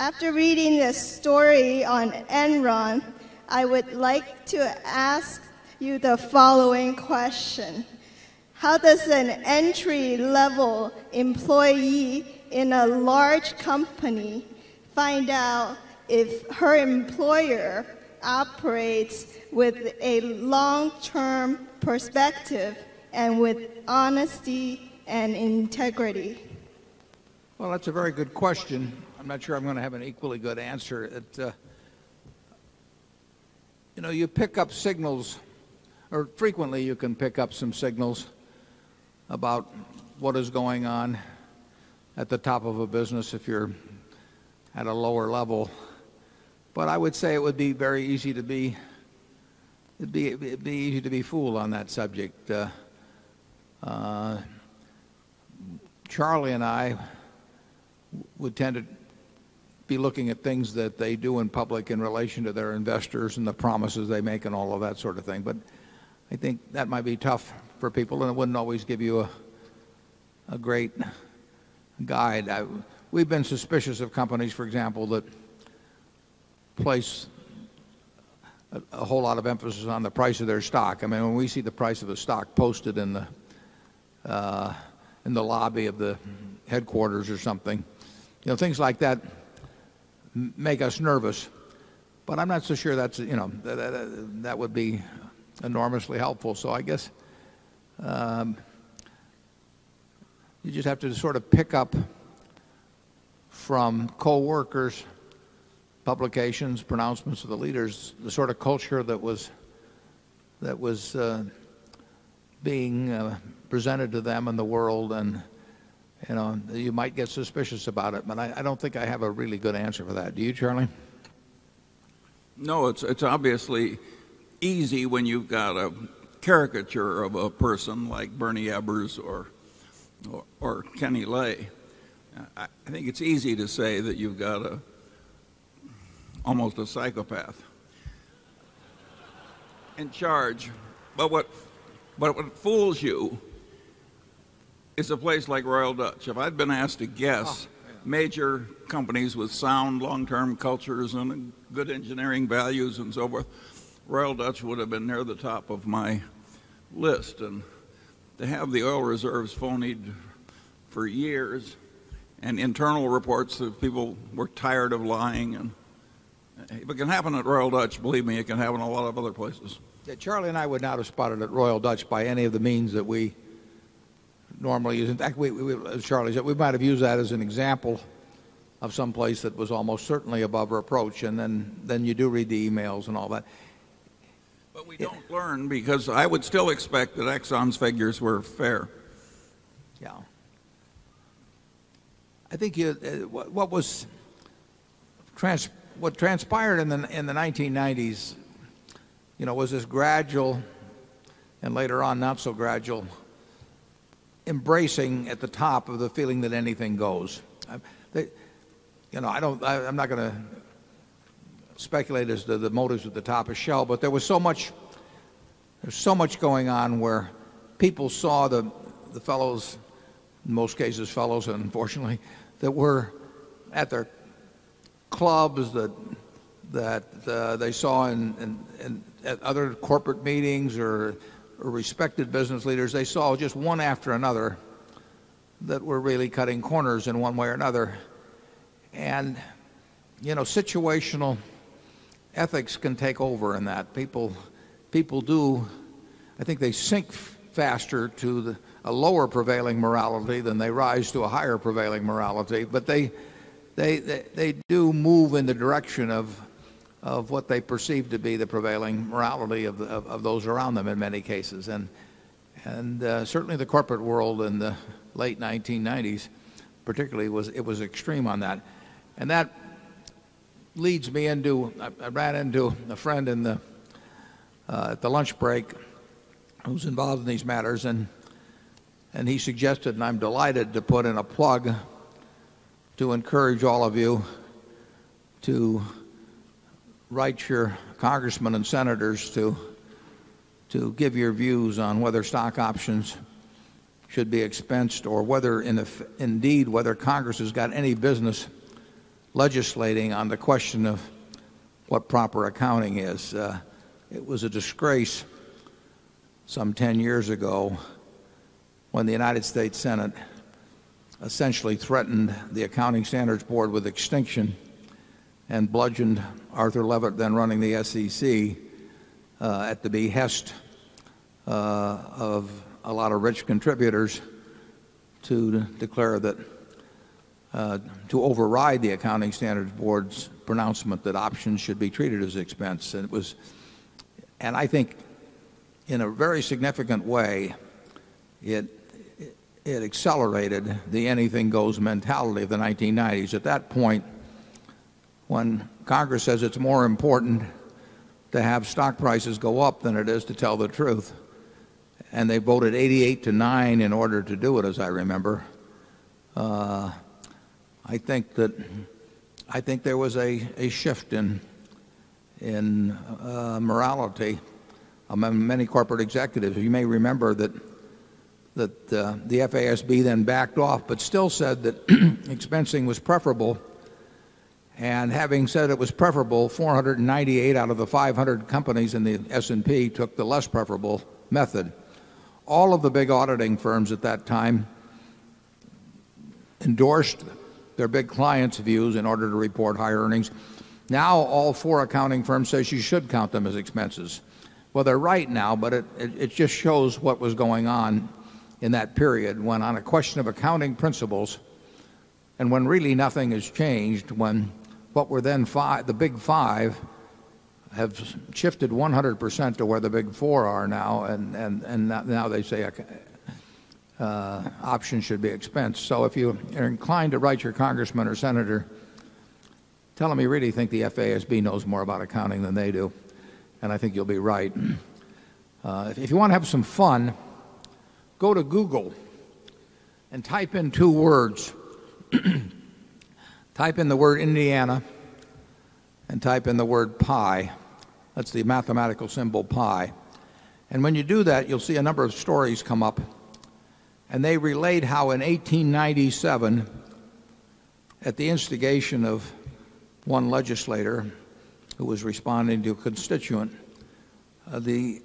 After reading this story on Enron, I would like to ask you the following question. How does an entry level employee in a large company find out if her employer operates with a long term perspective and with honesty and integrity? Well, that's a very good question. I'm not sure I'm going to have an equally good answer. You pick up signals or frequently, you can pick up some signals about what is going on at the top of a business if you're at a lower level. But I would say it would be very easy to be it'd be easy to be fooled on that subject. Charlie and I would tend to be looking at things that they do in public in relation to their investors and the promises they make and all of that sort of thing. But I think that might be tough for people, and it wouldn't always give you a great guide. We've been suspicious of companies, for example, that place a whole lot of emphasis on the price of their stock. I mean, when we see the price of a stock posted in the lobby of the headquarters or something, things like that make us nervous. But I'm not so sure that's, you know, that would be enormously helpful. So I guess, you just have to sort of pick up from co workers, publications, pronouncements of the leaders, the sort of culture that was being presented to them and the world. You might get suspicious about it. But I don't think I have a really good answer for that. Do you, Charlie? No. It's obviously easy when you've got a caricature of a person like Bernie Ebbers or Kenny Leigh. Lay, I think it's easy to say that you've got almost a psychopath in charge. But what fools you is a place like Royal Dutch. If I'd been asked to guess major companies with sound long term cultures and good engineering values and so forth, Royal Dutch would have been near the top of my list. And to have the oil reserves phoning for years and internal reports that people were tired of lying and but it can happen at Royal Dutch. Believe me, it can happen in a lot of other places. Charlie and I would not have spotted it at Royal Dutch by any of the means that we normally use. In fact, we as Charlie said, we might have used that as an example of some place that was almost certainly above our approach. And then you do read the emails and all that. But we don't learn because I would still expect that Exxon's figures were fair. Yeah. I think what was what transpired in the 1990s was this gradual, and later on not so gradual, embracing at the top of the feeling that anything goes. I'm not going to speculate as the motives are at the top of Shell, but there was so much going on where people saw the the fellows, in most cases, fellows, unfortunately, that were at their clubs that that they saw in at other corporate meetings or respected business leaders. They saw just one after another that we're really cutting corners in one way or another. And, you know, situational ethics can take over in that. People do, I think, they sink faster to a lower prevailing morality than they rise to a higher prevailing morality. But they they they those around those around them in many cases. And certainly, the corporate world in the late 1990s, particularly, it was extreme on that. And that leads me into I ran into a friend in the, at the lunch break who's involved in these matters, and he suggested, and I'm delighted to put in a plug to encourage all of you to write your congressmen and senators to to give your views on whether stock options should be expensed or whether in indeed, whether Congress has got any business legislating on the question of what proper accounting is. It was a disgrace some 10 years ago when the United States Senate essentially threatened the Accounting Standards Board with extinction and bludgeoned Arthur Levitt then running the SEC, at the behest, of a lot of rich contributors to declare that, to override the Accounting Standards Board's pronouncement that options should be treated as expense. And it was and I think in a very significant way, it accelerated the anything goes mentality of the 1990s. At that point, when Congress says it's more important to have stock prices go up than it is to tell the truth, And they voted 88 to 9 in order to do it, as I remember. I think that I think there was a a shift in in morality among many corporate executives. You may remember that that, the FASB then backed off, but still said that expensing was preferable. And having said it was preferable, 498 out of 500 companies in the S and P took the less preferable method. All of the big auditing firms at that time endorsed their big clients' views in order to report higher earnings. Now all 4 accounting firms say she should count them as expenses. Well, they're right now, but it just shows what was going on in that period when on a question of accounting principles and when really nothing has changed when what were then the big five have shifted 100% to where the big four are now. And now they say, options should be expensed. So if you are inclined to write your congressman or senator, tell him you really think the FASB knows more about accounting than they do. And I think you'll be right. If you want to have some fun, go to Google and type in 2 words. Type in the word Indiana and type in the word pie. That's the mathematical symbol pie. And when you do that, you'll see a number of stories come up. And they relayed how in 18/97, at the instigation of 1 legislator who was responding to a constituent, the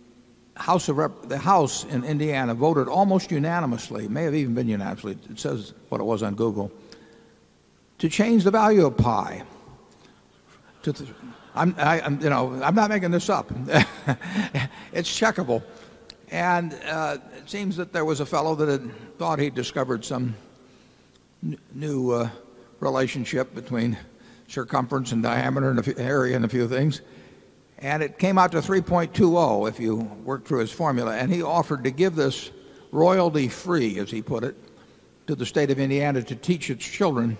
House of Rep the House in Indiana voted almost unanimously, may have even been unanimously, it says what it was on Google, to change the value of pie. I'm I'm, you know, I'm not making this up. It's checkable. And, it seems that there was a fellow that had thought he'd discovered some new, relationship between circumference and diameter and a few area and a few things. And it came out to 3.20 if you work through his formula. And he offered to give this royalty free, as he put it, to the state of Indiana to teach its children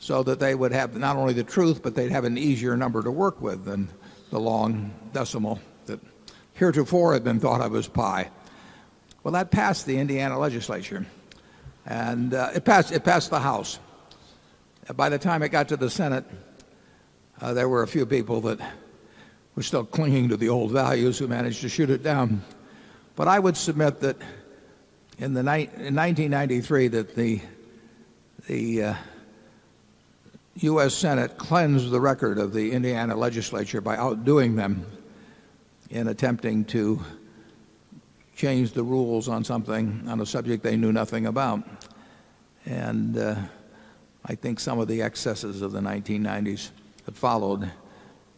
so that they would have not only the truth, but they'd have an easier number to work with than the long decimal that heretofore had been thought of as pie. Well, that passed the Indiana legislature, and, it passed it passed the house. By the time it got to the senate, there were a few people that were still clinging to the old values who managed to shoot it down. But I would submit that in the 9 in 1993 that the the US Senate cleansed the record of the Indiana legislature by outdoing them in attempting to change the rules on something on a subject they knew nothing about. And, I think some of the excesses of the 19 nineties that followed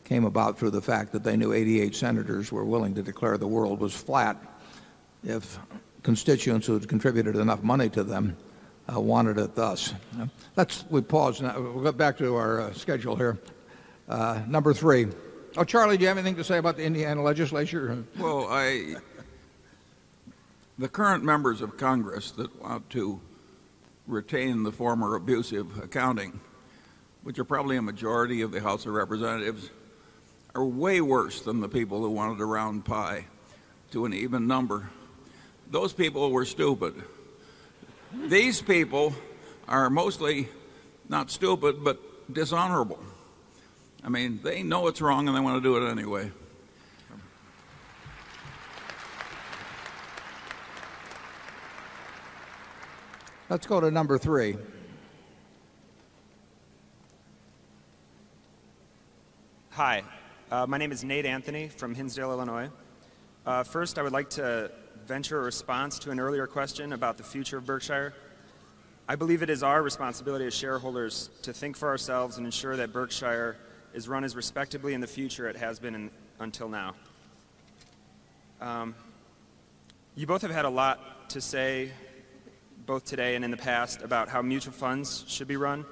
came about through the fact that they knew 88 senators were willing to declare the world was flat if constituents who had contributed enough money to them wanted it thus. Let's pause and we'll go back to our schedule here. Number 3. Oh, Charlie, do you have anything to say about the Indiana legislature? Well, I the current members of Congress that want to retain the former abusive accounting, which are probably a majority of the House of Representatives, are way worse than the people who wanted to round pie to an even number. Those people were stupid. These people are mostly not stupid, but dishonourable. I mean, they know it's wrong and they want to do it anyway. Let's go to number 3. Hi. My name is Nate Anthony from Hinsdale, Illinois. First, I would like to venture a response to an earlier question about the future of Berkshire. I believe it is our responsibility as shareholders to think for ourselves and ensure that Berkshire is run as respectably in the future it has been until now. You both have had a lot to say both today and in the past about how mutual funds should be run.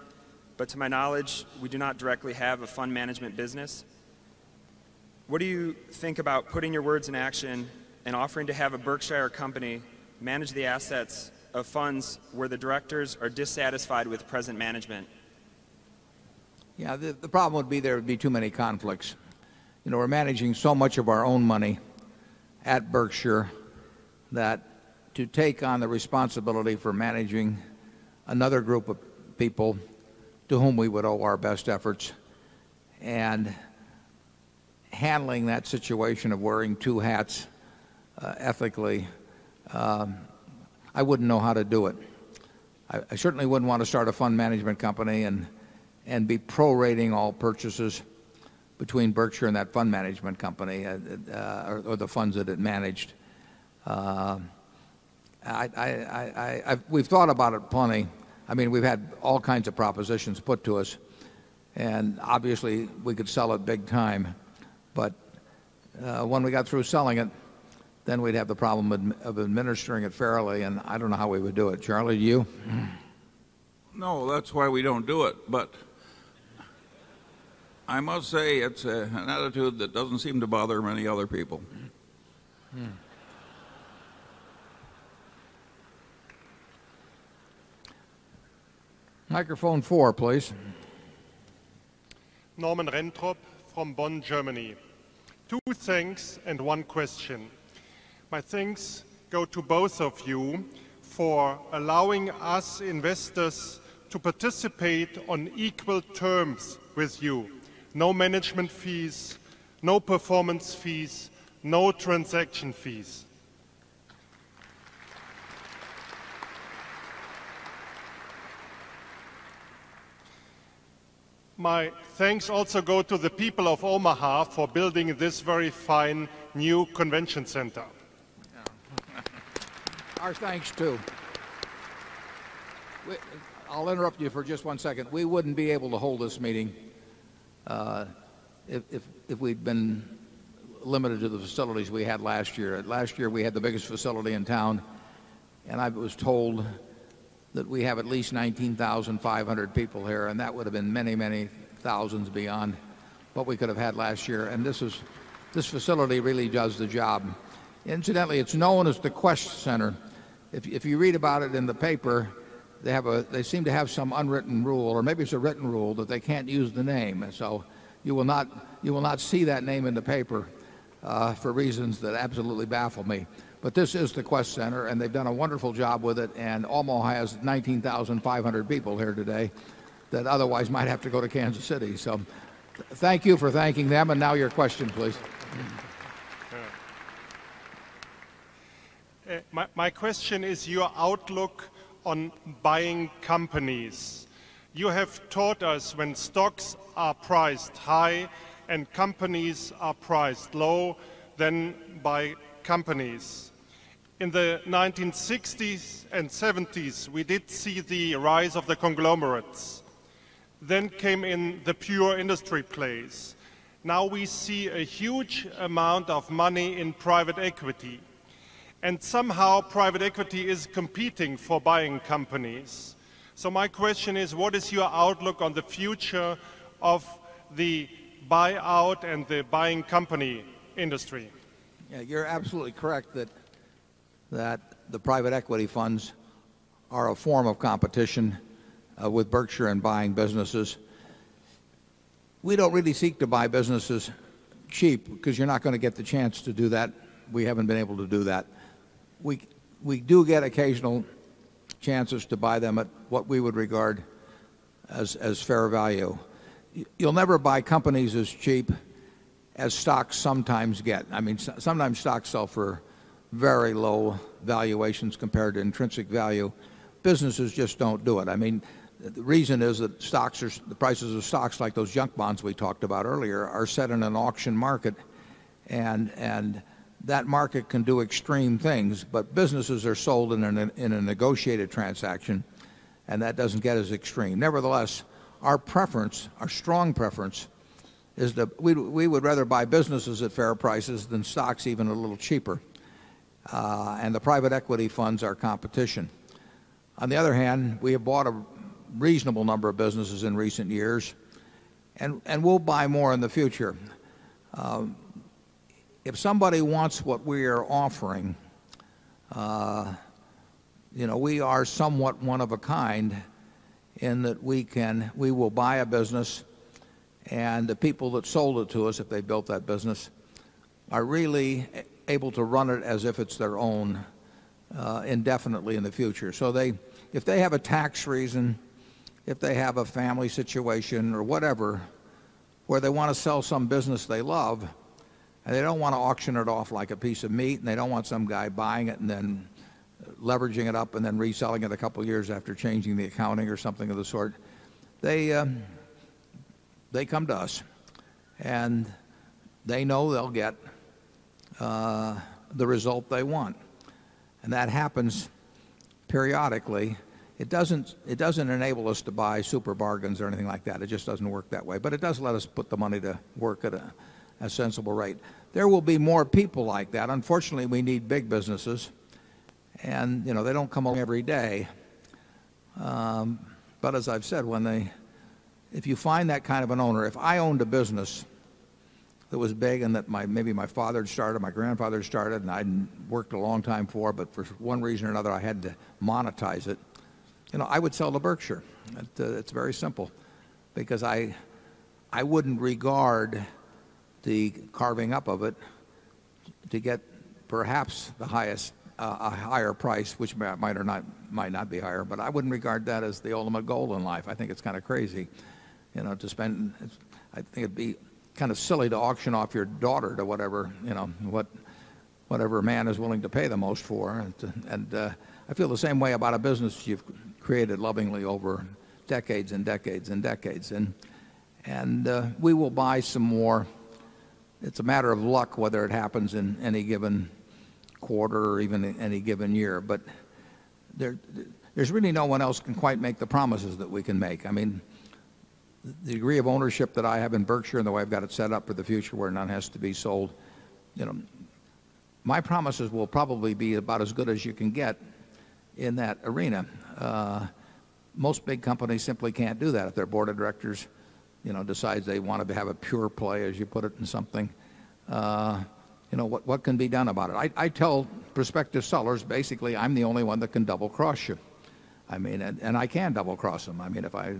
But to my knowledge, we do not directly have a fund management business. What do you think about putting your words in action and offering to have a Berkshire company manage the assets of funds where the directors are dissatisfied with present management? Yeah. The problem would be there would be too many conflicts. You know, we're managing so much of our own money at Berkshire that to take on the responsibility for managing another group of people to whom we would owe our best efforts And handling that situation of wearing 2 hats ethically, I wouldn't know how to do it. I certainly wouldn't want to start a fund management company and be prorating all purchases between Berkshire and that fund management company or the funds that it managed. We've thought about it plenty. I mean, we've had all kinds of propositions put to us. And obviously, we could sell it big time. But, when we got through selling it, then we'd have the problem of administering it fairly. And I don't know how we would do it. Charlie, you? No, that's why we don't do it. But I must say it's an attitude that doesn't seem to bother many other people. Microphone 4, please. Norman Renthrop from Bonn, Germany. Two thanks and one question. My thanks go to both of you for allowing us investors to participate on equal terms with you. No management fees, no performance fees, no transaction fees. My thanks also go to the people of Omaha for building this very fine new convention center. Our thanks too. I'll interrupt you for just one second. We wouldn't be able to hold this meeting if we'd been limited to the facilities we had last year. Last year, we had the biggest facility in town. And I was told that we have at least 19,500 people here, and that would have been many, many thousands beyond what we could have had last year. And this is this facility really does the job. Incidentally, it's known as the QUEST center. If you read about it in the paper, they have a they seem to have some unwritten rule or maybe it's a written rule that they can't use the name. And so you will not see that name in the paper, for reasons that absolutely baffle me. But this is the Quest Center and they've done a wonderful job with it And Omaha has 19,500 people here today that otherwise might have to go to Kansas City. So thank you for thanking them. And now your question, please. My question is your outlook on buying companies. You have taught us when stocks are priced high and companies are priced low, then by companies. In the 19 sixties seventies, we did see the rise of the conglomerates. Then came in the pure industry plays. Now we see a huge amount of money in private equity. And somehow private equity is competing for buying companies. So my question is, what is your outlook on the future of the buyout and the buying company industry? You're absolutely correct that the private equity funds are a form of competition with Berkshire and buying businesses. We don't really seek to buy businesses cheap because you're not going to get the chance to do that. We haven't been able to do that. We do get occasional chances to buy them at what we would regard as fair value. You'll never buy companies as cheap as stocks sometimes get. I mean, sometimes stocks sell for very low valuations compared to intrinsic value. Businesses just don't do it. I mean, the reason is that stocks are the prices of stocks like those junk bonds we talked about earlier are set in an auction market and that market can do extreme things, but businesses are sold in a negotiated transaction and that doesn't get as extreme. Nevertheless, our preference, our strong preference is that we would rather buy businesses at fair prices than stocks even a little cheaper. And the private equity funds our competition. On the other hand, we have bought a reasonable number of businesses in recent years and and we'll buy more in the future. If somebody wants what we are offering, you know, we are somewhat one of a kind in that we can we will buy a business. And the people that sold it to us, if they built that business, are really able to run it as if it's their own indefinitely in the future. So if they have a tax reason, if they have a family situation or whatever, where they want to sell some business they love and they don't want to auction it off a piece of meat and they don't want some guy buying it and then leveraging it up and then reselling it a couple of years after changing the accounting or something of the sort. They come to us and they know they'll get, the result they want. And that happens periodically. It doesn't enable us to buy super bargains or anything like that. It just doesn't work that way. But it does let us put the money to work at a sensible rate. There will be more people like that. Unfortunately, we need big businesses and, you know, they don't come every day. But as I've said, when they if you find that kind of an owner, if I owned a business that was big and that my maybe my father had started, my grandfather started and I worked a long time for, but for one reason or another, I had to monetize it. I would sell to Berkshire. It's very simple because I wouldn't regard the carving up of it to get perhaps the highest a higher price, which might or not might not be higher. But I wouldn't regard that as the ultimate goal in life. I think it's kind of crazy to spend I think it'd be kind of silly to auction off your daughter to whatever man is willing to pay the most for. And feel the same way about a business you've created lovingly over decades decades decades. And we will buy some more. It's a matter of luck whether it happens in any given quarter or even in any given year. But there is really no one else can quite make the promises that we can make. I mean the degree of ownership that I have in Berkshire and the way I've got it set up for the future where none has to be sold, my promise is we'll probably be about as good as you can get in that arena. Most big companies simply can't do that if their Board of Directors decides they want to have a pure play, as you put it, in something. What can be done about it? I tell prospective sellers basically I am the only one that can double cross you. And I can double cross them. If I,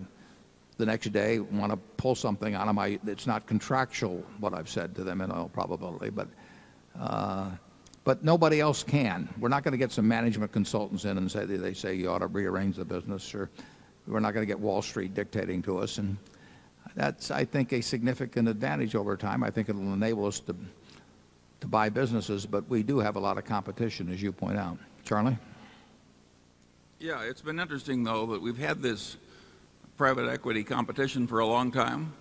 the next day, want to pull something out of them, it's not contractual, what I've said to them in all probability, but nobody else can. We're not going to get some management consultants in and say, they say, you ought to rearrange the business or we're not going to get Wall Street dictating to us. And that's, I think, a significant advantage over time. I think it will enable us to buy businesses, but we do have a lot of competition, as you point out. Charlie? Yes. It's been interesting, though, that we've had this private equity competition for a long time.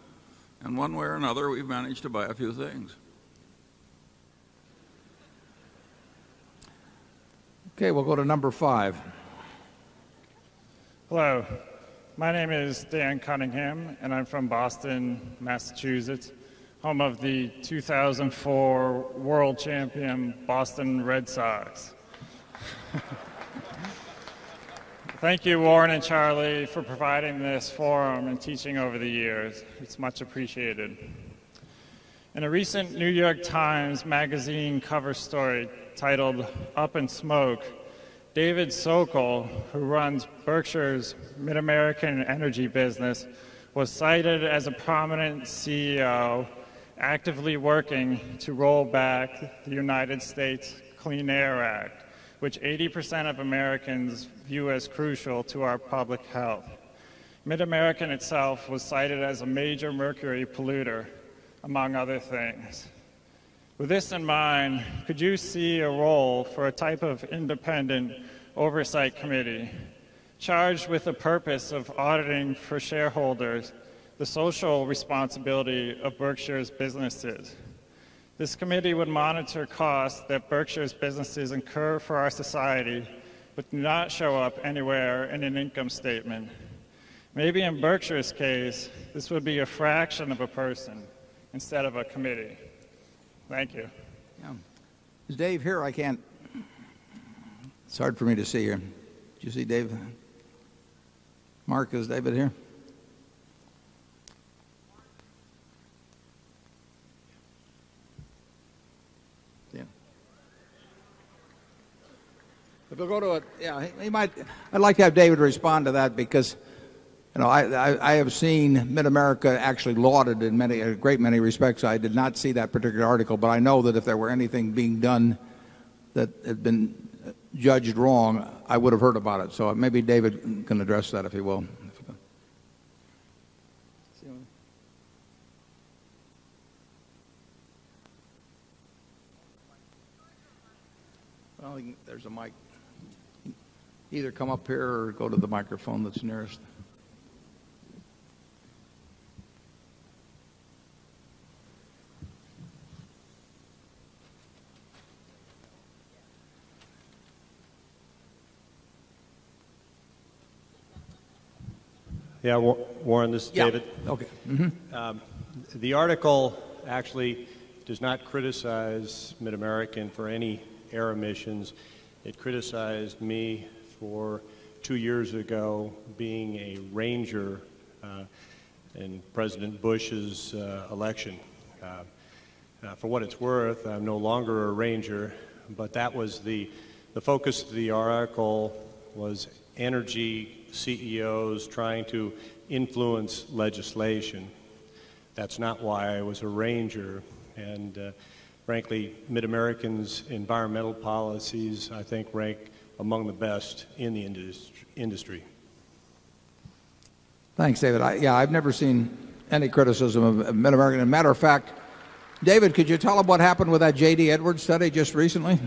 And one way or another, we've managed to buy a few things. Okay. We'll go to number 5. Hello. My name is Dan Cunningham, and I'm from Boston, Massachusetts, home of the 2004 World Champion Boston Red Sox. Thank you, Warren and Charlie, for providing this forum and teaching over the years. It's much appreciated. In a recent New York Times Magazine cover story titled Up in Smoke, David Sokol, who runs Berkshire's Mid American Energy Business, was cited as a prominent CEO actively working to roll back the United States Clean Air Act, which 80% of Americans view as crucial to our public health. Mid American itself was cited as a major mercury polluter, among other things. With this in mind, could you see a role for a type of independent oversight committee charged with the purpose of auditing for shareholders the social responsibility of Berkshire's businesses. This committee would monitor costs that Berkshire's businesses incur for our society, but not show up anywhere in an income statement. Maybe in Berkshire's case, this would be a fraction of a person instead of a committee. Thank you. Is Dave here? I can't it's hard for me to see you. Do you see Dave? Mark, is David here? If we go to a yeah, he might I'd like to have David respond to that because, you know, I have seen Mid America actually lauded in many, a great many respects. I did not see that particular article, but I know that if there were anything being done that had been judged wrong, I would have heard about it. So maybe David can address that if he will. Yes. Warren, this is David. Okay. The article actually does not criticize MidAmerican for any air emissions. It criticized me for 2 years ago being a ranger in President Bush's election. For what it's worth, I'm no longer a ranger, but that was the focus of the article was energy CEOs trying to influence legislation. That's not why I was a ranger. And frankly, Mid American's environmental policies, I think, rank among the best in the industry. Thanks, David. Yes, I've never seen any criticism of Mid America. As a matter of fact, David, could you tell us what happened with that J. D. Edwards study just recently?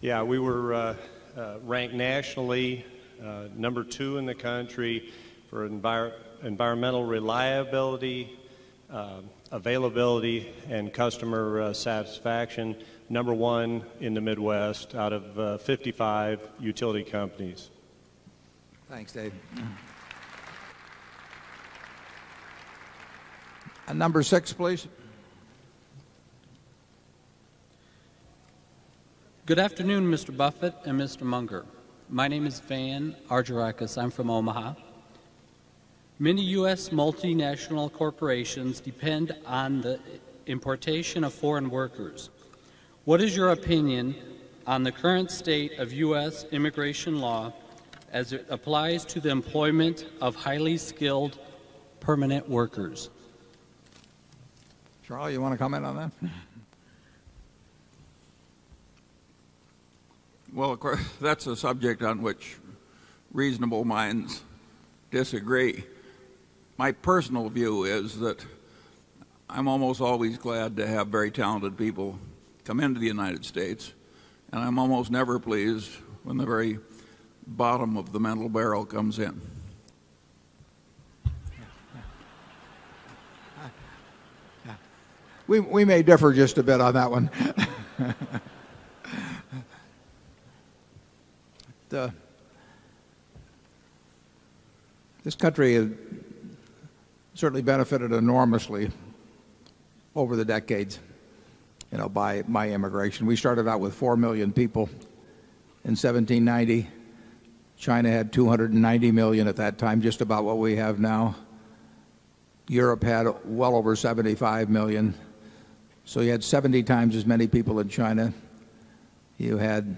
Yes. We were ranked nationally 2 in the country for environmental reliability, availability and customer satisfaction, number 1 in the Midwest out of 55 utility companies. Thanks, Dave. And number 6, please. Good afternoon, mister Buffet and mister Munger. My name is Van Arjurakis. I'm from Omaha. Many US Multinational Corporations depend on the importation of foreign workers. What is your opinion on the current state of US immigration law as it applies to the employment of highly skilled permanent workers? Charlie, you want to comment on that? Well, of course, that's a subject on which reasonable minds disagree. My personal view is that I'm almost always glad to have very talented people come into the United States and I'm almost never pleased when the very bottom of the mental barrel comes in. We may differ just a bit on that one. This country has certainly benefited enormously over the decades, by immigration. We started out with 4,000,000 people in 17/90. China had 290,000,000 at that time, just about what we have now. Europe had well over $75,000,000 So you had 70 times as many people in China. You had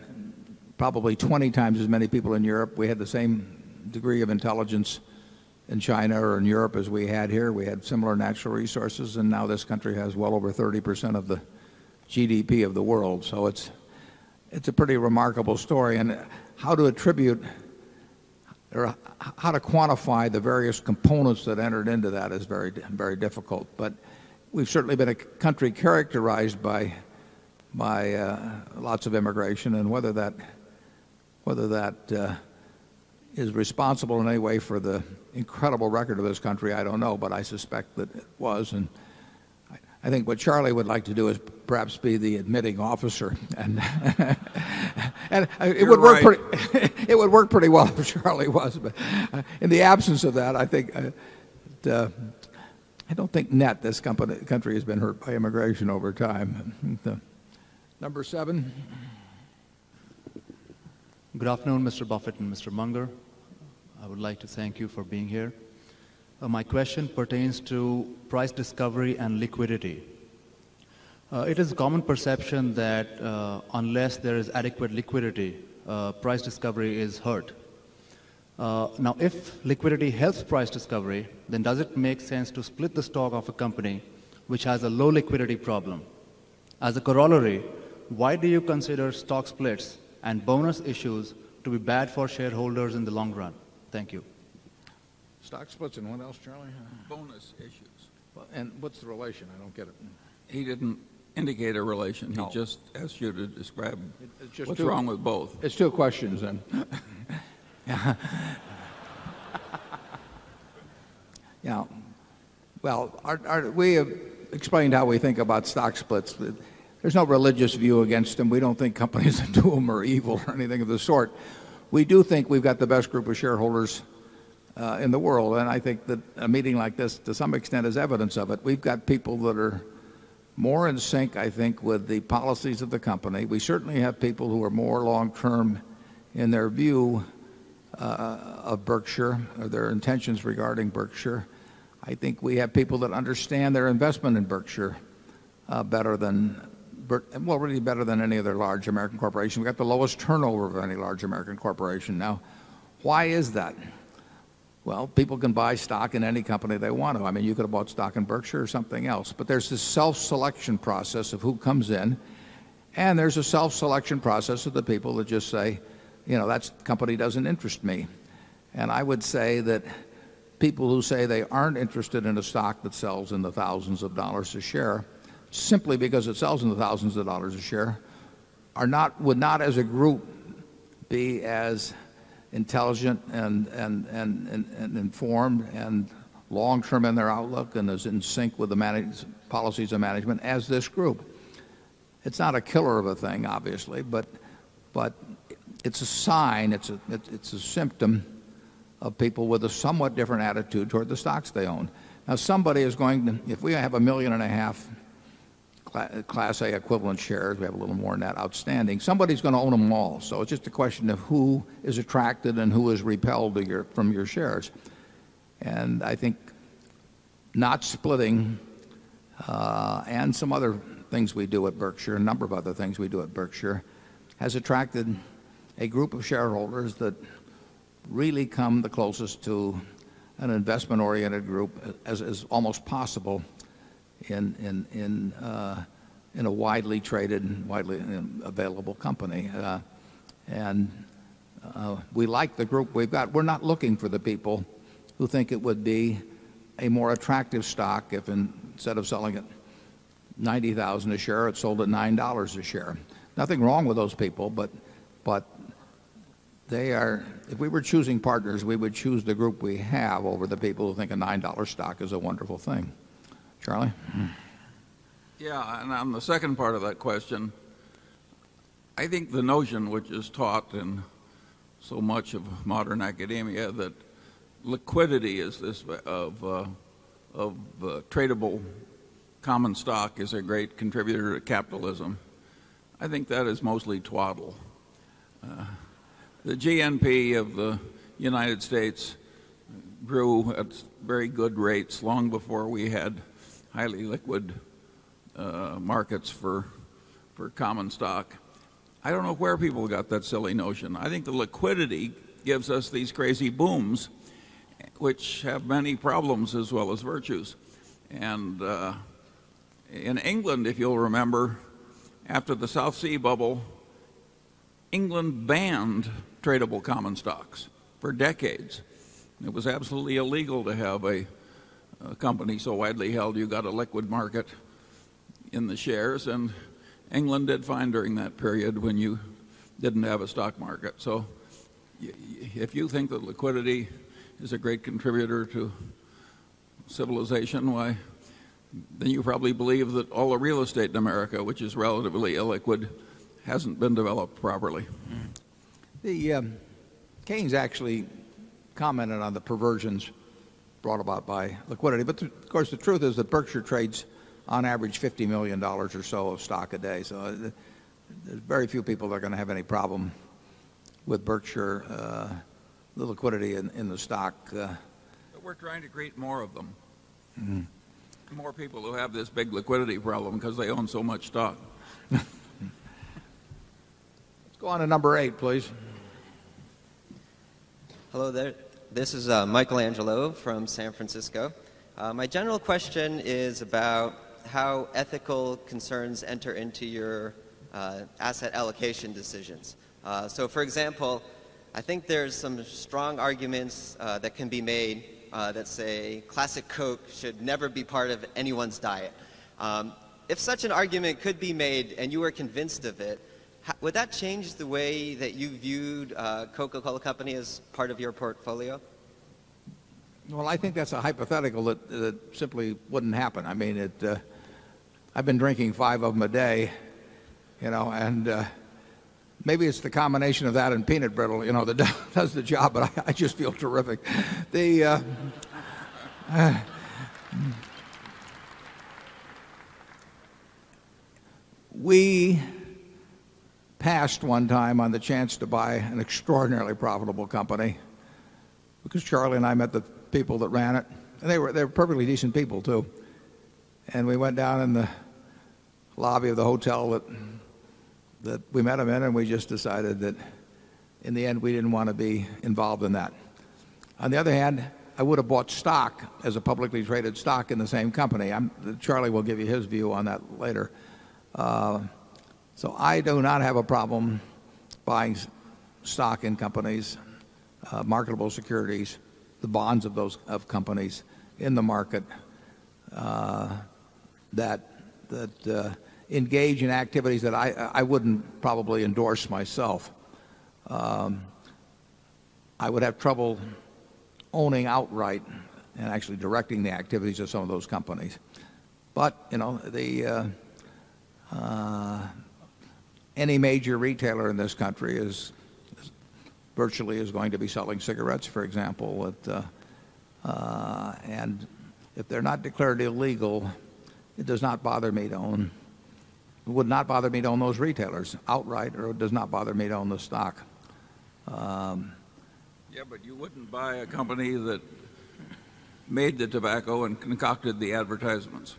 probably 20 times as many people in Europe. We had the same degree of intelligence in China or in Europe as we had here. We had similar natural resources, and now this country has well over 30% of the GDP of the world. So it's a pretty remarkable story. And how to attribute or how to quantify the various components that entered into that is very, very difficult. But we've certainly been a country characterized by by, lots of immigration. And whether that whether that, is responsible in any way for the incredible record of this country, I don't know. But I suspect that it was. And I think what Charlie would like to do is perhaps be the admitting officer. And it would work pretty it would work pretty well if Charlie was. But in the absence of that, I think, I don't think net this country has been hurt by immigration over time. Number 7. Good afternoon, Mr. Buffet and Mr. Munger. I would like to thank you for being here. My question pertains to price discovery and liquidity. It is common perception that unless there is adequate liquidity, price discovery is hurt. Now if liquidity helps price discovery, then does it make sense to split the stock of a company which has a low liquidity problem? As a corollary, why do you consider stock splits and bonus issues to be bad for shareholders in the long run? Thank you. Stock splits and what else, Charlie? Bonus issues. And what's the relation? I don't get it. He didn't indicate a relation. He just asked you to describe what's wrong with both. It's 2 questions then. Well, we have explained how we think about stock splits. There's no religious view against them. We don't think companies that do them are evil or anything of the sort. We do think we've got the best group of shareholders, in the world. And I think that a meeting like this, to some extent, is evidence of it. We've got people that are more in sync, I think, with the policies of the company. We certainly have people who are more long term in their view of Berkshire or their intentions regarding Berkshire. I think we have people that understand their investment in Berkshire better than well, really better than any other large American corporation. We've got the lowest turnover of any large American corporation now. Why is that? Well, people can buy stock in any company they want to. I mean, you could have bought stock in Berkshire or something else. But there's this self selection process of who comes in. And there's a self selection process of the people that just say, that company doesn't interest me. And I would say that people who say they aren't interested in a stock that sells in the 1,000 of dollars a share simply because it sells in the 1,000 of dollars a share are not would not as a group be as intelligent and informed and long term in their outlook and is in sync with the policies of management as this group. It's not a killer of a thing, obviously, but it's a sign. It's a symptom of people with a somewhat different attitude toward the stocks they own. Now somebody is going to if we have $1,500,000 Class A equivalent shares, we have a little more than that outstanding, somebody is going to own them all. So it's just a question of who is attracted and who is repelled from your shares. And I think not splitting and some other things we do at Berkshire, a number of other things we do at Berkshire, has attracted a group of shareholders that really come the closest to an investment oriented group as is almost possible in a widely traded and widely available company. And we like the group we've got. We're not looking for the people who think it would be a more attractive stock if instead of selling it $90,000 a share, it's sold at $9 a share. Nothing wrong with those people, but they are if we were choosing partners, we would choose the group we have over the people who think a $9 stock is a wonderful thing. Charlie? Yes. And on the second part of that question, I think the notion which is taught in so much of modern academia that liquidity is this of tradable common stock is a great contributor to capitalism. I think that is mostly twaddle. The GNP of the United States grew at very good rates long before we had highly liquid markets for common stock. I don't know where people got that silly notion. I think the liquidity gives us these crazy booms, which have many problems as well as virtues. And in England, if you'll remember, after the South Sea bubble, England banned tradable common stocks for decades. It was absolutely illegal to have a company so widely held you got a liquid market in the shares and England did fine during that period when you didn't have a stock market. So if you think that liquidity is a great contributor to civilization, why, then you probably believe that all the real estate in America, which is relatively illiquid, hasn't been developed properly. Keynes actually commented on the perversions brought about by liquidity. But of course, the truth is that Berkshire trades on average $50,000,000 or so of stock a day. So very few people are going to have any problem with Berkshire, the liquidity in the stock. But we're trying to create more of them, more people who have this big liquidity problem because they own so much stock. Let's go on to number 8, please. Hello there. This is Michael Angelo from San Francisco. My general question is about how ethical concerns enter into your asset allocation decisions. So for example, I think there's some strong arguments, that can be made, that say classic Coke should never be part of anyone's diet. If such an argument could be made and you were convinced of it, would that change the way that you viewed Coca Cola Company as part of your portfolio? Well, I think that's a hypothetical that simply wouldn't happen. I mean, it I've been drinking 5 of them a day. And maybe it's the combination of that and peanut brittle that does the job, but I just feel terrific. We passed one time on the chance to buy an extraordinarily profitable company because Charlie and I met the people that ran it. And they were they were perfectly decent people too. And we went down in the lobby of the hotel that that we met them in, and we just decided that in the end we didn't want to be involved in that. On the other hand, I would have bought stock as a publicly traded stock in the same company. Charlie will give you his view on that later. So I do not have a problem buying stock in companies, marketable securities, the bonds of those of companies in the market, that engage in activities that I wouldn't probably endorse myself. I would have trouble owning outright and actually directing the activities of some of those companies. But any major retailer in this country is virtually is going to be selling cigarettes, for example. And if they're not declared illegal, it does not bother me to own it would not bother me to own those retailers outright or does not bother me to own the stock. Yes, but you wouldn't buy a company that made the tobacco and concocted the advertisements?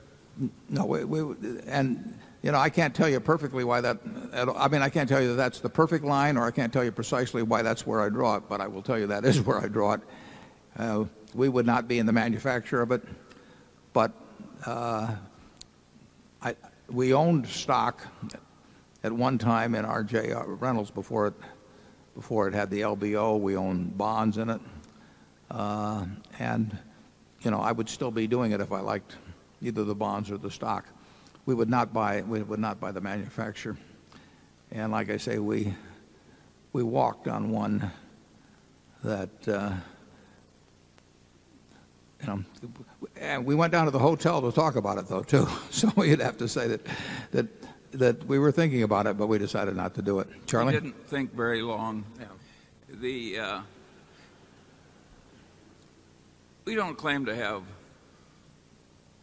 No. And I can't tell you perfectly why that I mean, I can't tell you that that's the perfect line or I can't tell you precisely why that's where I draw it, but I will tell you that is where I draw it. We would not be in the manufacture of it. But we owned stock at one time in RJR Rentals before it had the LBO. We owned bonds in it. And I would still be doing it if I liked either the bonds or the stock. We would not buy the manufacturer. And like I say, we walked on one that and we went down to the hotel to talk about it though too. So you'd have to say that we were thinking about it, but we decided not to do it. Charlie? I didn't think very long. We don't claim to have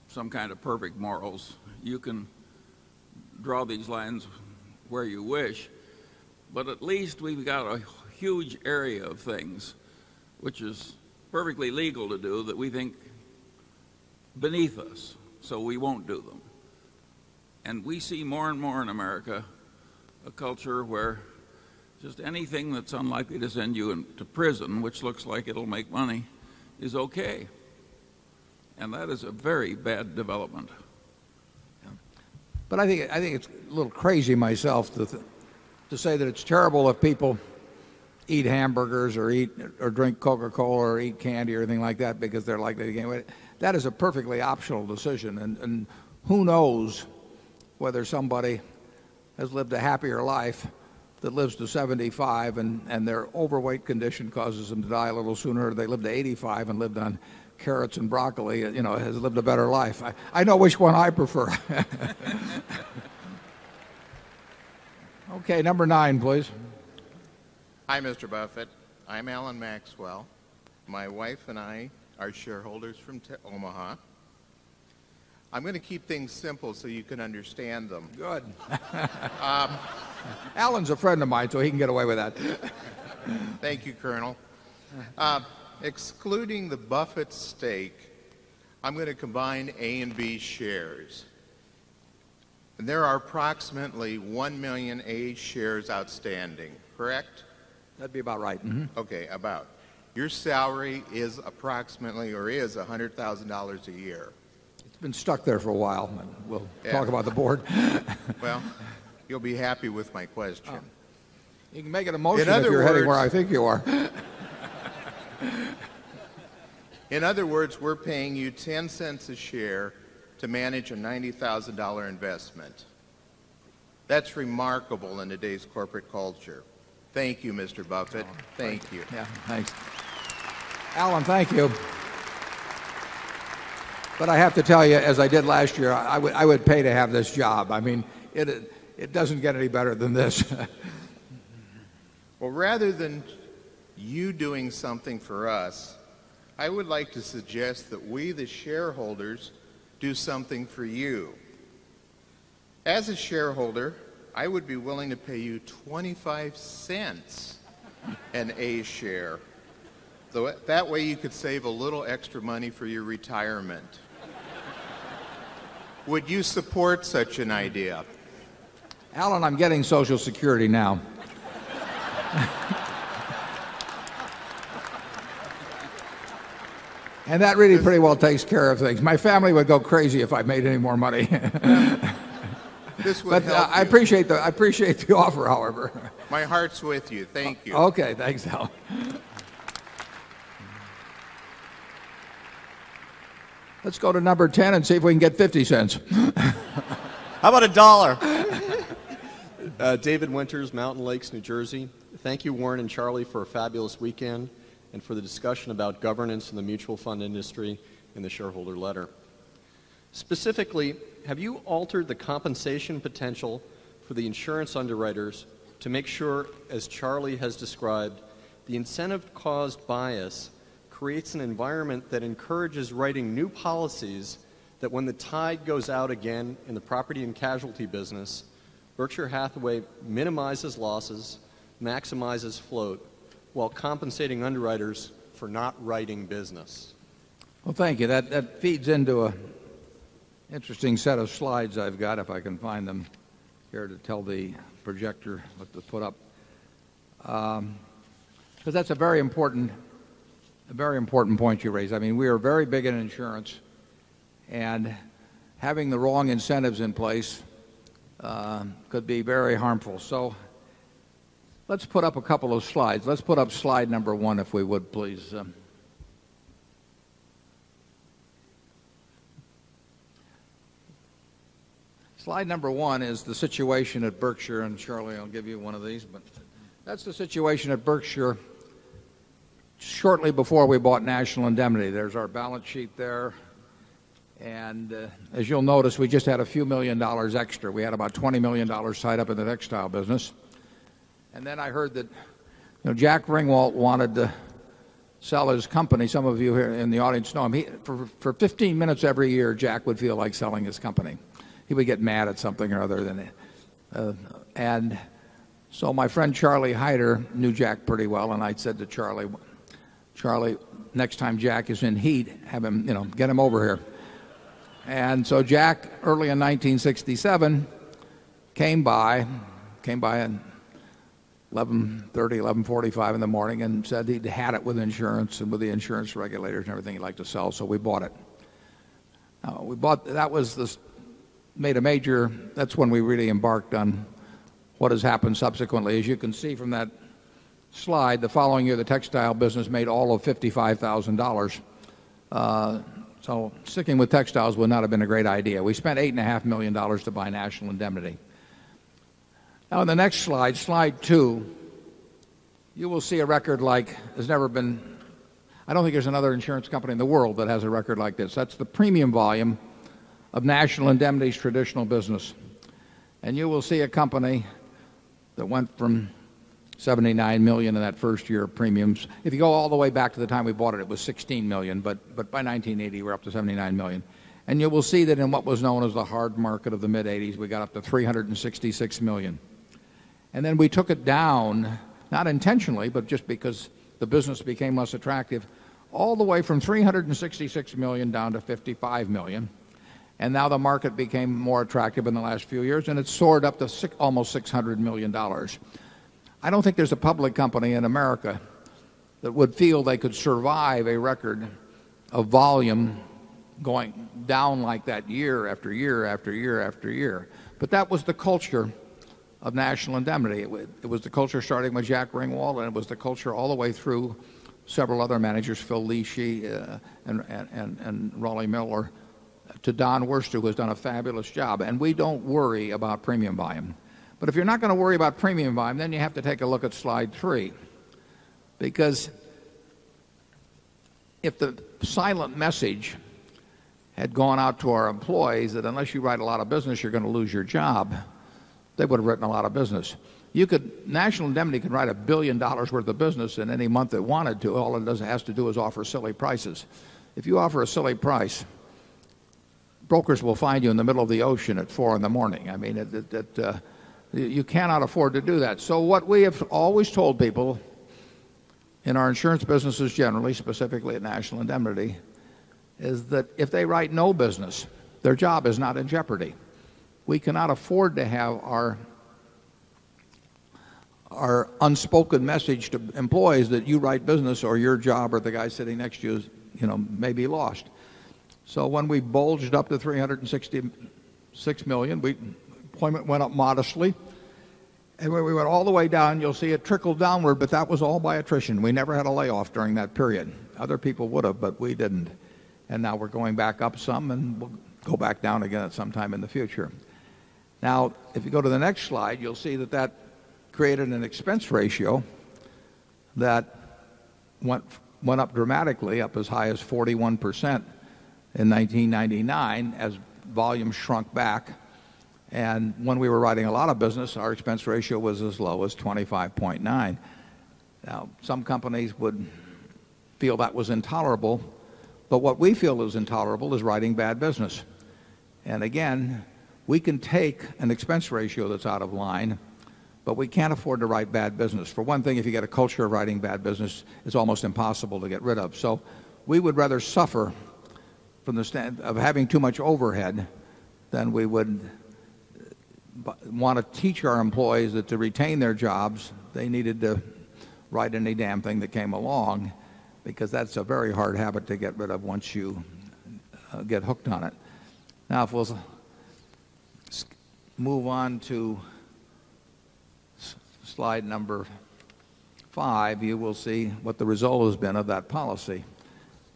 some kind of perfect morals. You can draw these lines where you wish, But at least we've got a huge area of things, which is perfectly legal to do, that we think beneath us. So we won't do them. And we see more and more in America a culture where just anything that's unlikely to send you to prison, which looks like it'll make money, is okay. And that is a very bad development. But I think I think it's a little crazy myself to to say that it's terrible if people eat hamburgers or eat or drink Coca Cola or eat candy or anything like that because they're likely to gain weight, that is a perfectly optional decision. And and who knows whether somebody has lived a happier life that lives to 75 and their overweight condition causes them to die a little sooner, or they live to 85 and lived on carrots and broccoli, you know, has lived a better life. I know which one I prefer. Okay, number 9, please. Hi, Mr. Buffett. I'm Alan Maxwell. My wife and I are shareholders from Omaha. I'm going to keep things simple so you can understand them. Good. Alan's a friend of mine, so he can get away with that. Thank you, Colonel. Excluding the Buffett stake, I'm going to combine A and B shares. And there are approximately 1,000,000 A shares outstanding, correct? That'd be about right. Okay. About. Your salary is approximately or is $100,000 a year. It's been stuck there for a while. We'll talk about the Board. Well, you'll be happy with my question. You can make it a motion for me. In other words, we're paying you $0.10 a share to manage a $90,000 investment. That's remarkable in today's corporate culture. Thank you, Mr. Buffet. Thank you. Alan, thank you. But I have to tell you, as I did last year, I would pay to have this job. I mean, it doesn't get any better than this. Well, rather than you doing something for us, I would like to suggest that we, the shareholders, do something for you. As a shareholder, I would be willing to pay you $0.25 a share. That way, you could save a little extra money for your retirement. Would you support such an idea? Alan, I'm getting Social Security now. And that really pretty well takes care of things. My family would go crazy if I made any more money. But I appreciate the offer, however. My heart's with you. Thank you. Okay. Thanks, Al. Let's go to number 10 and see if we can get $0.50 How about a dollar? David Winters, Mountain Lakes, New Jersey. Thank you, Warren and Charlie, for a fabulous weekend and for the discussion about governance in the mutual fund industry in the shareholder letter. Specifically, have you altered the compensation potential for the insurance underwriters to make sure, as Charlie has described, the incentive caused bias creates an environment that encourages writing new policies that when the tide goes out again in the property and casualty business, Berkshire Hathaway minimizes losses, maximizes float, while compensating underwriters for not writing business. Well, thank you. That feeds into an interesting set of slides I've got, if I can find them here to tell the projector what to put up. But that's a very important a very important point you raised. I mean, we are very big in insurance. And having the wrong incentives in place could be very harmful. So let's put up a couple of slides. Let's put up slide number 1, if we would, please. Slide 1 is the situation at Berkshire. And, Charlie, I'll give you one of these. But that's the situation at Berkshire shortly before we bought National Indemnity. There's our balance sheet there. And as you'll notice, we just had a few $1,000,000 extra. We had about $20,000,000 tied up in the textile business. And then I heard that Jack Ringwalt wanted to sell his company. Some of you here in the audience know him. He for for 15 minutes every year, Jack would feel like selling his company. He would get mad at something other than it. And so my friend Charlie Hyder knew Jack pretty well and I said to Charlie, Charlie, next time Jack is in heat, have him, you know, get him over here. And so Jack, early in 1967, came by came by at 11:30, 11:45 in the morning and said he'd had it with insurance and with the insurance regulators and everything he'd like to sell, so we bought it. We bought that was made a major that's when we really embarked on what has happened subsequently. As you can see from that slide, the following year, the textile business made all of $55,000 So sticking with textiles would not have been a great idea. We spent $8,500,000 to buy national indemnity. Now, on the next slide, slide 2, you will see a record like there's never been I don't think there's another insurance company in the world that has a record like this. That's the premium volume of National Indemnity's traditional business. And you will see a company that went from $79,000,000 in that 1st year of premiums. If you go all the way back to the time we bought it, it was $16,000,000 dollars But by 1980, we're up to $79,000,000 And you will see that in what was known as the hard market of the mid-80s, we got up to $366,000,000 And then we took it down, not intentionally, but just because the business became less attractive, all the way from $366,000,000 down to $55,000,000 And now the market became more attractive in the last few years and it's soared up to almost $600,000,000 I don't think there's a public company in America that would feel they could survive a record of volume going down like that year after year after year after year. But that was the culture of national indemnity. It was the culture starting with Jack Ringwald and it was the culture all the way through several other managers, Phil Lishi and Raleigh Miller, to Don Wurster who has done a fabulous job. And we don't worry about premium volume. But if you're not going to worry about premium volume, then you have to take a look at slide 3. Because if the silent message had gone out to our employees that unless you write a lot of business, you're going to lose your job, they would have written a lot of business. You could National Indemnity could write $1,000,000,000 worth of business in any month it wanted to. All it has to do is offer silly prices. If you offer a silly price, brokers will find you in the middle of the ocean at 4 in the morning. I mean, that, you cannot afford to do that. So what we have always told people in our insurance businesses generally, specifically at National Indemnity, is that if they write no business, their job is not in jeopardy. We cannot afford to have our our unspoken message to employees that you write business or your job or the guy sitting next to you is, you know, maybe lost. So when we bulged up to 366,000,000, we employment went up modestly. And when we went all the way down, you'll see it trickle downward, but that was all by attrition. We never had a layoff during that period. Other people would have, but we didn't. And now we're going back up some and we'll go back down again at sometime in the future. Now, if you go to the next slide, you'll see that that created an expense ratio that went up dramatically, up as high as 41% in 1999 as volume shrunk back. And when we were riding a lot of business, our expense ratio was as low as 25.9. Now, some companies would feel that was intolerable, but what we feel is intolerable is writing bad business. And again, we can take an expense ratio that's out of line, but we can't afford to write bad business. For one thing, if you got a culture of writing bad business, it's almost impossible to get rid of. So, we would rather suffer from the stand of having too much overhead than we would want to teach our employees that to retain their jobs, they needed to write any damn thing that came along because that's a very hard habit to get rid of once you get hooked on it. Now, if we'll move on to Slide 5, you will see what the result has been of that policy.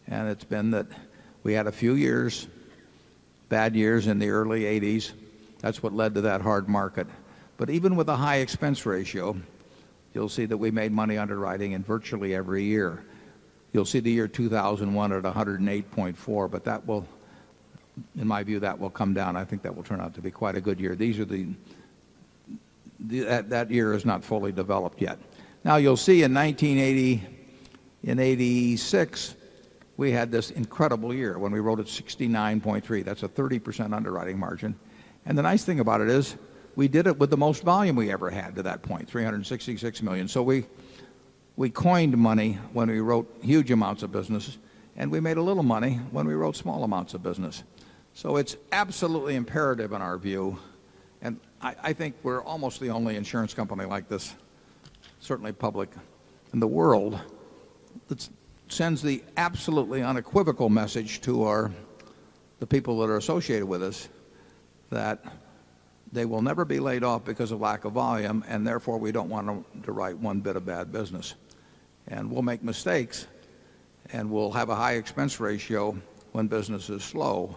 And it's been that we had a few years, bad years in the early '80s. That's what led to that hard market. But even with a high expense ratio, you'll see that we made money underwriting in virtually every year. You'll see the year 2,001 at 108.4, but that will in my view, that will come down. I think that will turn out to be quite a good year. These are the that year is not fully developed yet. Now you'll see in 1980, in 'eighty six, we had this incredible year when we wrote at 69.3. That's a 30% underwriting margin. And the nice thing about it is we did it with the most volume we ever had to that point, dollars 366,000,000 So we coined money when we wrote huge amounts of business. And we made a little money when we wrote small amounts of business. So it's absolutely imperative in our view. And I think we're almost the only insurance company like this, certainly public in the world, that sends the absolutely unequivocal message to the people that are associated with us that they will never be laid off because of lack of volume, and therefore, we don't want them to write one bit of bad business. And we'll make mistakes, and we'll have a high expense ratio when business is slow,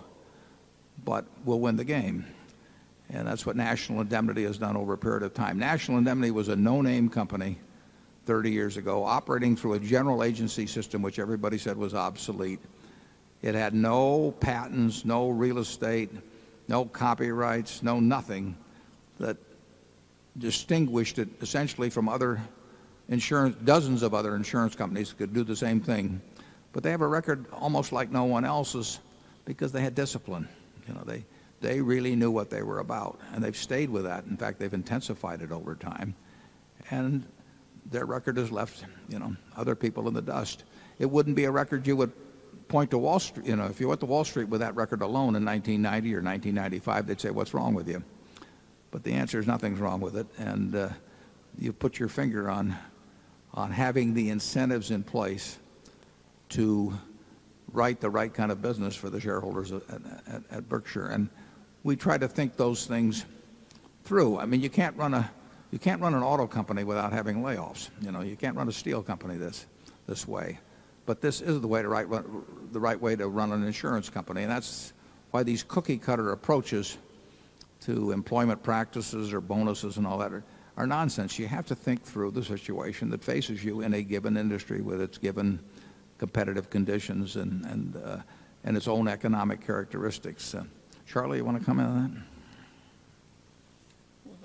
but we'll win the game. And that's what National Indemnity has done over a period of time. National Indemnity was a no name company 30 years ago operating through a general agency system, which everybody said was obsolete. It had no patents, no real estate, no copyrights, no nothing that distinguished it essentially from other insurance dozens of other insurance companies could do the same thing. But they have a record almost like no one else's because they had discipline. They really knew what they were about and they've stayed with that. In fact, they've intensified it over time. And their record has left other people in the dust. It wouldn't be a record you would point to Wall Street. If you went to Wall Street with that record alone in 1990 or 1995, they'd say, what's wrong with you? But the answer is nothing's wrong with it. And you put your finger on having the incentives in place to write the right kind of business for the shareholders at Berkshire. And we try to think those things through. I mean, you can't run an auto company without having layoffs. You can't run a steel company this way. But this is the right way to run an insurance company. And that's why these cookie cutter approaches to employment practices or bonuses and all that are nonsense. You have to think through the situation that faces you in a given industry with its given competitive conditions and its own economic characteristics. Charlie, do you want to comment on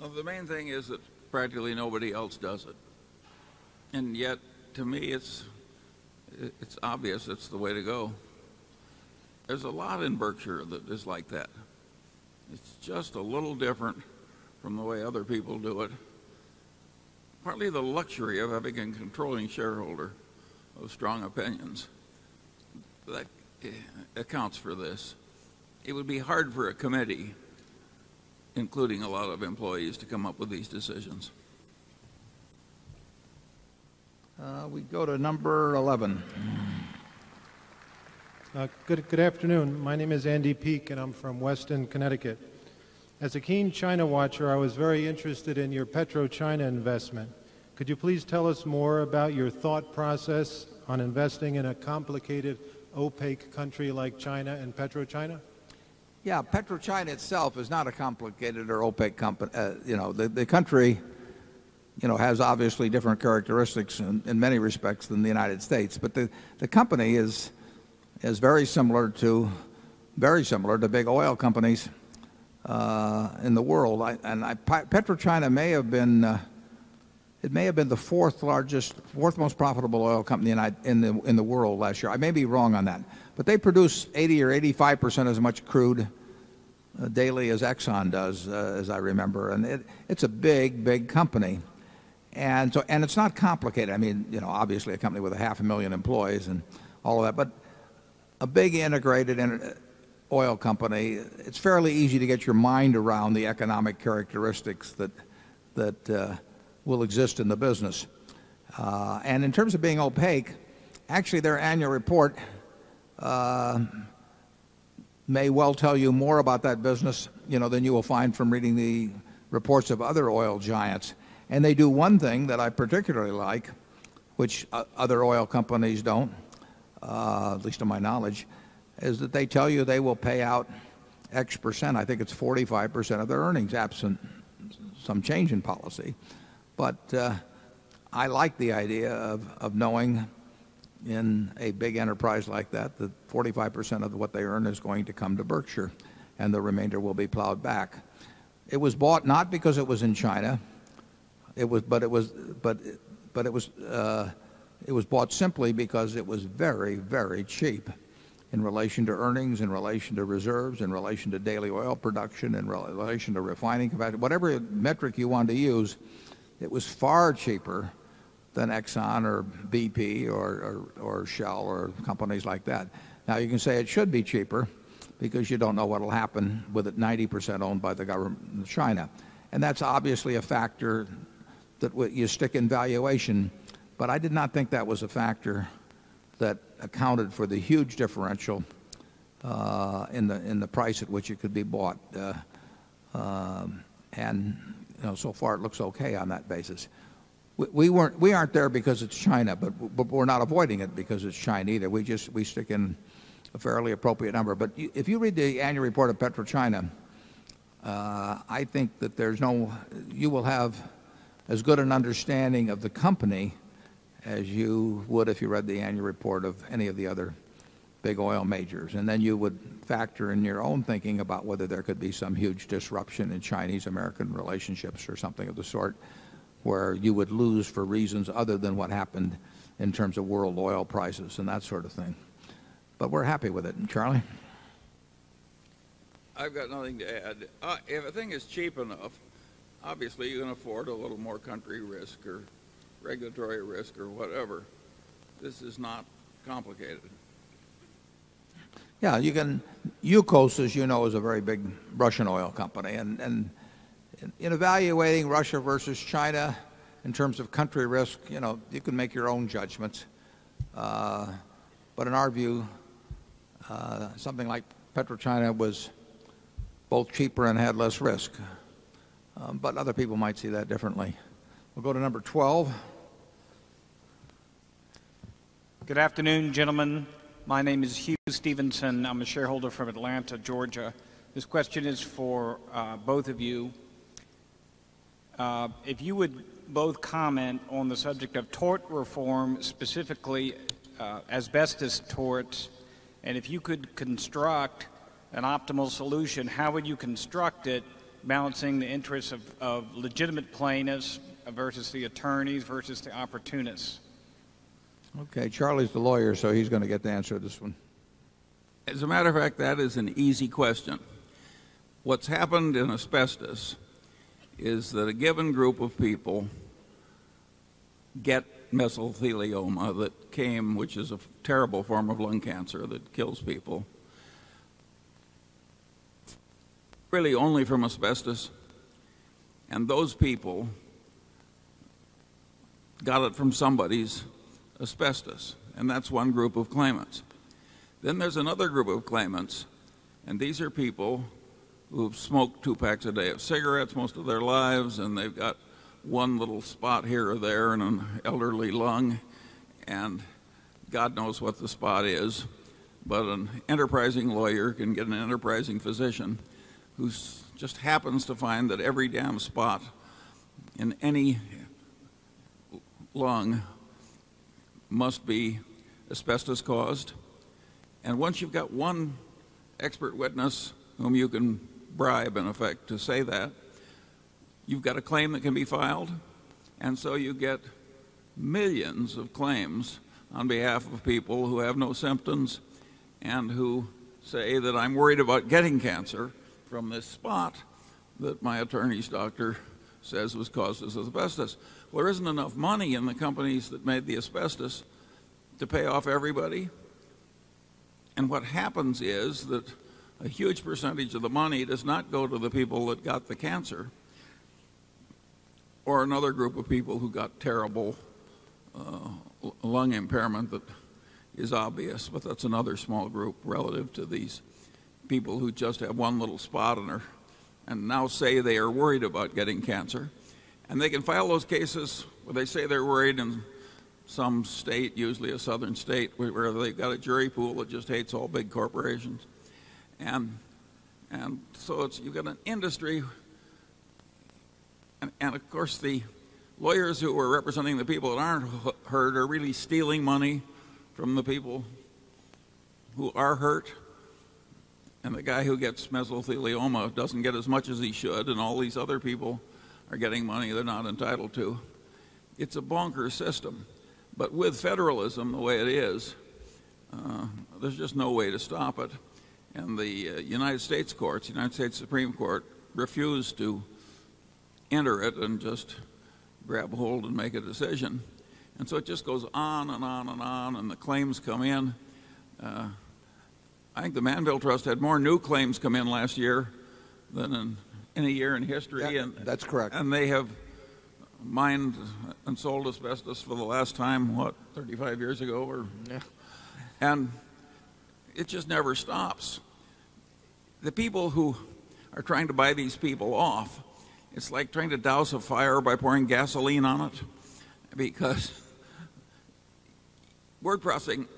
that? Well, the main thing is that practically nobody else does it. And yet, to me, it's obvious it's the way to go. There's a lot in Berkshire that is like that. It's just a little different from the way other people do it. Partly the luxury of having a controlling shareholder of strong opinions that accounts for this. It would be hard for a committee, including a lot of employees, to come up with these decisions. We go to number 11. Good afternoon. My name is Andy Peek and I'm from Weston, Connecticut. As a keen China watcher, I was very interested in your Petro China investment. Could you please tell us more about your thought process on investing in a complicated, opaque country like China and PetroChina? Yes. PetroChina itself is not a complicated or opaque company. The country has obviously different characteristics in many respects than the United States. But the company is very similar to very similar to big oil companies in the world. And PetroChina may have been it may have been the 4th largest 4th most profitable oil company in the world last year. I may be wrong on that. But they produce 80% or 85% as much crude daily as Exxon does, as I remember. And it's a big, big company. And so and it's not complicated. I mean, obviously a company with a half a 1000000 employees and all of that. But a big integrated oil company, it's fairly easy to get your mind around the economic characteristics that will exist in the business. And in terms of being opaque, actually, their annual report may well tell you more about that business, you know, than you will find from reading the reports of other oil giants. And they do one thing that I particularly like, which other oil companies don't, at least to my knowledge, is that they tell you they will pay out x percent. I think it's 45% of their earnings absent some change in policy. But, I like the idea of knowing in a big enterprise like that, that 45% of what they earn is going to come to Berkshire and the remainder will be plowed back. It was bought not because it was in China, but it was bought simply because it was very, very cheap in relation to earnings, in relation to reserves, in relation to daily oil production, in relation to refining capacity. Whatever metric you want to use, it was far cheaper than Exxon or BP or Shell or companies like that. Now you can say it should be cheaper because you don't know what will happen with it 90% owned by the government of China. And that's obviously a factor that you stick in valuation. But I did not think that was a factor that accounted for the huge differential in the price at which it could be bought. And so far, it looks okay on that basis. We weren't we aren't there because it's China, but we're not avoiding it because it's China either. We just we stick in a fairly appropriate number. But if you read the annual report of PetroChina, I think that there's no you will have as good an understanding of the company as you would if you read the annual report of any of the other big oil majors. And then you would factor in your own thinking about whether there could be some huge disruption in Chinese American relationships or something of the sort where you would lose for reasons other than what happened in terms of world oil prices and that sort of thing. But we're happy with it. And Charlie? I've got nothing to add. If I think it's cheap enough, obviously, you can afford a little more country risk or regulatory risk or whatever. This is not complicated. Yes. You can, Yukos, as you know, is a very big Russian oil company. And in evaluating Russia versus China in terms of country risk, you can make your own judgments. But in our view, something like PetroChina was both cheaper and had less risk. But other people might see that differently. We'll go to number 12. Good afternoon, gentlemen. My name is Hugh Stevenson. I'm a shareholder from Atlanta, Georgia. This question is for both of you. If you would both comment on the subject of tort reform, specifically asbestos torts, and if you could construct an optimal solution, how would you construct it, balancing the interests of of legitimate plaintiffs versus the attorneys versus the opportunists? Okay. Charlie's the lawyer, so he's going to get the answer to this one. As a matter of fact, that is an easy question. What's happened in asbestos is that a given group of people get mesothelioma that came, which is a terrible form of lung cancer that kills people, really only from asbestos. And those people got it from somebody's asbestos. And that's one group of claimants. Then there's another group of claimants, and these are people who have smoked 2 packs a day of cigarettes most of their lives and they've got one little spot here or there in an elderly lung. And God knows what the spot is, but an enterprising lawyer can get an enterprising physician who just happens to find that every damn spot in any lung must be asbestos caused. And once you've got one expert witness whom you can bribe, in effect, to say that, You've got a claim that can be filed and so you get millions of claims on behalf of people who have no symptoms and who say that I'm worried about getting cancer from this spot that my attorney's doctor says was caused as asbestos. There isn't enough money in the companies that made the asbestos to pay off everybody and what happens is that a huge percentage of the money does not go to the people that got the cancer or another group of people who got terrible lung impairment that is obvious, but that's another small group relative to these people who just have one little spot on her and now say they are worried about getting cancer. And they can file those cases where they say they're worried in some state, where they've got a jury pool that just hates all big corporations. And so you've got an industry and of course the lawyers who are representing the people that aren't hurt are really stealing money from the people who are hurt and the guy who gets mesothelioma doesn't get as much as he should and all these other people are getting money they're not entitled to. It's a bonkers system. But with federalism the way it is, there's just no way to stop it. And the United States courts, United States Supreme Court, refused to enter it and just grab hold and make a decision. And so it just goes on and on and on and the claims come in. I think the Mandeville Trust had more new claims come in last year than in any year in history. That's correct. And they have mined and sold asbestos for the last time, what, 35 years ago or Yes. And it just never stops. The people who are trying to buy these people off, it's like trying to douse a fire by pouring gasoline on it because word processing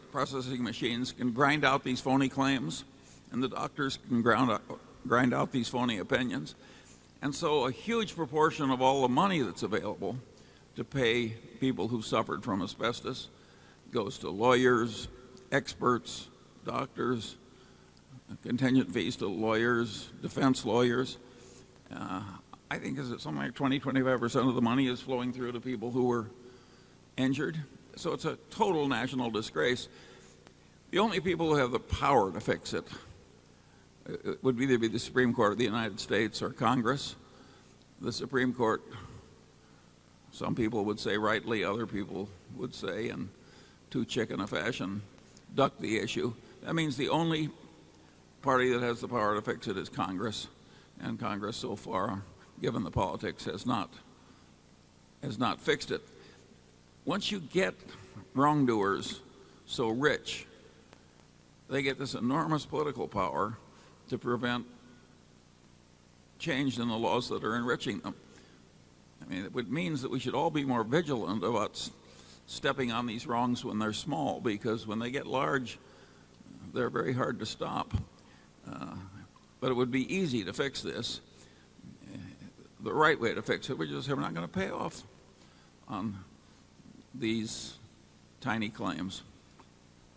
machines can grind out these phony claims and the doctors can grind out these phony opinions. And so a huge proportion of all the money that's available to pay people who suffered from asbestos goes to lawyers, experts, doctors, contingent fees to lawyers, defense lawyers. I think it's something like 20%, 25% of the money is flowing through to people who were injured. So it's a total national disgrace. The only people who have the power to fix it would be either the Supreme Court or the United States or Congress. The Supreme Court, some people would say rightly, other people would say in too chicken a fashion, duck the issue. That means the only party that has the power to fix it is Congress and Congress so far, given the politics, has not fixed it. Once you get wrongdoers so rich, they get this enormous political power to prevent change in the laws that are enriching them. I mean, it means that we should all be more vigilant about stepping on these wrongs when they're small because when they get large, they're very hard to stop. But it would be easy to fix this. The right way to fix it, we're just never going to pay off these tiny claims.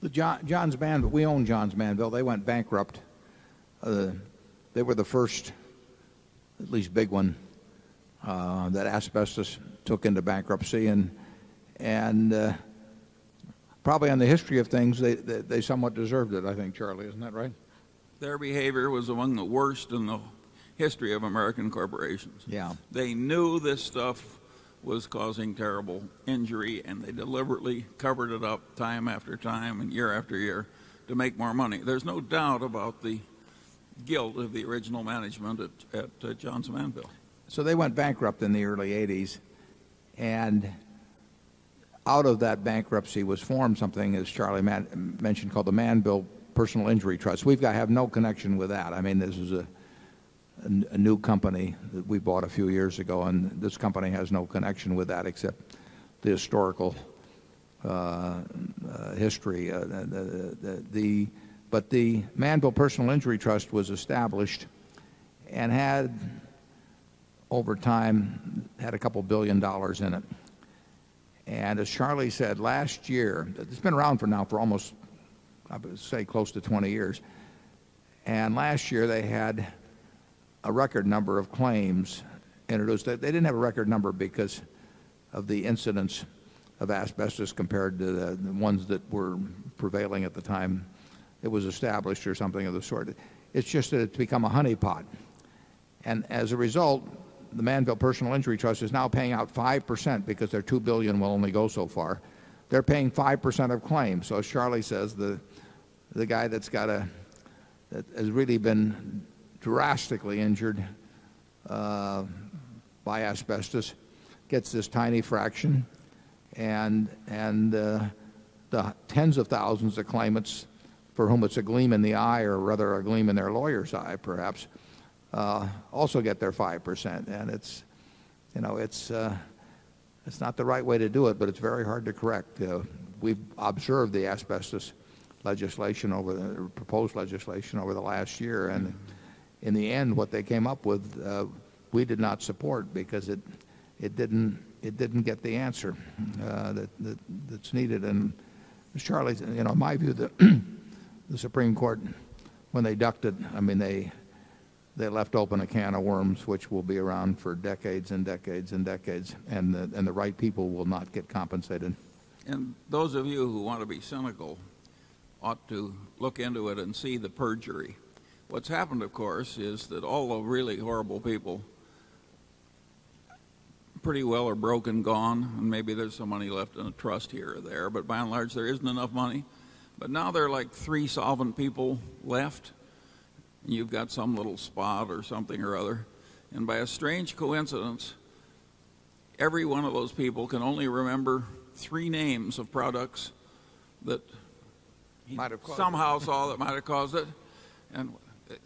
The Johns Ban, we own Johns Banville. They went bankrupt. They were the first, at least big one, that asbestos took into bankruptcy. And probably in the history of things they somewhat deserved it, I think, Charlie. Isn't that right? Their behavior was among the worst in the history of American corporations. They knew this stuff was causing terrible injury and they deliberately covered it up time after time and year after year to make more money. There's no doubt about the guilt of the original management at Johnson Anvil. So they went bankrupt in the early '80s. And out of that bankruptcy was formed something, as Charlie mentioned, called the Manville Personal Injury Trust. We have no connection with that. I mean, this is a new company that we bought a few years ago, and this company has no connection with that except the historical history. But the Mandeville Personal Injury Trust was established and had over time had a couple of $1,000,000,000 in it. And as Charlie said, last year it's been around for now for almost, I would say, close to 20 years. And last year, they had a record number of claims introduced. They didn't have a record number because of the incidence of asbestos compared to the ones that were prevailing at the time it was established or something of this sort. It's just that it's become a honeypot. And as a result, the Manville Personal Injury Trust is now paying out 5% because their $2,000,000,000 will only go so far. They're paying 5% of claims. So as Charlie says, the guy that's got a that has really been drastically injured by asbestos gets this tiny fraction. And the tens of thousands of claimants for whom it's a gleam in the eye or rather a gleam in their lawyer's eye perhaps also get their 5%. And it's not the right way to do it, but it's very hard to correct. We've observed the asbestos legislation over the proposed legislation over the last year. And in the end, what they came up with, we did not support because it didn't get the answer that's needed. And, Mr. Charlie, in my view, the Supreme Court, when they ducked it, I mean, they left open a can of worms, which will be around for decades decades decades and decades and the right people will not get compensated. And those of you who want to be cynical ought to look into it and see the perjury. What's happened, of course, is that all the really horrible people pretty well are broke and gone, and maybe there's some money left in a trust here or there, but by and large there isn't enough money. But now there are like 3 solvent people left and you've got some little spot or something or other. And by a strange coincidence, every one of those people can only remember three names of products that somehow saw that might have caused it. And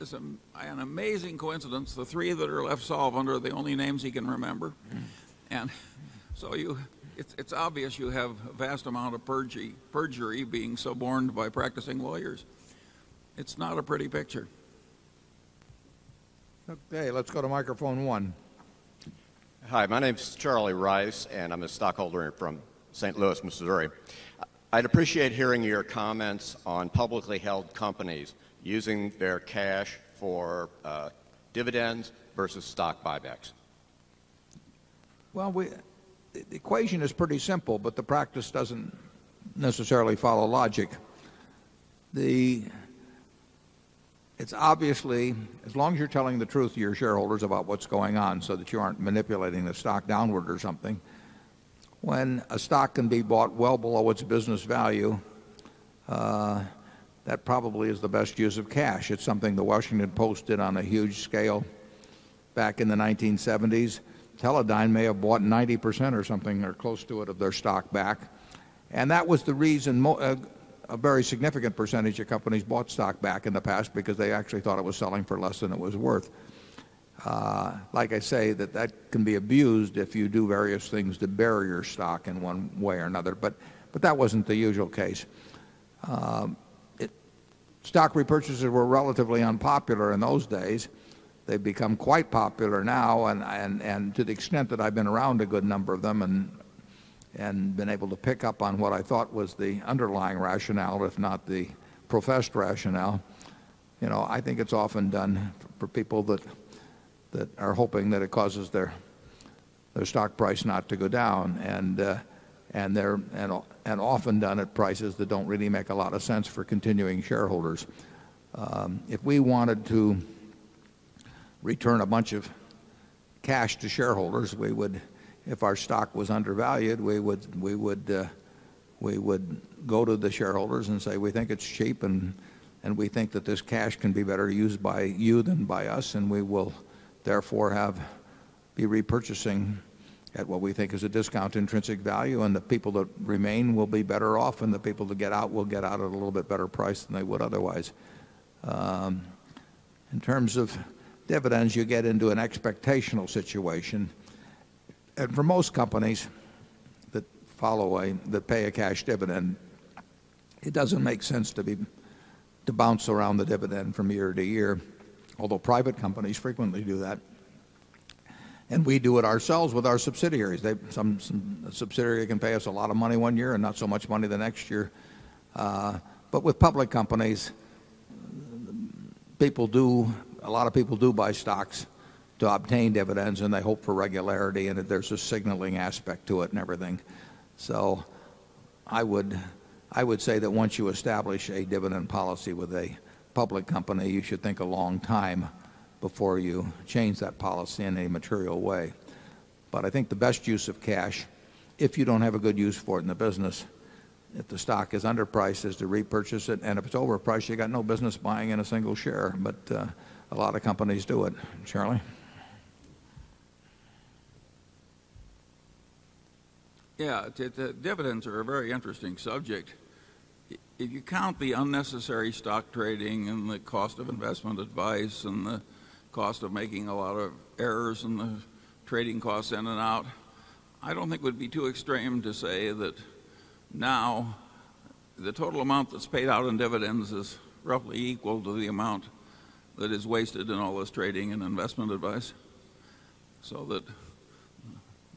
it's an amazing coincidence the 3 that are left solvent are the only names he can remember. And so it's obvious you have a vast amount of perjury being so borne by practicing lawyers. It's not a pretty picture. Okay. Let's go to microphone 1. Hi. My name is Charlie Rice and I'm a stockholder from St. Louis, Missouri. I'd appreciate hearing your comments on publicly held companies using their cash for dividends versus stock buybacks? Well, the equation is pretty simple, but the practice doesn't necessarily follow logic. The it's obviously as long as you're telling the truth to your shareholders about what's going on so that you aren't manipulating the stock downward or something, when a stock can be bought well below its business value, that probably is the best use of cash. It's something the Washington Post did on a huge scale back in the 1970s. Teledyne may have bought 90% or something or close to it of their stock back. And that was the reason a very significant percentage of companies bought stock back in the past because they actually thought it was selling for less than it was worth. Like I say, that can be abused if you do various things to bury your stock in one way or another. But that wasn't the usual case. Stock repurchases were relatively unpopular in those days. They've become quite popular now. And to the extent that I've been around a good number of them and been able to pick up on what I thought was the underlying rationale, if not the professed rationale, I think it's often done for people that are hoping that it causes their stock price not to go down and often done at prices that don't really make a lot of sense for continuing shareholders. If we wanted to return a bunch of cash to shareholders, we would if our stock was undervalued, we would go to the shareholders and say, we think it's cheap and we think that this cash can be better used by you than by us. And we will therefore have be repurchasing at what we think is a discount intrinsic value and the people that remain will be better off and the people that get out will get out at a little bit better price than they would otherwise. In terms of dividends, you get into an expectational situation. And for most companies that follow a that pay a cash dividend, it doesn't make sense to bounce around the dividend from year to year, although private companies frequently do that. And we do it ourselves with our subsidiaries. Some subsidiary can pay us a lot of money 1 year and not so much money the next year. But with public companies, people do a lot of people do buy stocks to obtain dividends and they hope for regularity and dividend policy with a public company, you should think a long time before you change that policy in a material way. But I think the best use of cash, if you don't have a good use for it in the business, if the stock is underpriced, is to repurchase it. And if it's overpriced, you've got no business buying in a single share. But a lot of companies do it. Charlie? Yes. Dividends are a very interesting subject. If you count the unnecessary stock trading and the cost of investment advice and the cost of making a lot of errors and the trading costs in and out, I don't think it would be too extreme to say that now the total amount that's paid out in dividends is roughly equal to the amount that is wasted in all this trading and investment advice so that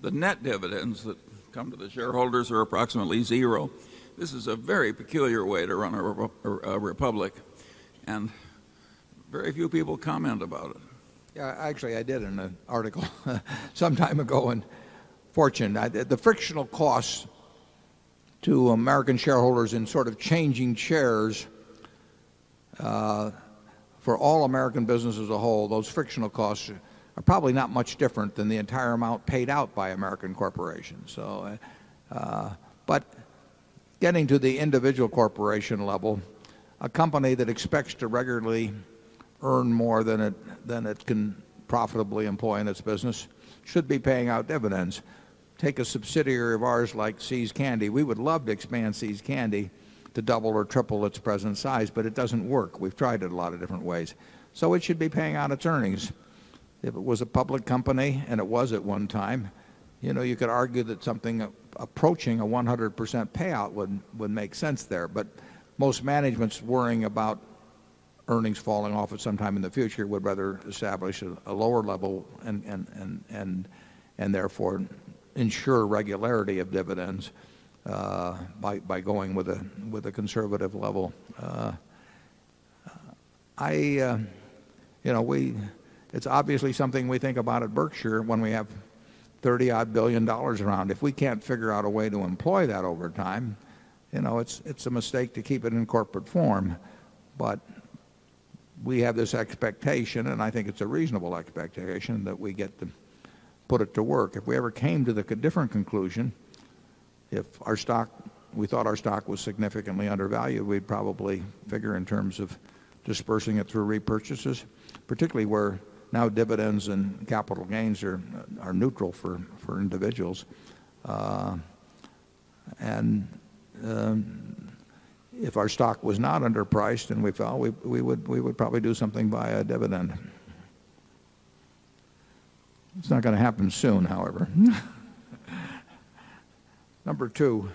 the net dividends that come to the shareholders are approximately 0. This is a very peculiar way to run a republic and very few people comment about it. Yeah. Actually, I did in an article some time ago in Fortune. I did the frictional cost to American shareholders in sort of changing chairs for all American business as a whole. Those frictional costs are probably not much different than the entire amount paid out by American corporations. So, but getting to the individual corporation level, a company that expects to regularly earn more than it can profitably employ in its business should be paying out dividends. Take a subsidiary of ours like See's Candy. We would love to expand See's Candy to double or triple its present size, but it doesn't work. We've tried it a lot of different ways. So it should be paying out attorneys. If it was a public company, and it was at one time, you could argue that something approaching a 100% payout would make sense there. But most management's worrying about earnings falling off at sometime in the future would rather establish a lower level and therefore ensure regularity of dividends, by going with a conservative level. I, you know, we it's obviously something we think about at Berkshire when we have $30 odd 1,000,000,000 around. If we can't figure out a way to employ that over time, it's a mistake to keep it in corporate form. But we have this expectation, and I think it's a reasonable expectation that we get to put it to work. If we ever came to a different conclusion, if our stock we thought our stock was significantly undervalued, we'd probably figure in terms of dispersing it through repurchases, particularly where now dividends and capital gains are neutral for individuals. And if our stock was not underpriced and we fell, we would probably do something by a dividend. It's not going to happen soon, however. Number 2.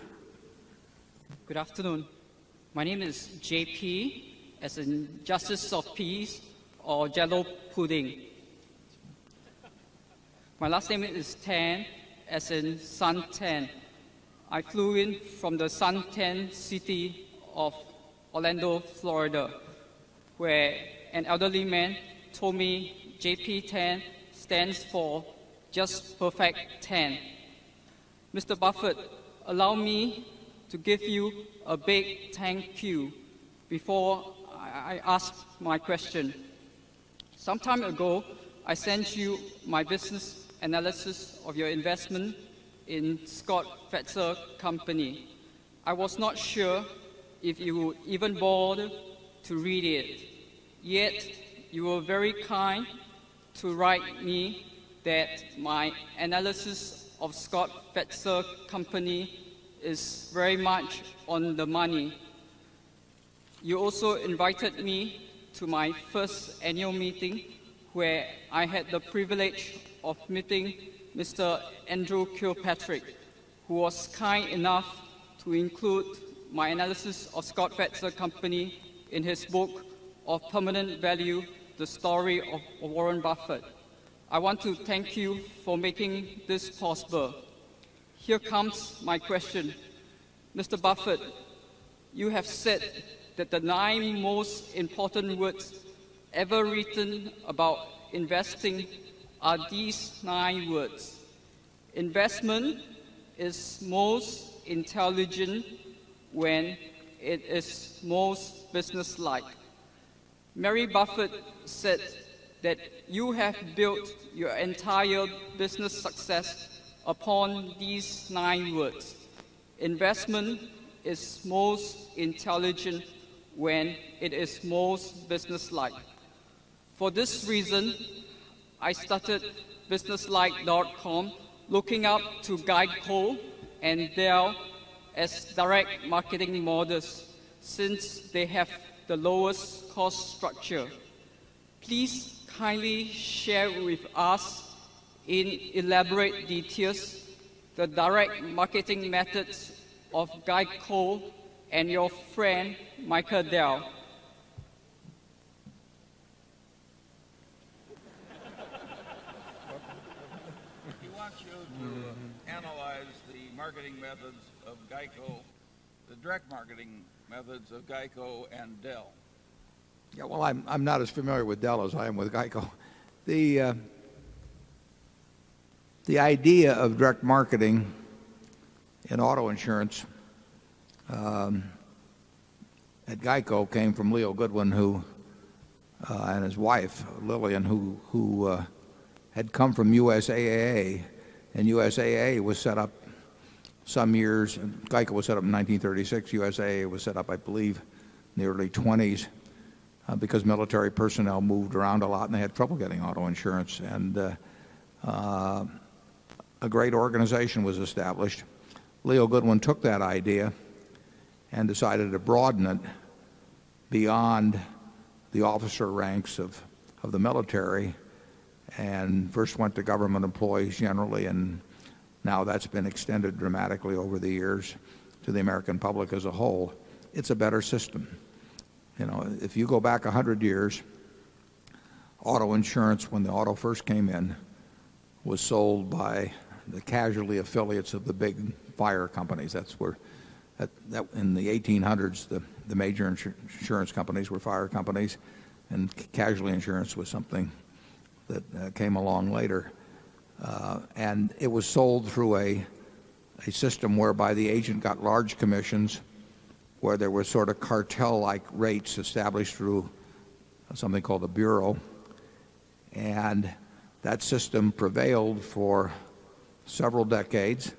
Good afternoon. My name is JP, as in justice of peace or jello pudding. My last name is Tan, as in Sun Tan. I flew in from the Sun Tan City of Orlando, Florida, where an elderly man told me JP 10 stands for Just Perfect 10. Mr. Buffett, allow me to give you a big thank you before I ask my question. Some time ago, I sent you my business analysis of your investment in Scott Fetzer Company. I was not sure if you were even bored to read it, Yet, you were very kind to write me that my analysis of Scott Betser Company is very much on the money. You also invited me to my first annual meeting where I had the privilege of meeting Mr. Andrew Kirkpatrick, who was kind enough to include my analysis of Scott Betzer Company in his book of permanent value, the story of Warren Buffett. I want to thank you for making this possible. Here comes my question. Mr. Buffett, you have said that the 9 most important words ever written about investing are these 9 words: Investment is most intelligent when it is most success upon these nine words: Investment is most intelligent when it is most businesslike. For this reason, I started businesslike.com, looking up to GEICO and Dell as direct marketing models since they have the lowest cost structure. Please kindly share with us in elaborate details the direct marketing methods of GEICO and your friend, Michael Dell. He wants you to analyze the marketing methods of GEICO, the direct marketing methods of GEICO and Dell? Yes. Well, I'm not as familiar with Dell as I am with GEICO. The idea of direct marketing in auto insurance at GEICO came from Leo Goodwin who and his wife, Lillian, who who had come from USAA. And USAA was set up some years GEICO was set up in 1936. USAA was set up, I believe, in the early '20s because military personnel moved around a lot and they had trouble getting auto insurance. And a great organization was established. Leo Goodwin took that idea and decided to broaden it beyond the officer ranks of of the military and first went to government employees generally. And now that's been extended dramatically over the years to the American public as a whole. It's a better system. If you go back 100 years, auto insurance, when the auto first came in, was sold by the casualty affiliates of the big fire companies. That's where in the 1800s, the major insurance companies were fire companies and casualty insurance was something that came along later. And it was sold through a system whereby the agent got large commissions, where there were sort of cartel like rates established through something called the Bureau. And that system prevailed for several decades.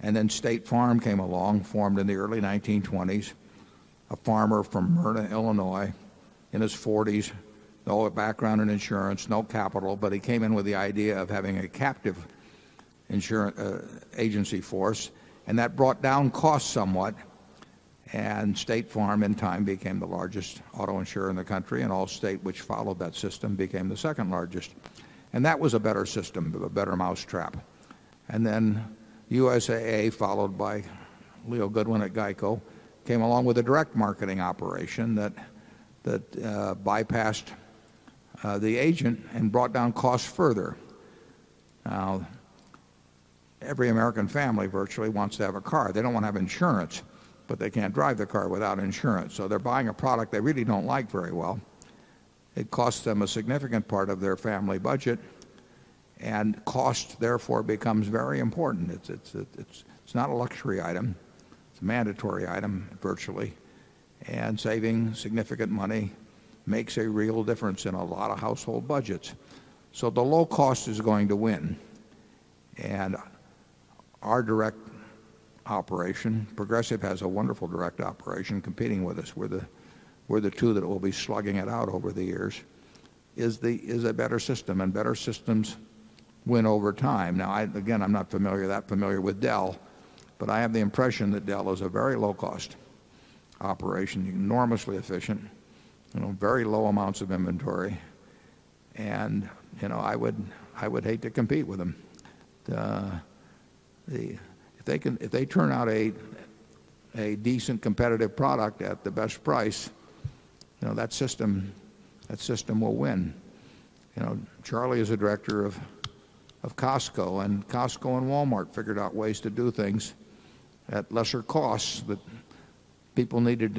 And then State Farm came along, formed in the early 1920s, a farmer from Myrna, Illinois in his forties, no background in insurance, no capital, but he came in with the idea of having a captive insurance agency force. And that brought down costs somewhat. And State Farm in time became the largest auto insurer in the country, and all state which followed that system became the 2nd largest. And that was a better system, a better mousetrap. And then USAA, followed by Leo Goodwin at GEICO, came along with a direct marketing operation that that, bypassed, the agent and brought down costs further. Now, every American family virtually wants to have a car. They don't want to have insurance, but they can't drive the car without insurance. So they're buying a product they really don't like very well. It costs them a significant part of their family budget and cost therefore becomes very important. It's not a luxury item. It's a mandatory item virtually. And saving significant money makes a real difference in a lot of household budgets. So the low cost is going to win. And our direct operation Progressive has a wonderful direct operation competing with us. We're the 2 that will be slugging it out over the years is a better system. And better systems win over time. Now again, I'm not familiar that familiar with Dell, but I have the impression that Dell is a very low cost operation, enormously efficient, very low amounts of inventory. And I would hate to compete with them. If they turn out a decent competitive product at the best price, that system will win. Charlie is the Director of Costco, and Costco and Walmart figured out ways to do things at lesser costs that people needed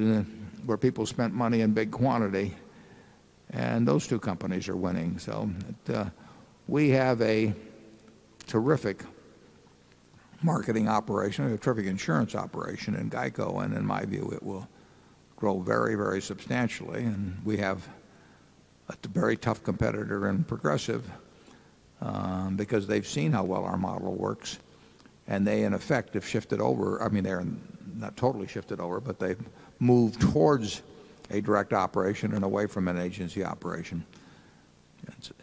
where people spent money in big quantity. And those 2 companies are winning. So we have a terrific marketing operation, a terrific insurance operation in GEICO. And in my view, it will grow very, very substantially. And we have a very tough competitor in Progressive, because they've seen how well our model works. And they, in effect, have shifted over. I mean, they're not totally shifted over, but they've moved towards a direct operation and away from an agency operation.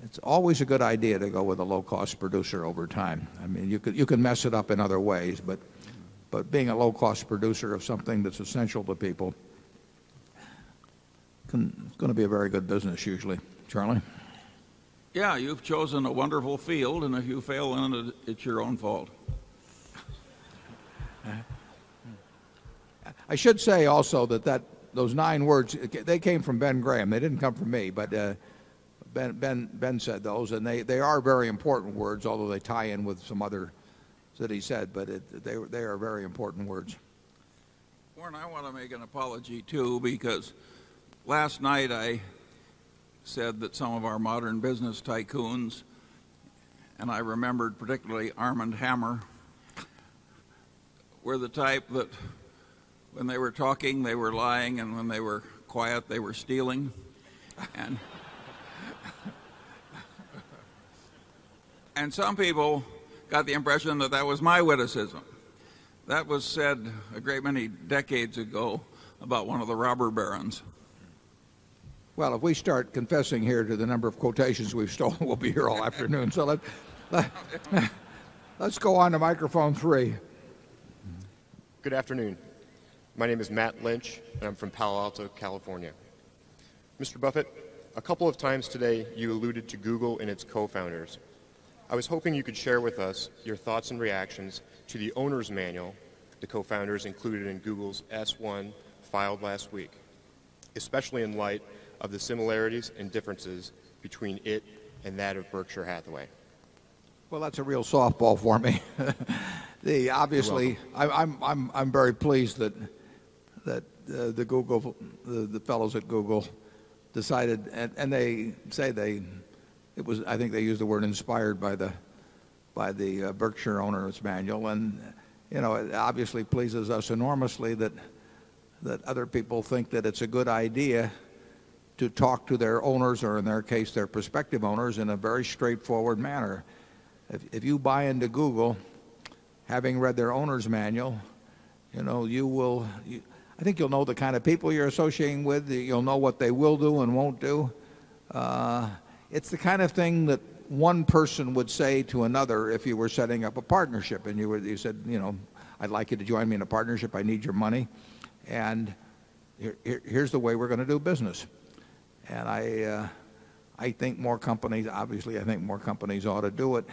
It's always a good idea to go with a low cost producer over time. I mean, you can mess it up in other ways, but being a low cost producer of something that's essential to people is going to be a very good business usually. Charlie? Yeah. You've chosen a wonderful field and if you fail on it, it's your own fault. I should say also that those 9 words, they came from Ben Graham. They didn't come from me, but Ben said those and they are very important words, although they tie in with some others that he said, but they are very important words. Warren, I want to make an apology too because last night I said that some of our modern business tycoons, and I remembered particularly Armand Hammer, were the type that when they were talking, they were lying. And when they were quiet, they were stealing. And some people got the impression that that was my witticism. That was said a great many decades ago about one of the robber barons. Well, if we start confessing here to the number of quotations we've stolen, we'll be here all afternoon. So let's go on to microphone 3. Good afternoon. My name is Matt Lynch, and I'm from Palo Alto, California. Mr. Buffet, a couple of times today, you alluded to Google and its cofounders. I was hoping you could share with us your thoughts and reactions to the owner's manual the co founders included in Google's S-one filed last week, especially in light of the similarities and differences between it and that of Berkshire Well, that's a real softball for me. Obviously, I'm very pleased that the fellows at Google decided and they say they it was I think they used the word inspired by the Berkshire owner's manual. And it obviously pleases us enormously that other people think that it's a good idea to talk to their owners or, in their case, their prospective owners in a very straightforward manner. If you buy into Google, having read their owner's manual, you know, you will I think you'll know the kind of people you're associating with. You'll know what they will do and won't do. It's the kind of thing that one person would say to another if you were setting up a partnership and you said, I'd like you to join me in a partnership. I need your money. And here's the way we're going to do business. And I think more companies obviously, I think more companies ought to do it.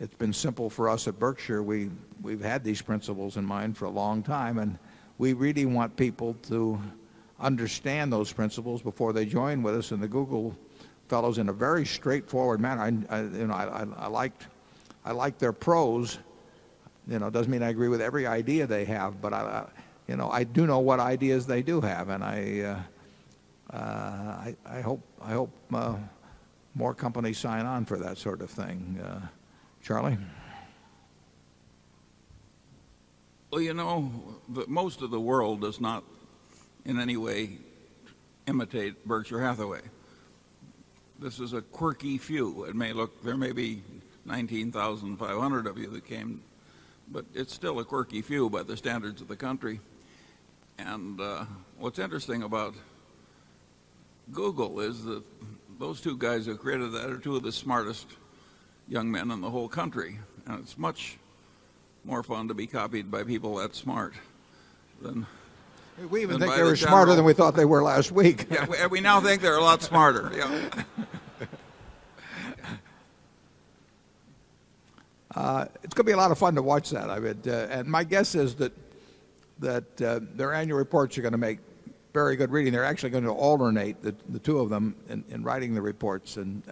It's been simple for us at Berkshire. We've had these principles in mind for a long time, and we really want people to understand those principles before they join with us. And the Google Fellows in a very straightforward manner. I like their pros. It doesn't mean I agree with every idea they have, but I do know what ideas they do have. And I hope more companies sign on for that sort of thing. Charlie? Well, you know, that most of the world does not in any way imitate Berkshire Hathaway. This is a quirky few. It may look there may be 19,500 of you that came, but it's still a quirky few by the standards of the country. And what's interesting about Google is that those 2 guys who created that are 2 of the smartest young men in the whole country. It's much more fun to be copied by people that smart than We even think they're smarter than we thought they were last week. Yeah. We now think they're a lot smarter. It's going to be a lot of fun to watch that, I would. And my guess is that their annual reports are going to make very good reading. They're actually going to alternate the 2 of them in writing the reports. And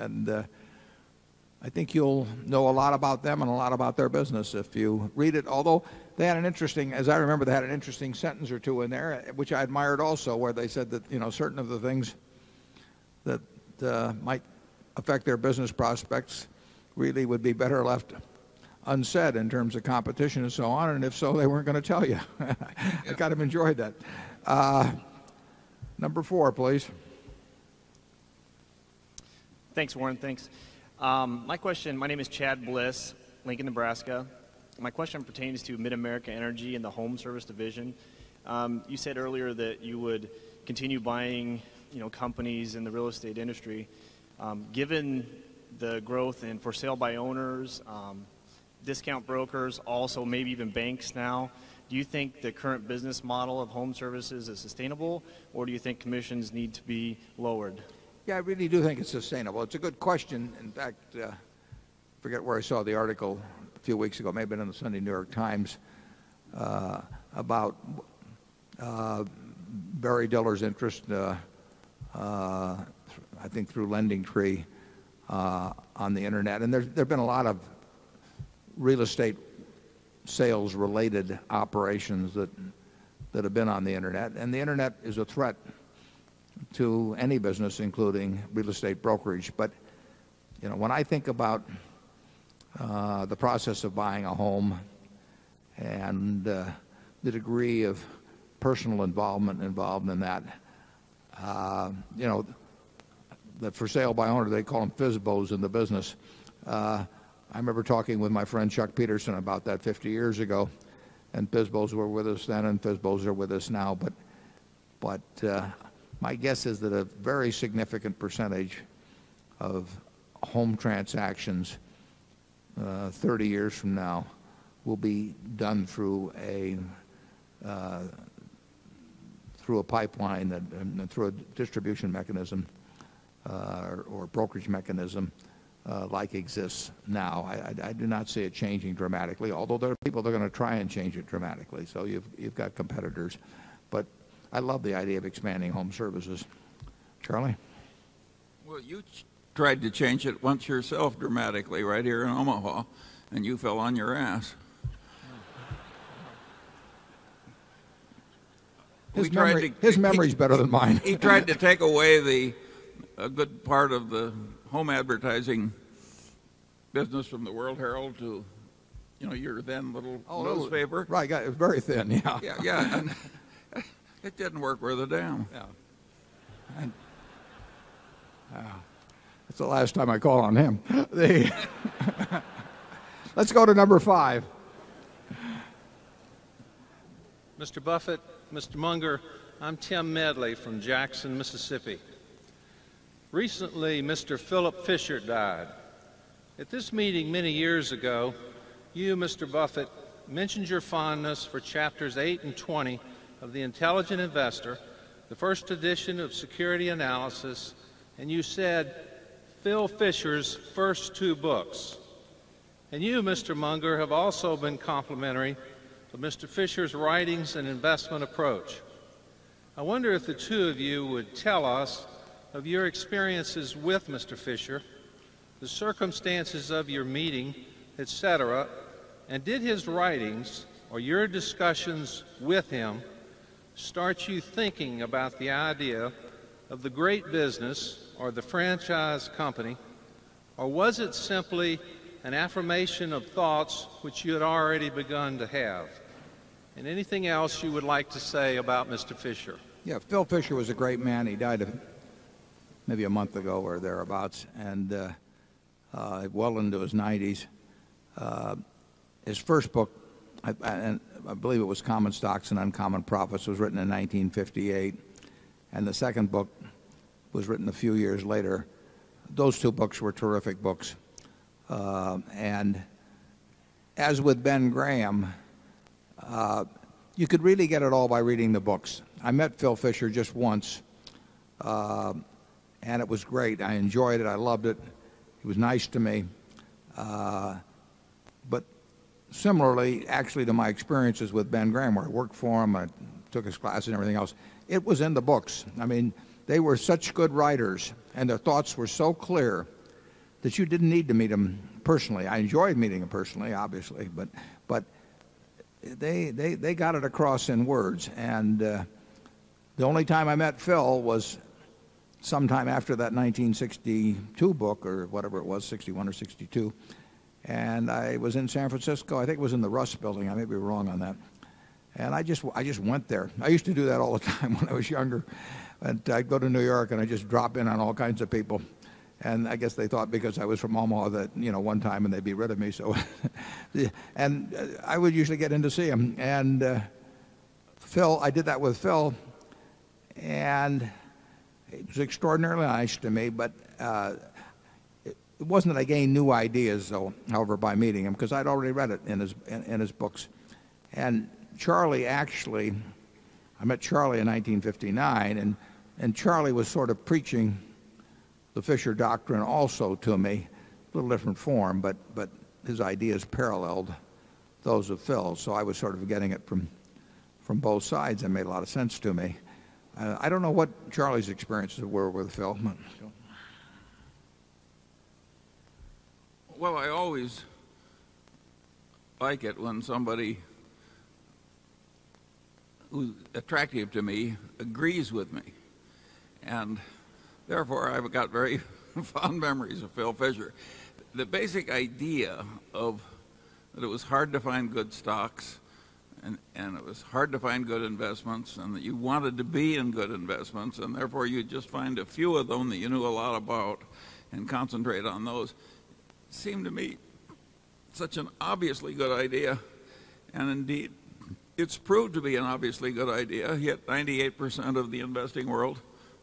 I think you'll know a lot about them and a lot about their business if you read it. Although they had an interesting as I remember, they had an interesting sentence or 2 in there, which I admired also, where they said that, you know, certain of the things that, might affect their business prospects really would be better left unsaid in terms of competition and so on? And if so, they weren't going to tell you. You've kind of enjoyed that. Number 4, please. Thanks, Warren. Thanks. My name is Chad Bliss, Lincoln, Nebraska. My question pertains to Mid America Energy in the home service division. You said earlier that you would continue buying companies in the real estate industry. Given the growth in for sale by owners, discount brokers, also maybe even banks now, Do you think the current business model of home services is sustainable, or do you think commissions need to be lowered? Yes. I really do think it's sustainable. It's a good question. In fact, I forget where I saw the article a few weeks ago. It may have been in the Sunday New York Times about Barry Dillard's interest, I think through LendingTree on the Internet. And there have been a lot of real estate sales related operations that have been on the internet. And the internet is a threat to any business, including real estate brokerage. But when I think about the process of buying a home and the degree of personal involvement involved in that. The for sale by owner, they call them FSBOs in the business. I remember talking with my friend Chuck Peterson about that 50 years ago and FSBOs were with us then and FSBOs are with us now. But my guess is that a very significant percentage of home transactions 30 years from now will be done through a pipeline and through a distribution mechanism or brokerage mechanism like exists now. I do not see it changing dramatically, although there are people that are going to try and change it dramatically. So you've got competitors. But I love the idea of expanding home services. Charlie? Well, you tried to change it once yourself dramatically right here in Omaha and you fell on your ass. His memory is better than mine. He tried to take away a good part of the home advertising business from the World Herald to your then little little favorite. Right. Very thin. Yeah. Yeah. Yeah. It didn't work worth a damn. Yeah. It's It's the last time I call on him. Let's go to number 5. Mister Buffet, mister Munger, I'm Tim Medley from Jackson, Mississippi. Recently, mister Philip Fisher died. The Intelligent Investor, the first edition of Security Analysis, and you said, Phil Fisher's first two books. And you, mister Munger, have also been complimentary to mister Fisher's writings and investment approach. I wonder if the 2 of you would tell us of your experiences with mister Fisher, the circumstances of your meeting, etcetera, and did his writings or your discussions with him start you thinking about the idea of the great business or the franchise company, or was it simply an affirmation of thoughts which you had already begun to have? And anything else you would like to say about mister Fisher? Yeah. Phil Fisher was a great man. He died maybe a month ago or thereabouts and, well into his nineties. His first book, I believe it was Common Stocks and Uncommon Profits, was written in 1958, and the second book was written a few years later. Those two books were terrific books. And as with Ben Graham, you could really get it all by reading the books. I met Phil Fisher just once and it was great. I enjoyed it. I loved it. He was nice to me. But similarly, actually to my experiences with Ben Graham, I worked for him, I took his class and everything else, it was in the books. I mean, they were such good writers and their thoughts were so clear that you didn't need to meet them personally. I enjoyed meeting them personally, obviously, but they got it across in words. And the only time I met Phil was sometime after that 1962 book or whatever it was, 'sixty 1 or 'sixty 2. And I was in San Francisco. I think it was in the Russ Building. I may be wrong on that. And I just went there. I used to do that all the time when I was younger. And I'd go to New York and I'd just drop in on all kinds of people. And I guess they thought because I was from Omaha that one time and they'd be rid of me. And I would usually get in to see him. And Phil, I did that with Phil, and it was extraordinarily nice to me. But, it wasn't that I gained new ideas, though, however, by meeting him, because I'd already read it in his books. And Charlie actually I met Charlie in 1959, and Charlie was sort of preaching the Fisher doctrine also to me, a little different form, but but his ideas paralleled those of Phil. So I was sort of getting it from from both sides. It made a lot of sense to me. I don't know what Charlie's experiences were with Phil. Well, I always like it when somebody who's attractive to me agrees with me. And therefore, I've got very fond memories of Phil Fisher. The basic idea of that it was hard to find good stocks and it was hard to find good investments and that you wanted to be in good investments and therefore you just find a few of them that you knew a lot about and concentrate on those. Seemed to me such an obviously good idea and indeed it's proved to be an obviously good idea, yet 98 percent of the investing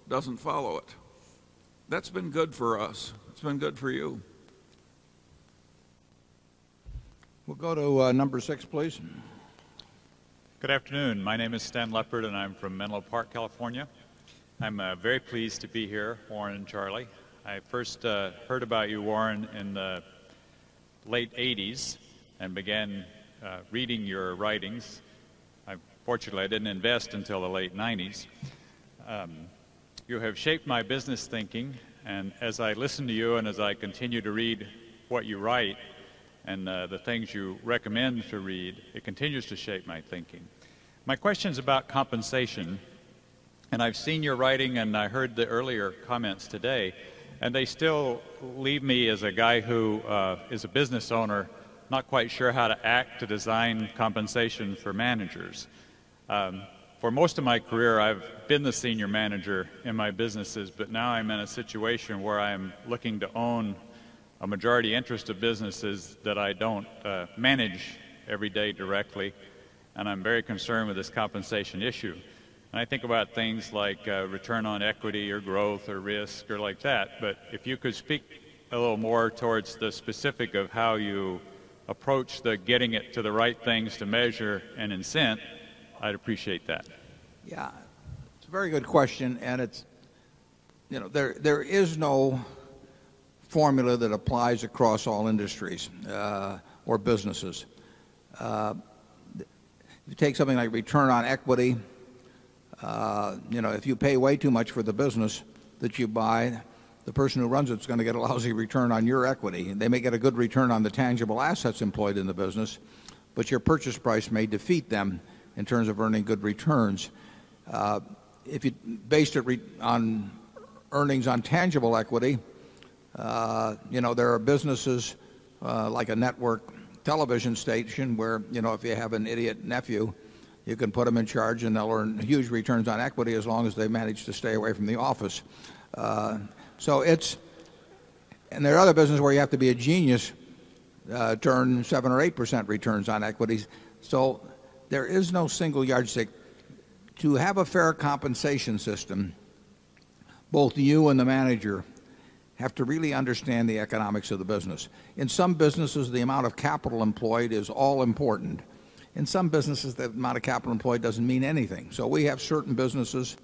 world doesn't follow it. That's been good for us. It's been good for you. We'll go to, number 6, please. Good afternoon. My name is Stan Leppard and I'm from Menlo Park, California. I'm, very pleased to be here, Warren and Charlie. I first, heard about you, Warren, in the late eighties and began reading your writings. Fortunately, I didn't invest until the late nineties. You have shaped my business thinking and as I listen to you and as I continue to read what you write and the things you recommend to read, it continues to shape my thinking. My question's about compensation, and I've seen your writing and I heard the earlier comments today, and they still leave me as a guy who is a business owner, not quite sure how to act to design compensation for managers. For most of my career, I've been the senior manager in my businesses, but now I'm in a situation where I'm looking to own a majority interest of businesses that I don't manage every day directly and I'm very concerned with this compensation issue. I think about things like return on equity or growth or risk or like that, but if you could speak a little more towards the specific of how you approach the getting it to the right things to measure and incent, I'd appreciate that. Yes. It's a very good question. And it's you know, there is no formula that applies across all industries or businesses. If you take something like return on equity, if you pay way too much for the business that you buy, the person who runs it is going to get a lousy return on your equity. And they may get a good return on the tangible assets employed in the business, but your purchase price may defeat them terms of earning good returns. If you based it on earnings on tangible equity, There are businesses like a network television station where if you have an idiot nephew, you can put them in charge and they'll earn huge returns on equity as long as they manage to stay away from the office. So it's and there are other businesses where you have to be a genius, turn 7% or 8% returns on equities. So there is no single yardstick. To have a fair compensation system, both you and the manager have to really understand the economics of the business. In some businesses, the amount of capital employed is all important. In some businesses, the amount of capital employed doesn't mean anything. So we have certain businesses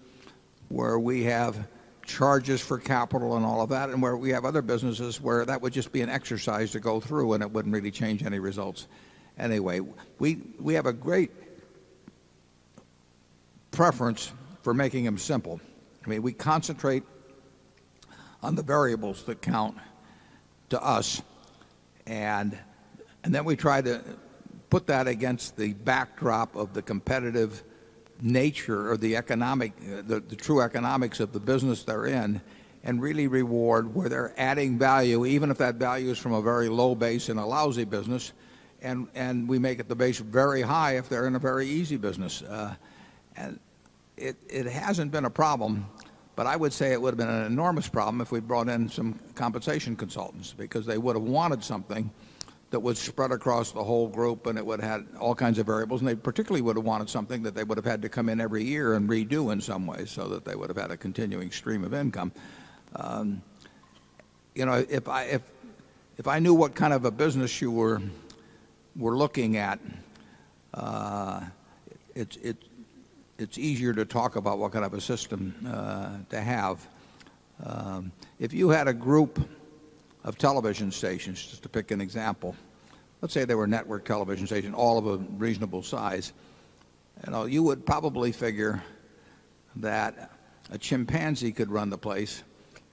where we have charges for capital and all of that and where we have other businesses where that would just be an exercise to go preference for making them simple. Preference for making them simple. I mean, we concentrate on the variables that count to us. And then we try to put that against the backdrop of the competitive nature or the true economics of the business they're in and really reward where they're adding value, even if that value is from a very low base and a lousy business, and we make it the base very high if they're in a very easy business. It hasn't been a problem, I would say it would have been an enormous problem if we brought in some compensation consultants because they would have wanted something that was spread across the whole group and it would have had all kinds of variables and they particularly would have wanted something that they would have had to come in every year and redo in some way so that they would have had a continuing stream of income. If I knew what kind of a business you were looking at, it's easier to talk about what kind of a system to have. If you had a group of television stations, just to pick an example, let's say there were network television stations, all of a reasonable size, you would probably figure that a chimpanzee could run the place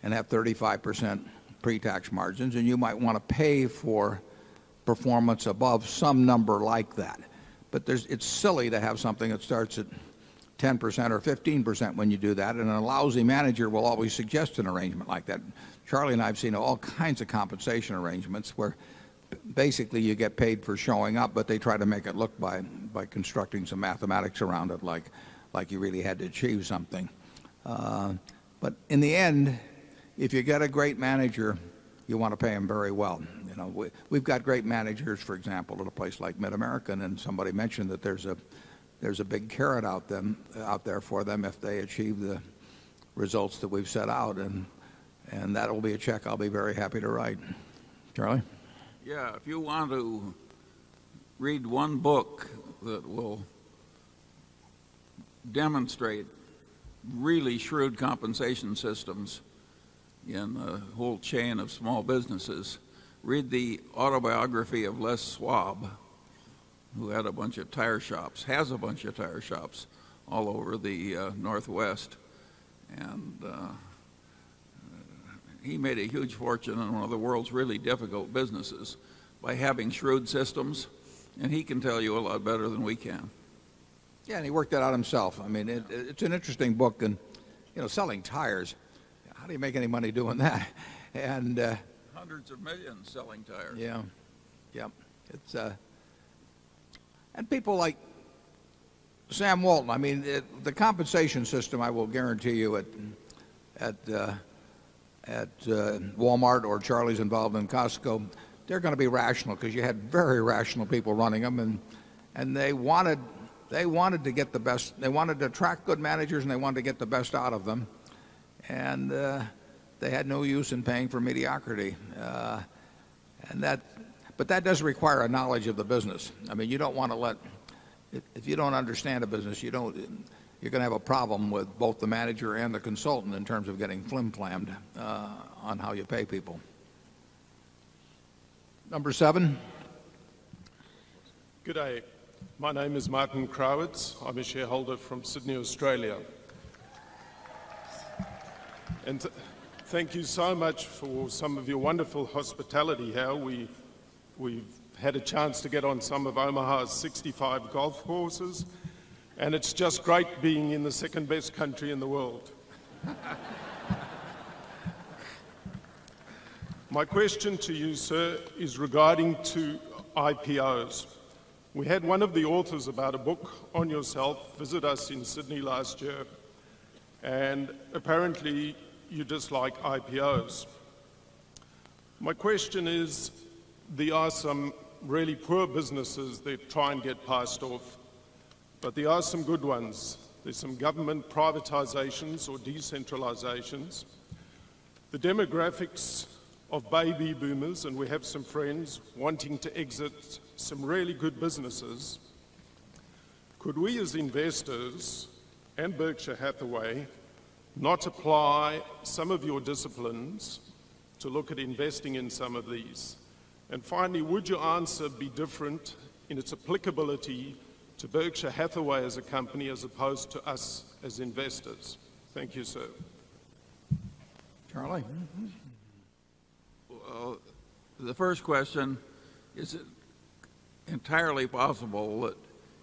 and have 35% pretax margins and you might want to pay for performance above some number like that. But it's silly to have something that starts at 10% or 15% when you do that and a lousy manager will always suggest an arrangement like that. Charlie and I have seen all kinds of compensation arrangements where basically you get paid for showing up, but they try to make it look by constructing some mathematics around it like you really had to achieve something. But in the end, if you get a great manager, you want to pay them very well. We've got great managers, for example, at a place like Mid America. And somebody mentioned that there's a big carrot out there for them if they achieve the results that we've set out. And that will be a check I'll be very happy to write. Charlie? Yes. If you want to read one book that will demonstrate really shrewd compensation systems in a whole chain of small businesses. Read the autobiography of Les Schwab, who had a bunch of tire shops, has a bunch of tire shops all over the Northwest. And he made a huge fortune in one of the world's really difficult businesses by having shrewd systems and he can tell you a lot better than we can. Yes, and he worked that out himself. I mean, it's an interesting book and, you know, selling tires, how do you make any money doing that? 100 of 1,000,000 selling tires. Yes. Yes. And people like Sam Walton. I mean, the compensation system, I will guarantee you, at Walmart or Charlie's involved in Costco, they're going to be rational because you had very rational people running them. And they wanted to get the best they wanted to attract good managers and they wanted to get the best out of them. And they had no use in paying for mediocrity. But that does require a knowledge of the business. I mean, you don't want to let if you don't understand a business, you're going to have a problem with both the manager and the consultant in terms of getting flim planned on how you pay people. Number 7. Good day. My name is Martin Crowitz. I'm a shareholder from Sydney, Australia. And thank you so much for some of your wonderful hospitality here. We've had a chance to get on some of Omaha's 65 golf courses, and it's just great being in the 2nd best country in the world. My question to you, sir, is regarding to IPOs. We had one of the authors about a book on yourself visit us in Sydney last year and apparently, you dislike IPOs. My question is, there are some really poor businesses that try and get passed off, but there are some good ones. There's some government privatizations or decentralizations. The demographics of baby boomers and we have some friends wanting to exit some really good businesses, could we as investors and Berkshire Hathaway not apply some of your disciplines to look at investing in some of these? And finally, would your answer be different in its applicability to Berkshire Hathaway as a company as opposed to us as investors? Charlie? The first question, is it entirely possible that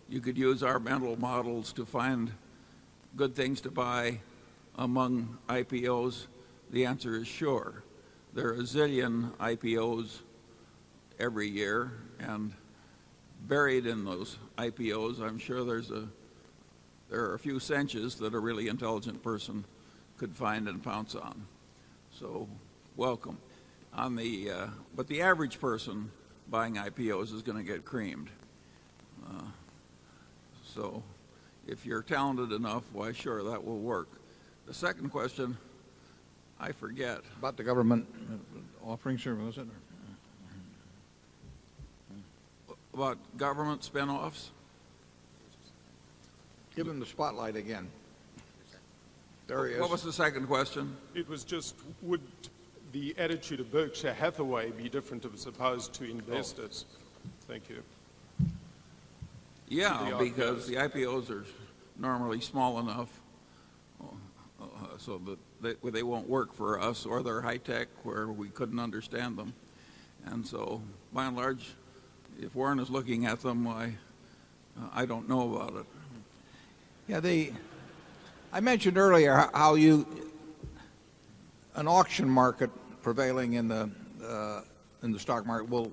you could use our mental models to find good things to buy among IPOs? The answer is sure. There are a zillion IPOs every year and buried in those IPOs, I'm sure there there are a few cinches that a really intelligent person could find and pounce welcome. But the average person buying IPOs is going to get creamed. So if you're talented enough, why sure, that will work. The second question, I forget about the government offering service, is it? About government spinoffs? Give him the spotlight again. Darius? What was the second question? It was just would the attitude of Berkshire Hathaway be different if it's supposed to investors? Thank you. Yes, because the IPOs are normally small enough, so that they won't work for us or they're high-tech where we couldn't understand them. And so, by and large, if Warren is looking at them, I don't know about it. Yes. I mentioned earlier how an auction market prevailing in the stock market will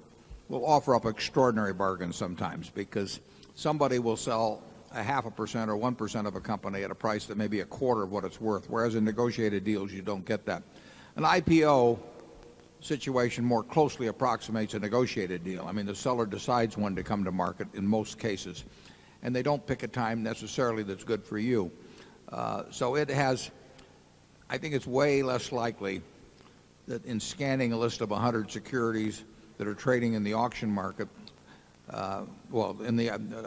offer up extraordinary bargain sometimes because somebody will sell 0.5% or 1% of a company at a price that may be a quarter of what it's worth, whereas in negotiated deals, you don't get that. An IPO situation more closely approximates a negotiated deal. I mean, the seller decides when to come to market in most cases, and they don't pick a time necessarily that's good for you. So it has I think it's way less likely that in scanning a list of 100 secondurities that are trading in the auction market, Well, in the 100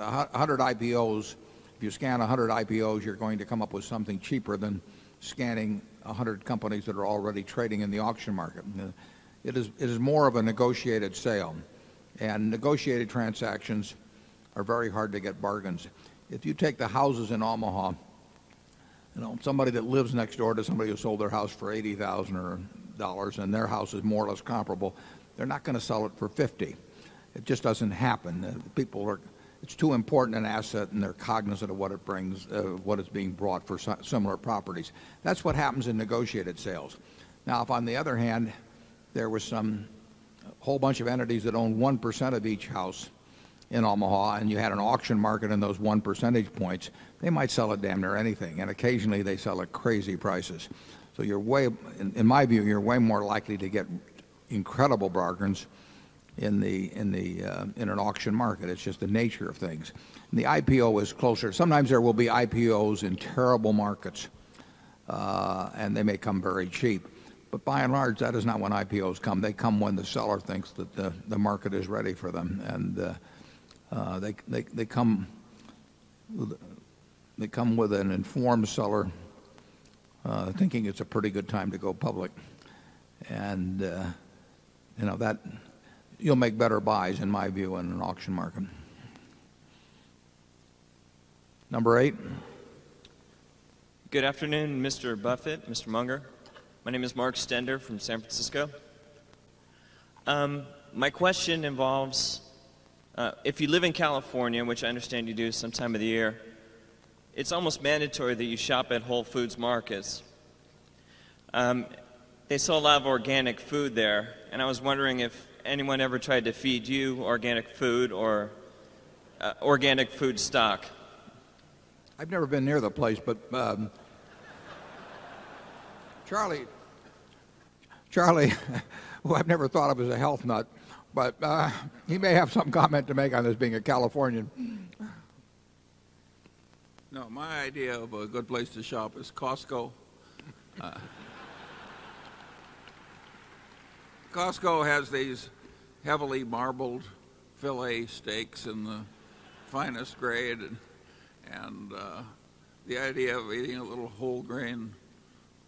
IPOs, if you scan 100 IPOs, you're going to come up with something cheaper than scanning 100 companies that are already trading in the auction market. It is more of a negotiated sale. And negotiated transactions are very hard to get bargains. If you take the houses in Omaha, somebody that lives next door to somebody who sold their house for 80,000 dollars and their house is more or less comparable, they're not going to sell it for $50,000 It just doesn't happen. People are it's too important an asset and they're cognizant of what it brings, what is being brought for similar properties. That's what happens in negotiated sales. Now if on the other hand, there were some a whole bunch of entities that owned 1% of each house in Omaha and you had an auction market in those 1 percentage points, they might sell a damn near anything. And occasionally, they sell at crazy prices. So you're way in my view, you're way more likely to get incredible bargains in the in an auction market. It's just the nature of things. And the IPO is closer. Sometimes there will be IPOs in terrible markets, and they may come very cheap. But by and large, that is not when IPOs come. They come when the seller thinks that the market is ready for them. And they come with an informed seller, thinking it's a pretty good time to go public. And that you'll make better buys, in my view, in an auction market. Number 8. Good afternoon, mister Buffet, mister Munger. My name is Mark Stender from San Francisco. My question involves, if you live in California, which I understand you do some time of the year, it's almost mandatory that you shop at Whole Foods Markets. They sell a lot of organic food there, and I was wondering if anyone ever tried to feed you organic food or organic food stock? I've never been near the place, but, Charlie, Charlie, who I've never thought of as a health nut, but he may have some comment to make on this being a Californian. No. My idea of a good place to shop is Costco. Costco has these heavily marbled fillet steaks in the finest grade and the idea of eating a little whole grain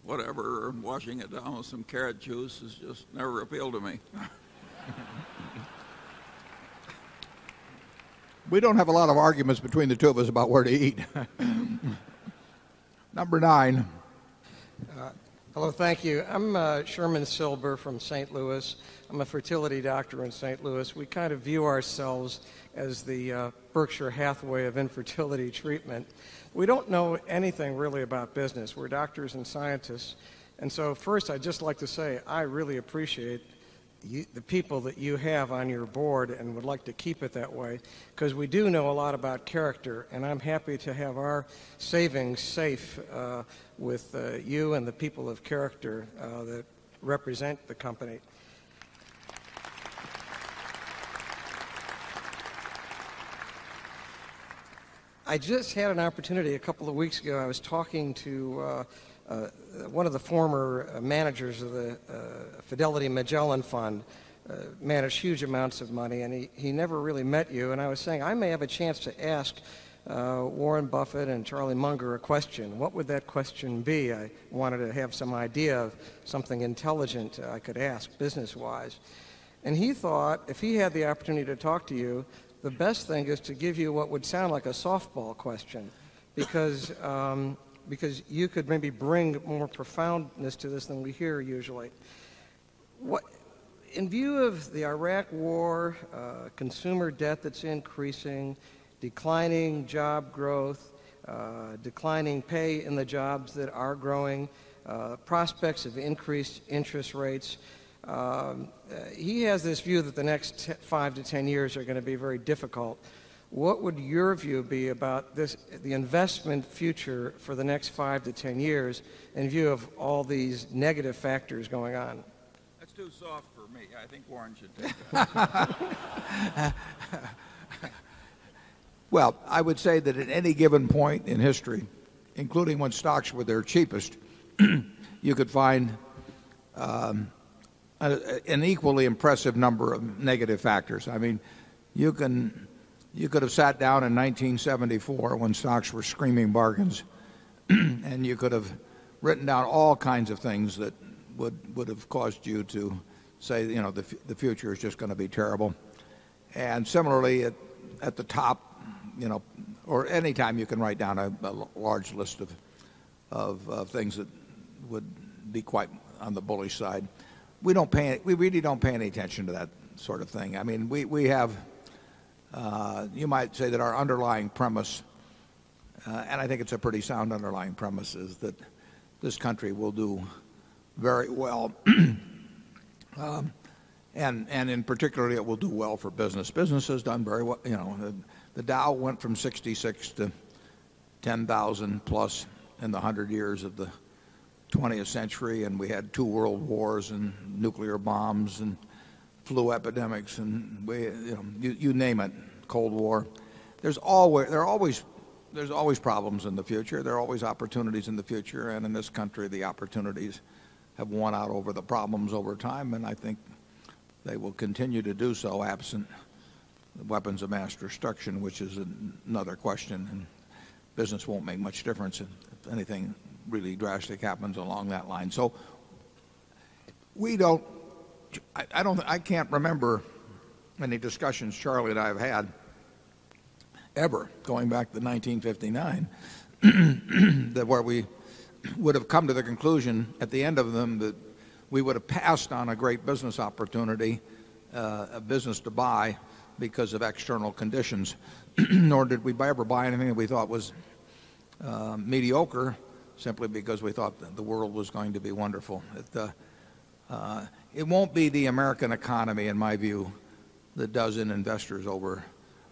whatever and washing it down with some carrot juice has just never appealed to me. We don't have a lot of arguments between the 2 of us about where to eat. Number 9. Hello. Thank you. I'm Sherman Silber from St. Louis. I'm a fertility doctor in St. Louis. We kind of view ourselves as the Berkshire Hathaway of infertility treatment. We don't know anything really about business. We're doctors and scientists. And so first, I'd just like to say, I really appreciate the people that you have on your board and would like to keep it that way because we do know a lot about character, and I'm happy to have our savings safe with you and the people of that represent the company. I just had an opportunity a couple of weeks ago. I was talking to one of the former managers of the Fidelity Magellan Fund, managed huge amounts of money, and he never really met you. And I was saying, I may have a chance to ask Warren Buffett and Charlie Munger a question. What would that question be? I wanted to have some idea of something intelligent I could ask business wise. And he thought if he had the opportunity to talk to you, the best thing is to give you what would sound like a softball question because you could maybe bring more profoundness to this than we hear usually. What in view of the Iraq war, consumer debt that's increasing declining job growth, declining pay in the jobs that are growing, prospects of increased interest rates. He has this view that the next 5 to 10 years are going to be very difficult. What would your view be about this, the investment future for the next 5 to 10 years in view of all these negative factors going on? That's too soft for me. I think Warren should take that. Well, I would say that at any given point in history, including when stocks were their cheapest, you could find, an equally impressive number of negative factors. I mean, you can you could have sat down in 1974 when stocks were screaming bargains, and you could have written down all kinds of things that would have caused you to say the future is just going to be terrible. And similarly, at the top or anytime you can write down a large list of things that would be quite on the bullish side. We don't pay we really don't pay any attention to that sort of thing. I mean, we have you might say that our underlying premise and I think it's a pretty sound underlying premise, is that this country will do very well And in particular, it will do well for business. Business has done very well. The Dow went from 66 to 10000 plus in the 100 years of 20th century and we had 2 world wars and nuclear bombs and flu epidemics and you name it, Cold War. There's always problems in the future. There are always opportunities in the future. And in this country, the opportunities have won out over the problems over time. And I think they will continue to do so, absent the weapons of mass destruction, which is another question. Business won't make much difference if anything really drastic happens along that line. So we don't I can't remember any discussions Charlie and I have had ever going back to 1959, that where we would have come to the conclusion at the end of them that we would have passed on a great business opportunity, a business to buy because of external conditions, nor did we ever buy anything that we thought was mediocre simply because we thought the world was going to be wonderful. It won't be the American economy, in my view, that does investors over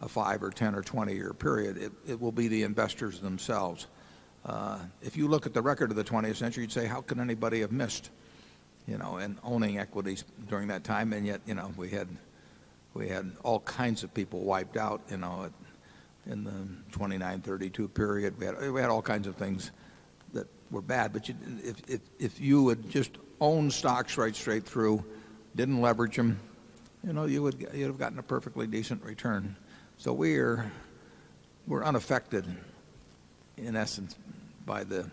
a 5 or 10 or 20 year period. It will be the investors themselves. If you look at the record of the 20th century, you'd say how could anybody have missed in owning equities during that time and yet we had all kinds of people wiped out in the 'twenty nine, 'thirty two period. We had all kinds of things that were bad. But if you would just own stocks right straight through, didn't leverage them, you would have gotten a perfectly decent return. So we're unaffected in essence by the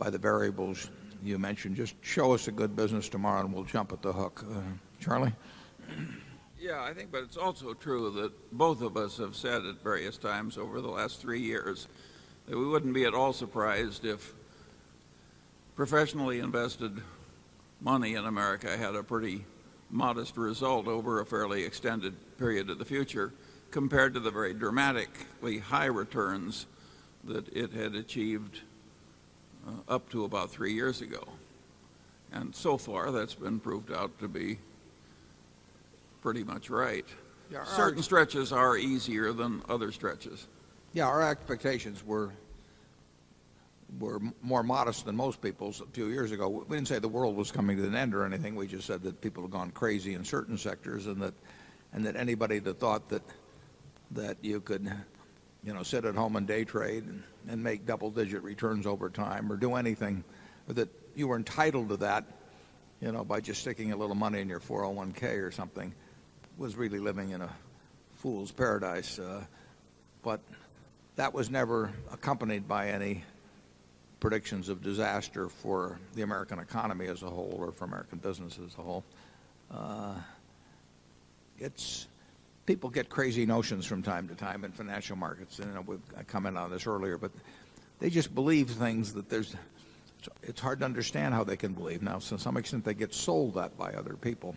variables you mentioned. Just show us a good business tomorrow and we'll jump at the hook. Charlie? Yes. I think but it's also true that both of us have said at various times over the last three years that we wouldn't be at all surprised if professionally invested money in America had a pretty modest result over a fairly extended period of the future compared to the very dramatically high returns that it had achieved up to about 3 years ago. And so far, that's been proved out to be pretty much right. Certain stretches are easier than other stretches. Yes. Our expectations were more modest than most people's a few years ago. We didn't say the world was coming to an end or anything. We just said that people have gone crazy in certain sectors and that anybody that thought that you could sit at home and day trade and make double digit returns over time or do anything, that you were entitled to that by just sticking a little money in your 401 or something was really living in a fool's paradise. But that was never accompanied by any predictions of disaster for the American economy as a whole or for American business as a whole. It's people get crazy notions from time to time in financial markets and commented on this earlier, but they just believe things that there's it's hard to understand how they can believe now. So to some extent, they get sold that by other people.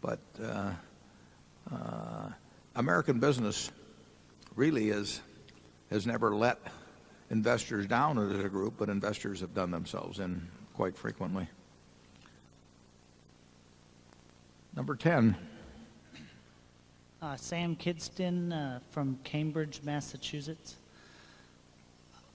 But American Business really has never let investors down as a group, but investors have done themselves in quite frequently. Number 10. Sam Kidston from Cambridge, Massachusetts.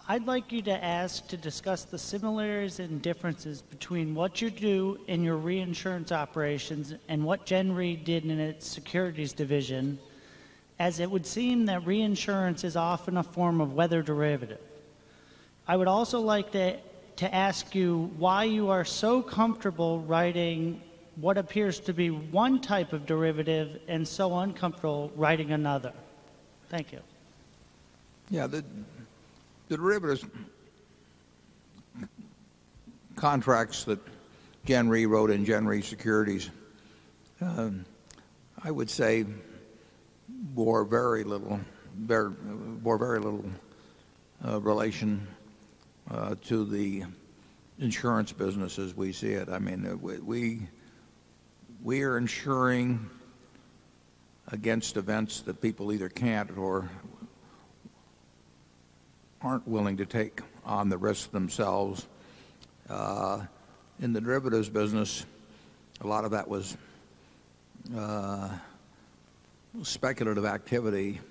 I'd like you to ask to discuss the similarities and differences between what you do in your reinsurance operations and what GenRe did in its securities division as it would seem that reinsurance is often a form of weather derivative. I would also like to ask you why you are so comfortable writing what appears to be one type of derivative and so uncomfortable writing another. Thank you. Yes. The derivatives contracts that Genre wrote and Genre Securities, I would say, bore very little bore very little relation to the insurance business as we see it. I mean, we are insuring against events that people either can't or aren't willing to take on the risks themselves. In the derivatives business, a lot of that was speculative activity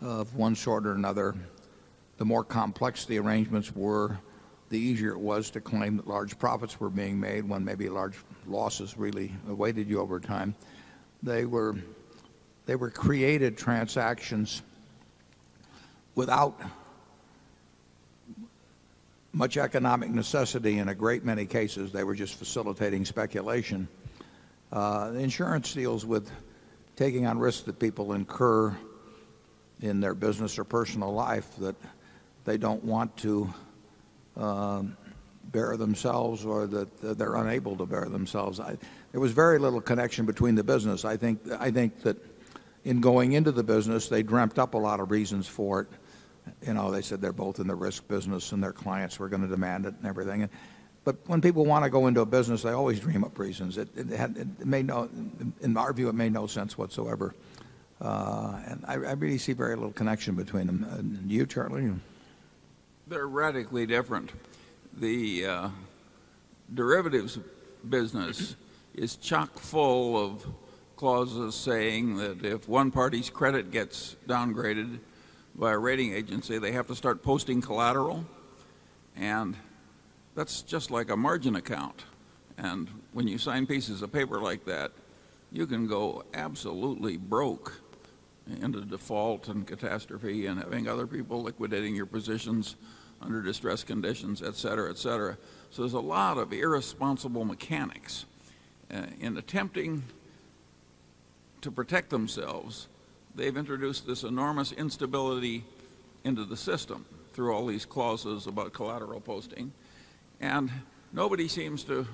of one sort or another. The more complex the arrangements were, the easier it was to claim that large profits were being made when maybe large losses really awaited you over time. They were created transactions without much economic necessity. In a great many cases, they were just facilitating speculation. Insurance deals with taking on risks that people incur in their business or personal life that they don't want to, bear themselves or that they're unable to bear themselves. There was very little connection between the business. I think that in going into the business, they dreamt up a lot of reasons for it. They said they're both in the risk business and their clients were going to demand it and everything. But when people want to go into a business, they always dream of reasons. It may no in our view, it made no sense whatsoever. And I really see very little connection between them. And you, Charlie? They're radically different. The derivatives business is chock full of clauses saying that if one party's credit gets downgraded by a rating agency, they have to start posting collateral and that's just like a margin account. And when you sign pieces of paper like that, you can go absolutely broke into default and catastrophe and having other people liquidating your positions under distressed conditions, etcetera, etcetera. So there's a lot of irresponsible mechanics. In attempting to protect themselves, they've introduced this enormous instability into the system through all these clauses about collateral posting and nobody seems to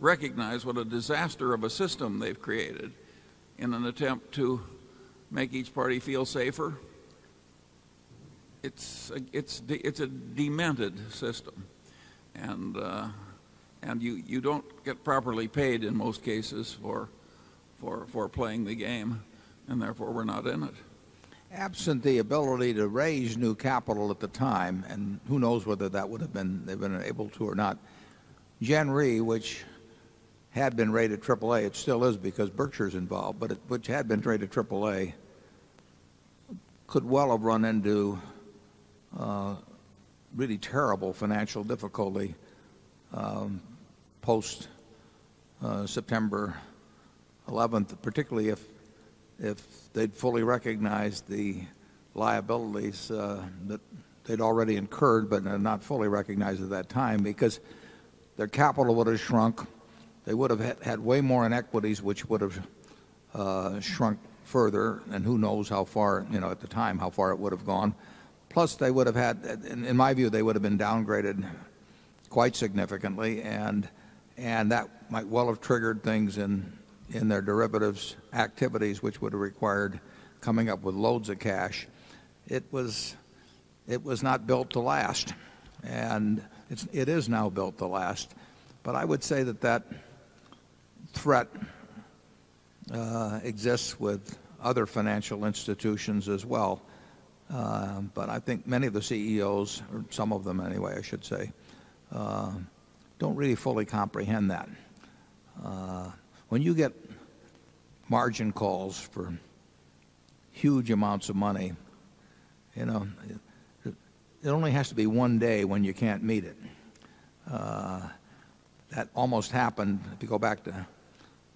recognize what a disaster of a system they've created in an attempt to make each party feel safer, it's a demented system and you don't get properly paid in most cases for playing the game and, therefore, we're not in it. Absent the ability to raise new capital at the time, and who knows whether that would have been they've been able to or not, Jan Re, which had been rated AAA, it still is because Berkshire's involved, but it had been traded AAA, could well have run into really terrible financial difficulty post September 11, particularly if they'd fully recognize the liabilities that they'd already incurred but not fully recognized at that time because their capital would have shrunk, they would have had way more in equities, which would have shrunk further and who knows how far at the time how far it would have gone. Plus, they would have had, in my view, they would have been downgraded quite significantly and that might well have triggered things in their derivatives activities, which would have required coming up with loads of cash. It was not built to last. And it is now built to last. But I would say that, that threat exists with other financial institutions as well. But I think many of the CEOs, or some of them anyway, I should say, don't really fully comprehend that. When you get margin calls for huge amounts of money, it only has to be one day when you can't meet it. That almost happened. If you go back to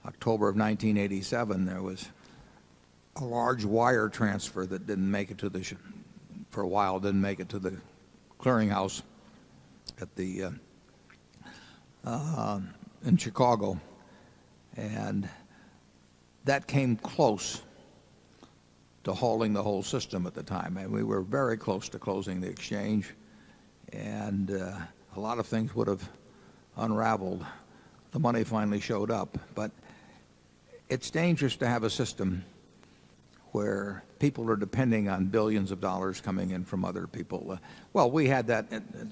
October of 1987, there was a large wire transfer that didn't make it to the for a while, didn't make it to the clearinghouse at the in Chicago. And that came close to hauling the whole system at the time. And we were very close to closing the exchange, and a lot of things would have unraveled. The money finally showed up. But it's dangerous to have a system where people are depending on 1,000,000,000 of dollars coming in from other people. Well, we had that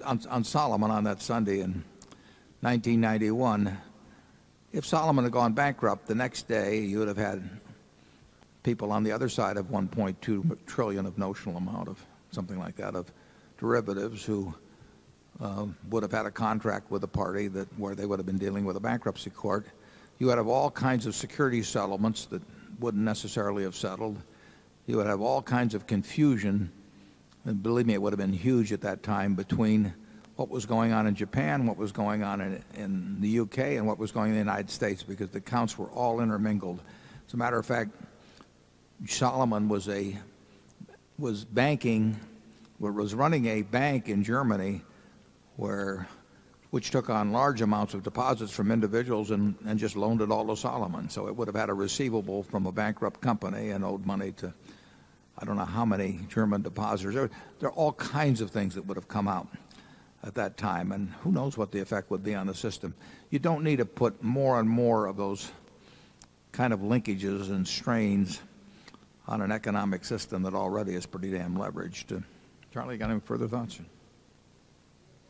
on Solomon on that Sunday in 1991, if Solomon had gone bankrupt the next day, you would have had people on the other side of $1,200,000,000,000 of notional amount of something like that of derivatives who would have had a contract with a party that where they would have been dealing with a bankruptcy court. You would have all kinds of security settlements that wouldn't necessarily have settled. You would have all kinds of confusion, and believe me, it would have been huge at that time, between what was going on in Japan, what was going on in the U. K, and what was going on in the United States because the accounts were all intermingled. As a matter of fact, Salomon was a was banking or was running a bank in Germany where which took on large amounts of deposits from individuals and just loaned it all to Solomon. So it would have had a receivable from a bankrupt company and owed money to I don't know how many German depositors. There are all kinds of things that would have come out at that time and who knows what the effect would be on the system. You don't need to put more and more of those kind of linkages and strains on an economic system that already is pretty damn leveraged. Charlie, got any further thoughts?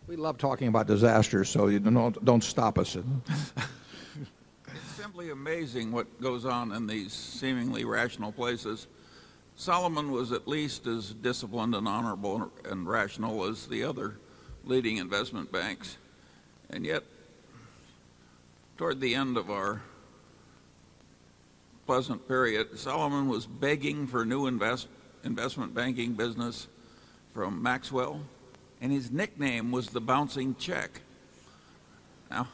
We love talking about disasters, so don't stop us. It's simply amazing what goes on in these seemingly rational places. Solomon was at least as disciplined and honorable and rational as the other leading investment banks. And yet, toward the end of our pleasant period, Salomon was begging for a new investment banking business from Maxwell, and his nickname was the bouncing check. And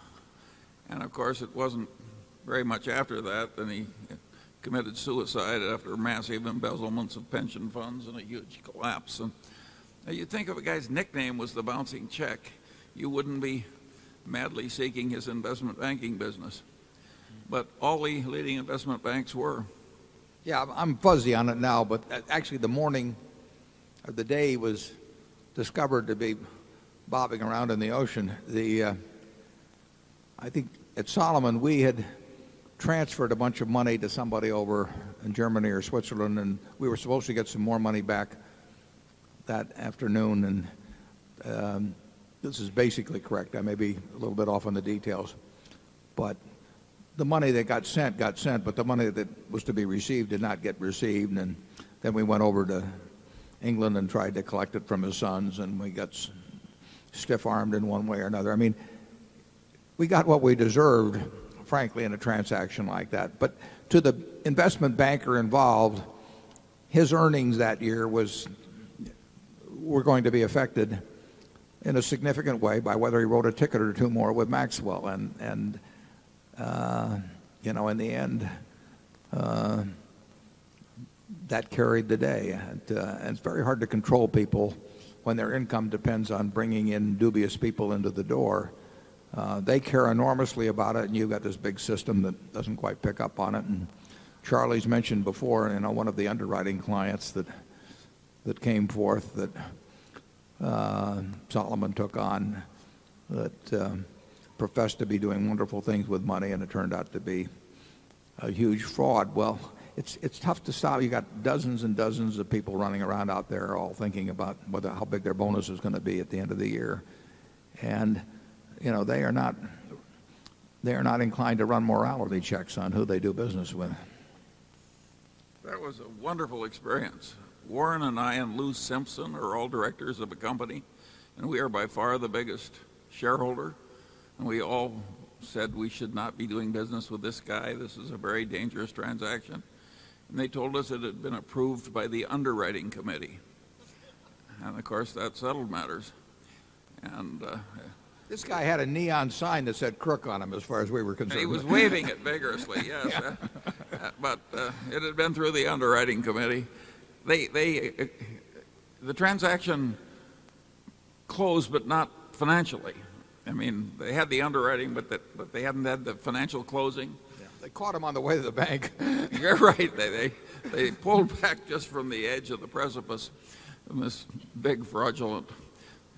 of course, it wasn't very much after that that he committed suicide after massive embezzlement of pension funds in a huge collapse. You think if a guy's nickname was the bouncing check, you wouldn't be madly seeking his investment banking business. But all the leading investment banks were. Yes, I'm fuzzy on it now, but actually the morning or the day was discovered to be bobbing around in the ocean. I think at Salomon, we had transferred a bunch of money to somebody over in Germany or Switzerland and we were supposed to get some more money back that afternoon. And this is basically correct. I may be a little bit off on the details. But the money that got sent got sent, but the money that was to be received did not get received. And then we went over to England and tried to collect it from his sons and we got stiff armed in one way or another. I mean, we got what we deserved, frankly, in a transaction like that. But to the investment banker involved, his earnings that year was we're going to be affected in a significant way by whether he wrote a ticket or 2 more with Maxwell. And in the end, that carried the day. And it's very hard to control people when their income depends on bringing in dubious people into the door. They care enormously about it. And you've got this big system that doesn't quite pick up on it. And Charlie has mentioned before, and one of the underwriting clients that came forth that Solomon took on that professed to be doing wonderful things with money and it turned out to be a huge fraud. Well, it's tough to solve. You've got dozens and dozens of people running around out there all thinking about how big their bonus is going to be at the end of the year. And they are not inclined to run morality checks on who they do business with. That was a wonderful experience. Warren and I and Lou Simpson are all directors of the company and we are by far the biggest shareholder and we all said we should not be doing business with this guy. This is a very dangerous transaction. And they told us it had been approved by the underwriting committee and of course that settled matters. This guy had a neon sign that said crook on him as far as we were concerned. He was waiving it vigorously, yes. But it had been through the underwriting committee. The transaction closed but not financially. I mean, they had the underwriting, but they hadn't had the financial closing. They caught them on the way to the bank. You're right. They pulled back just from the edge of the precipice in this big fraudulent.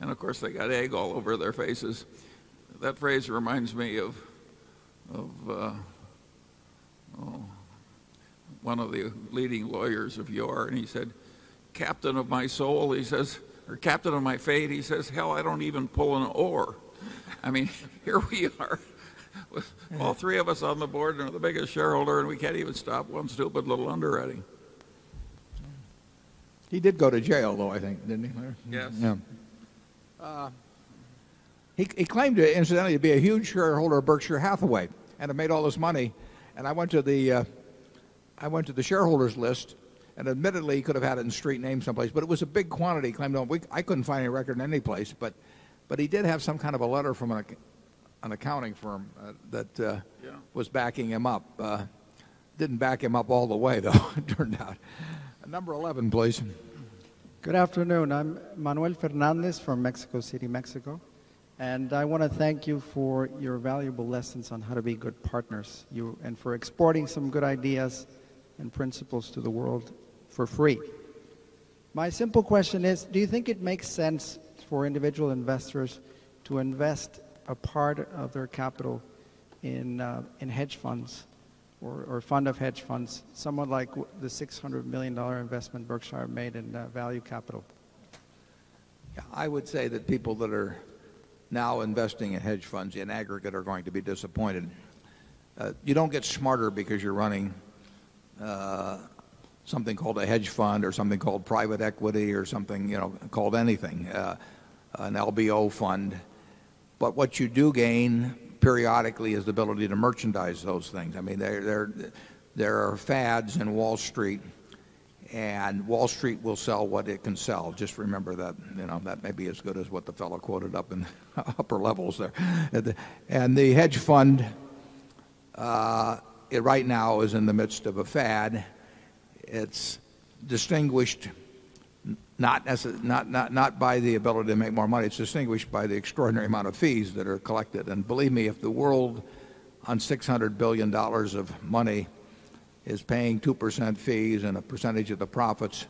And of course, they got egg all over their faces. That phrase reminds me of 1 of the leading lawyers of yore and he said, captain of my soul, he says, or captain of my fate, he says, hell, I don't even pull an oar. I mean, here we are, with all 3 of us on the board and we're the biggest shareholder and we can't even stop. 1 stupid little underwriting. He did go to jail, though, I think, didn't he? Yes. Yeah. He claimed, incidentally, to be a huge shareholder of Berkshire Hathaway, and made all this money. And I went to the shareholders list and admittedly, he could have had it in street name someplace, but it was a big quantity. I couldn't find any record in any place, but he did have some kind of a letter from an accounting firm that was backing him up. Didn't back him up all the way, though, it turned out. Number 11, please. Good afternoon. I'm Manuel Fernandez from Mexico City, Mexico. And I want to thank you for your valuable lessons on how to be good partners and for exporting some good ideas and principles to the world for free. My simple question is, do you think it makes sense for individual investors to invest a part of their capital in hedge funds or fund of hedge funds, somewhat like the $600,000,000 investment Berkshire made in value capital? I would say that people that are now investing in hedge funds in aggregate are going to be disappointed. You don't get smarter because you're running something called a hedge fund or something called private equity or something called anything, an LBO fund. But what you do gain periodically is the ability to merchandise those things. I mean, there are fads in Wall Street and Wall Street will sell what it can sell. Just remember that, that may be as good as what the fellow quoted up in the upper levels there. And the hedge fund, right now, is in the midst of a fad. It's distinguished not as not by the ability to make more money. It's distinguished by the extraordinary amount of fees that are collected. And believe me, if the world on $600,000,000,000 of money, is paying 2% fees and a percentage of the profits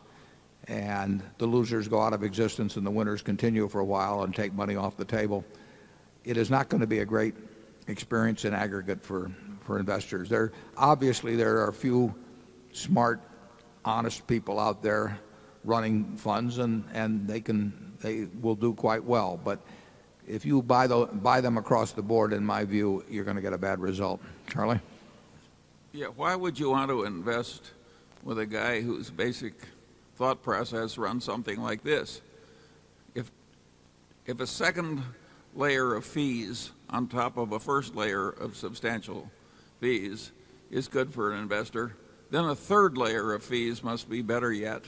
and the losers go out of existence and the winners continue for a while and take money off the table. It is not going to be a great experience in aggregate for investors. Obviously, there are a few smart, honest people out there running funds and they can they will do quite well. But if you buy them across the board, in my view, you're going to get a bad result. Charlie? Yes. Why would you want to invest with a guy whose basic thought process runs something like this? If a second layer of fees on top of a first layer of substantial fees is good for an investor, then a third layer of fees must be better yet.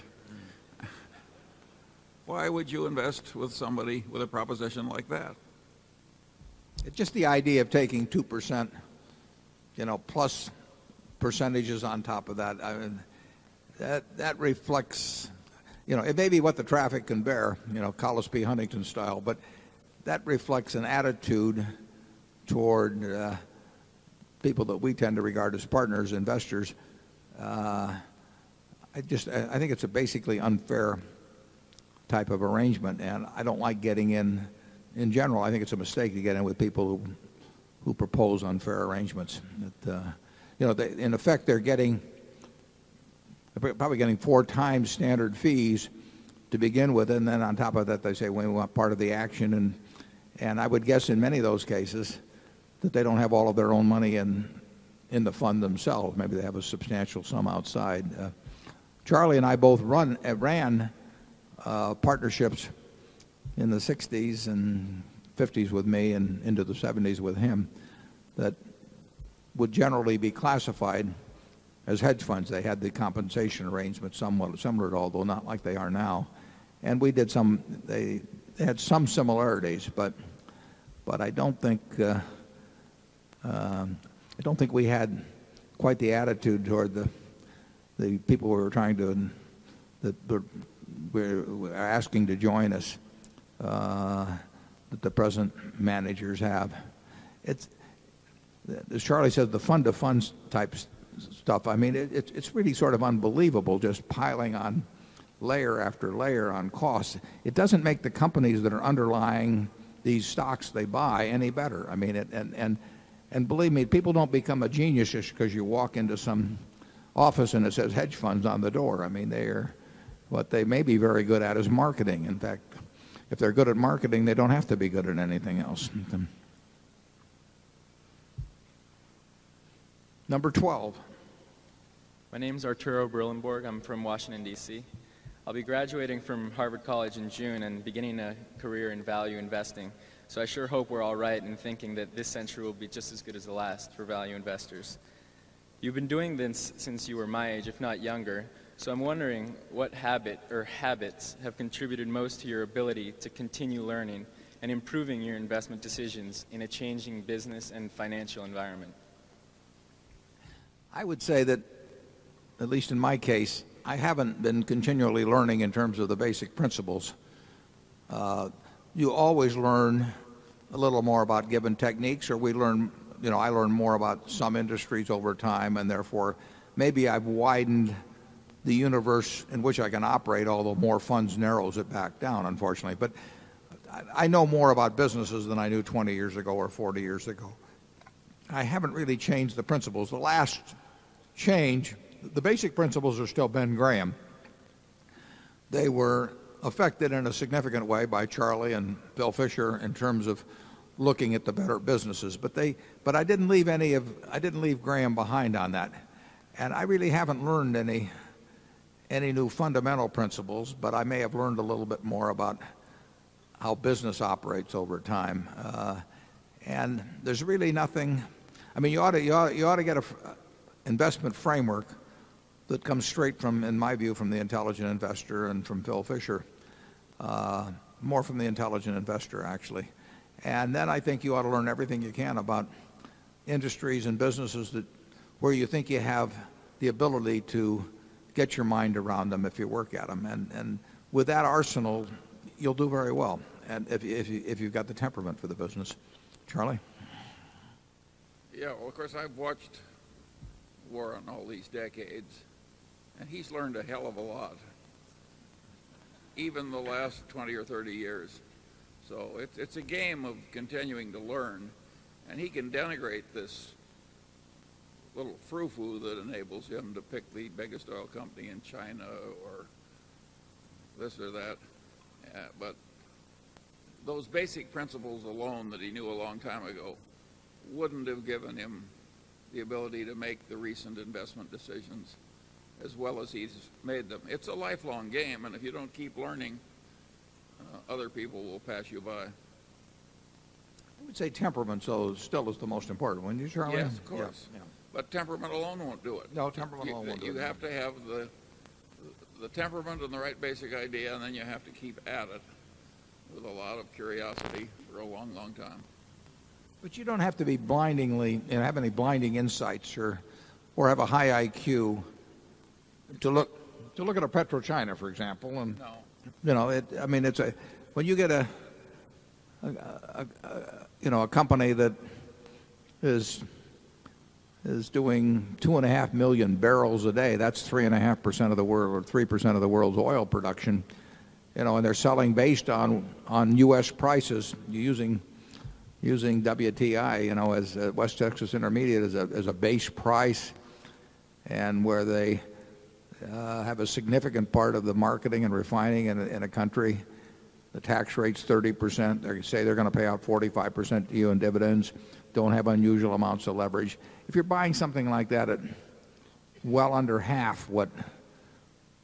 Why would you invest with somebody with a proposition like that? Just the idea of taking 2% plus percentages on top of that. That reflects it may be what the traffic can bear, Collis P. Huntington style, but that reflects an attitude toward people that we tend to regard as partners, investors. I think it's a basically unfair type of arrangement. And I don't like getting in in general. I think it's a mistake to get in with people who propose unfair arrangements. In effect, they're getting they're probably getting 4 times standard fees to begin with. And then on top of that, they say, we want part of the action. And I would guess in many of those cases that they don't have all of their own money in the fund themselves. Maybe they have a substantial sum outside. Charlie and I both run ran, partnerships in the 60s 50s with me and into the 70s with him that would generally be classified as hedge funds. They had the compensation arrangement somewhat similar, although not like they are now. And we did some they had some similarities. But I don't think we had quite the attitude toward the people who were trying to that were asking to join us, that the present managers have. It's as Charlie said, the fund to funds type stuff. I mean, it's really sort of unbelievable just piling on layer after layer on costs. It doesn't make the companies that are underlying these stocks they buy any better. I mean, and believe me people don't become a genius just because you walk into some office and it says hedge funds on the door. I mean they're what they may be very good at is marketing. In fact, if they're good at marketing, they don't have to be good at anything else. Number 12. My name's Arturo Brilenburg. I'm from Washington, DC. I'll be graduating from Harvard College in June and beginning a career in value investing. So I sure hope we're all right in thinking that this century will be just as good as the last for value investors. You've been doing this since you were my age, if not younger. So I'm wondering what habit or habits have contributed most to your ability to continue learning and improving your investment decisions in a changing business and financial environment? I would say that, at least in my case, I haven't been continually learning in terms of the basic principles. You always learn a little more about given techniques or we learn I learn more about some industries over time and therefore, maybe I've widened the universe in which I can operate, although more funds narrows it back down, unfortunately. But I know more about businesses than I knew 20 years ago or 40 years ago. I haven't really changed the principles. The last change, the basic principles are still Ben Graham. They were affected in a significant way by Charlie and Bill Fisher in terms of looking at the better businesses. But they but I didn't leave any of I didn't leave Graham behind on that. And I really haven't learned any new fundamental principles, but I may have learned a little bit more about how business operates over time. And there's really nothing I mean, you ought to get an investment framework that comes straight from, in my view, from The Intelligent Investor and from Phil Fisher, more from the Intelligent Investor actually. And then I think you ought to learn everything you can about industries and businesses that where you think you have the ability to get your mind around them if you work at them. And with that arsenal, you'll do very well if you've got the temperament for the business. Charlie? Yes. Well, of course, I've watched Warren all and he's learned a hell of a lot, even the last 20 or 30 years. So it's a game of continuing to learn and he can denigrate this little frou frou that enables him to pick the biggest oil company China or this or that. But those basic principles alone that he knew a long time ago wouldn't have given him the ability to make the recent investment decisions as well as he has made them. It's a lifelong game and if you don't keep learning, other people will pass you by. I would say temperament still is the most important one. You, Charlie? Yes, of course. But temperament alone won't do it. No, temperament alone won't do it. You have to have the temperament and the right basic idea and then you have to keep at it with a lot of curiosity for a long, long time. But you don't have to be blindingly and have any blinding insights or have a high IQ to look at a petro China, for example. You know, I mean, it's a when you get a company that is doing 2,500,000 barrels a day. That's 3.5% of the world or 3% of the world's oil production. And they're selling based on U. S. Prices using WTI, West Texas Intermediate as a base price and where they have a significant part of the marketing and refining in a country. The tax rate is 30%. They're going to say they're going to pay out 45% to you in dividends. Don't have unusual amounts of leverage. If you're buying something like that at well under half what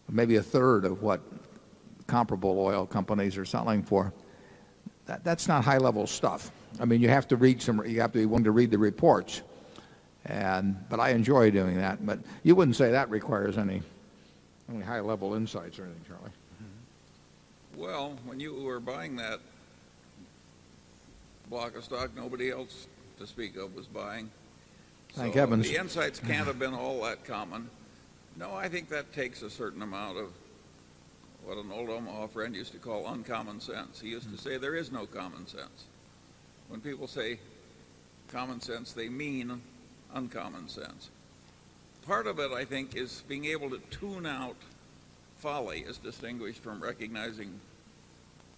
maybe onethree of what comparable oil companies are selling for, That's not high level stuff. I mean, you have to read some you have to be willing to read the reports. And but I enjoy doing that. But you wouldn't say that requires any any high level insights or anything, Charlie. Well, when you were buying that block of stock, nobody else to speak of was buying. So the insights can't have been all that common. No, I think that takes a certain amount of what an old Omaha friend used to call uncommon sense. He used to say, there is no common sense. When people say common sense, they mean uncommon sense. Part of it, I think, is being able to tune out folly as distinguished from recognizing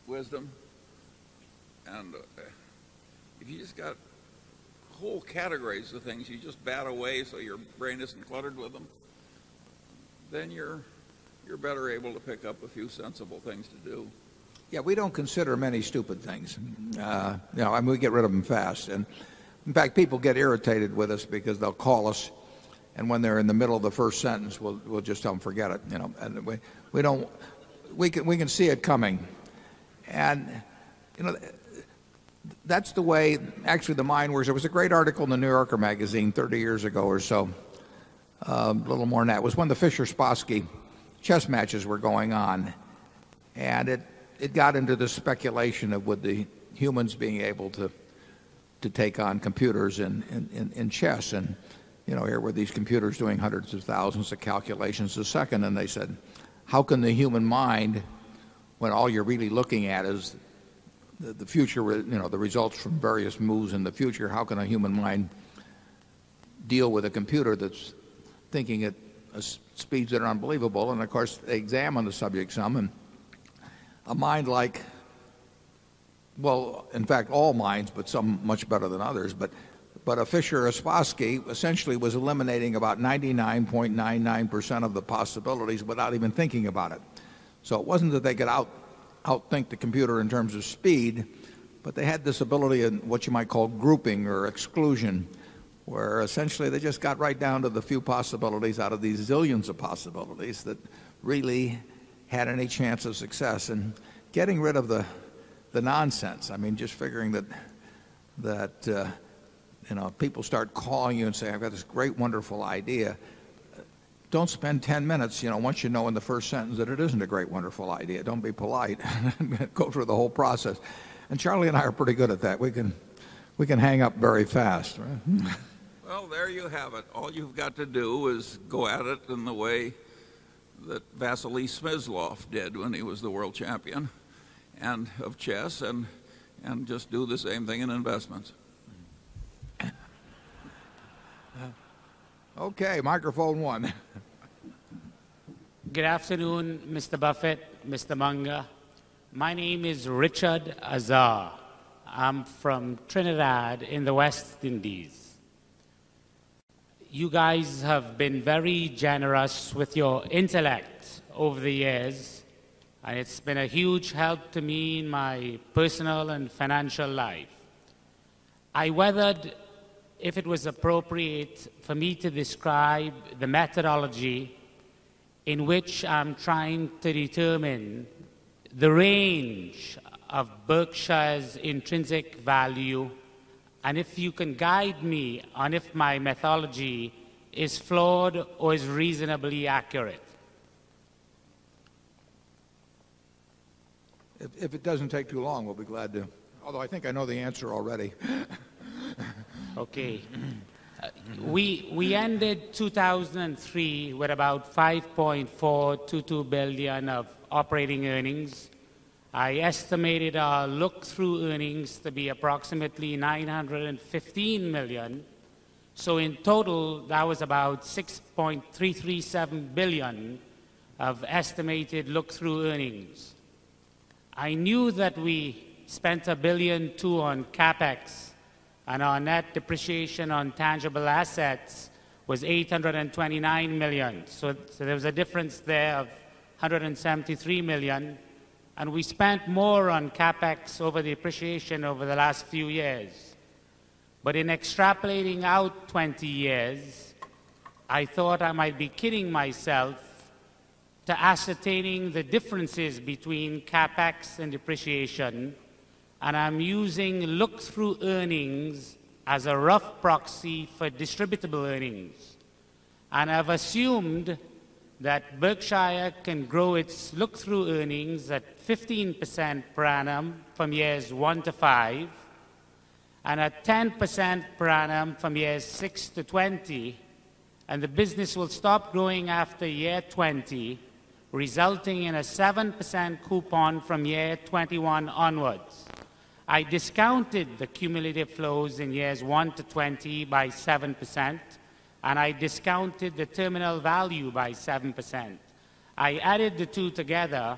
wisdom. And if you just got whole categories of things you just bat away so your brain isn't cluttered with them, then you're better able to pick up a few sensible things to do. Yes. We don't consider many stupid things. We get rid of them fast. And in fact, people get irritated with us because they'll call us. When they're in the middle of the first sentence, we'll just tell them forget it. And we don't we can see it coming. And that's the way actually the mine was. There was a great article in the New Yorker Magazine 30 years ago or so, a little more than that. It was when the Fischer Sposkie chess matches were going on. And it got into the speculation of what the humans being able to take on computers in chess. And here were these computers doing 100 of 1000 of calculations a second. And they said, how can the human mind when all you're really looking at is the future the results from various moves in the future, how can a human mind deal with a computer that's thinking at speeds that are unbelievable? And of course, they examine the subject some. And a mind like well, in fact, all mines, but some much better than others. But a Fischer or Sposky essentially was eliminating about 99.99 percent of the possibilities without even thinking about it. So it wasn't that they could out think the computer in terms of speed, but they had this ability in what you might call grouping or exclusion, where essentially they just got right down to the few possibilities out of these zillions of possibilities that really had any chance of success. And getting rid of the nonsense. I mean, just figuring that people start calling you and saying, I've got this great, wonderful idea. Don't spend 10 minutes once you know in the first sentence that it isn't a great, wonderful idea. Don't be polite. Go through the whole process. And Charlie and I are pretty good at that. We can hang up very fast. Well, there you have it. All you've got to do is go at it in the way that Vasiliy Smyslov did when he was the world champion of chess and just do the same thing in investments. Okay. Microphone 1. Good afternoon, Mr. Buffet, Mr. Munger. My name is Richard Azar. I'm from Trinidad in the West Indies. You guys have been very generous with your intellect over the years, and it's been a huge help to me in my personal and financial life. I weathered if it was appropriate for me to describe the methodology in which I'm trying to determine the range of Berkshire's intrinsic value and if you can guide me on if my methodology is flawed or is reasonably accurate? If it doesn't take too long, we'll be glad to. Although I think I know the answer already. Okay. We ended 2,003 with about €5,422,000,000 of operating earnings. I estimated our look through earnings to be approximately 915,000,000 dollars So in total, that was about $6,337,000,000 of estimated look through earnings. I knew that we spent $1,200,000,000 on CapEx and our net depreciation on tangible assets was $829,000,000 So there was a difference there of $173,000,000 and we spent more on CapEx over the appreciation over the last few years. But in extrapolating out 20 years, I thought I might be kidding myself to ascertaining the differences between CapEx and depreciation. And I'm using looks through earnings as a rough proxy for distributable earnings. And I've assumed that Berkshire can grow its look through earnings at 15% per annum from years 1 to 5 and at 10% per annum from years 6 to 20 and the business will stop growing after year 2020 resulting in a 7% coupon from year 2021 onwards. I discounted the cumulative flows in years 1 to 'twenty by 7% and I discounted the terminal value by 7%. I added the 2 together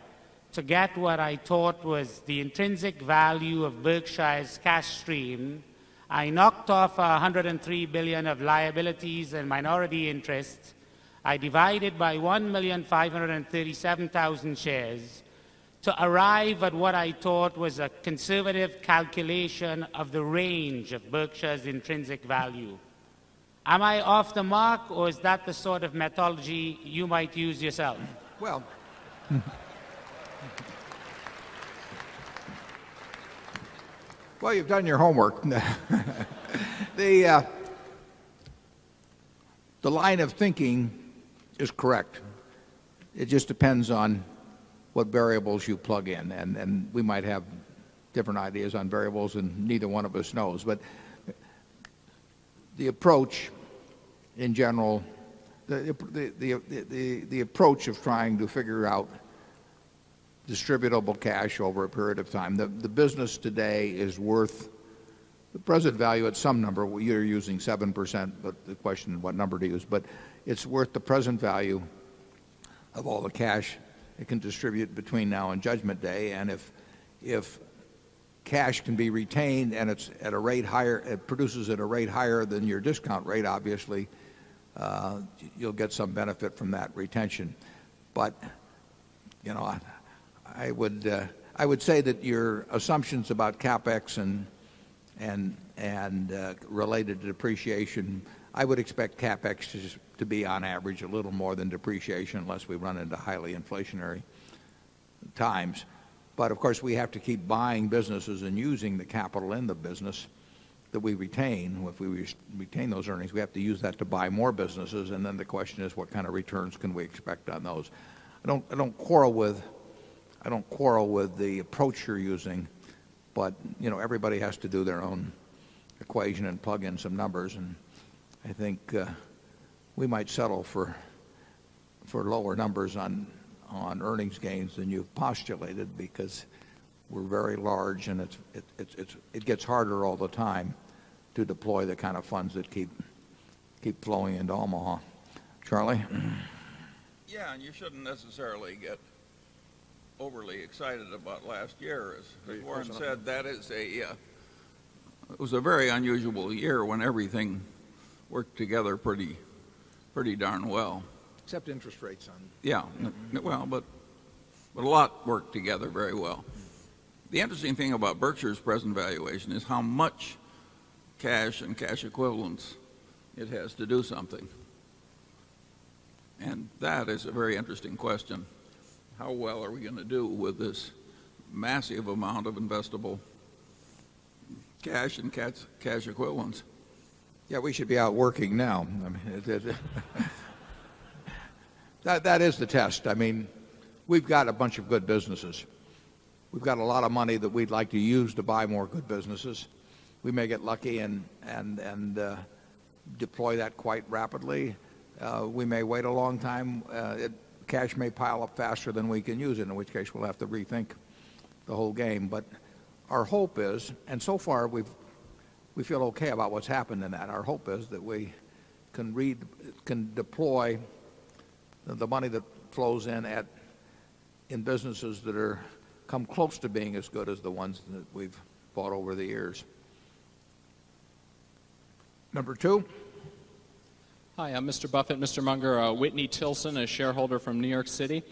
to get what I thought was the intrinsic value of Berkshire's cash stream. I knocked off $103,000,000,000 of liabilities and minority interests. I divided by 1,537,000 shares to arrive at what I thought was a conservative calculation of the range of Berkshire's intrinsic value. Am I off the mark? Or is that the sort of methodology you might use yourself? Well, you've done your homework. The line of thinking is correct. It just depends on what variables you plug in. And we might have different ideas on variables and neither one of us knows. But the approach in general the approach of trying to figure out distributable cash over a period of time. The business today is worth the present value at some number. You're using 7%, but the question is what number to use. But it's worth the present value of all the cash it can distribute between now and judgment day. And if cash can be retained and it's at a rate higher it produces at a rate higher than your discount rate, obviously, you'll get some benefit from that retention. But I would say that your assumptions about CapEx and related depreciation, I would expect CapEx to be on average a little more than depreciation unless we run into highly inflationary times. But of course, we have to keep buying businesses and using the capital in the business that we retain. If we retain those earnings, we have to use that to buy more businesses. And then the question is what kind of returns can we expect on those. I don't quarrel with the approach you're using, but everybody has to do their own equation and plug in some numbers. And I think we might settle for lower numbers on earnings gains than you've postulated because we're very large and it gets harder all the time to deploy the kind of funds that keep flowing into Omaha. Charlie? Yes. And you shouldn't necessarily get overly excited about last year. As Warren said, that is a about last year. As Warren said, that is a it was a very unusual year when everything worked together pretty darn well. Except interest rates. Yes. Well, but a lot worked together very well. The interesting thing about Berkshire's present valuation is how much cash and cash equivalents it has to do something. And that is a very interesting question. How well are we going to do with this massive amount of investable cash and cash equivalents. Yes, we should be out working now. That is the test. I mean, we've got a bunch of good businesses. We've got a lot of money that we'd like to use to buy more good businesses. We may get lucky and deploy that quite rapidly. We may wait a long time. Cash may pile up faster than we can use it, in which case we'll have to rethink the whole game. But our hope is, and so far we feel okay about what's happened in that our hope is that we can deploy the money that flows in in businesses that are come close to being as good as the ones that we've bought over the years. Number 2? Hi, Mr. Buffet, Mr. Munger, Whitney Tilson, a shareholder from New York City.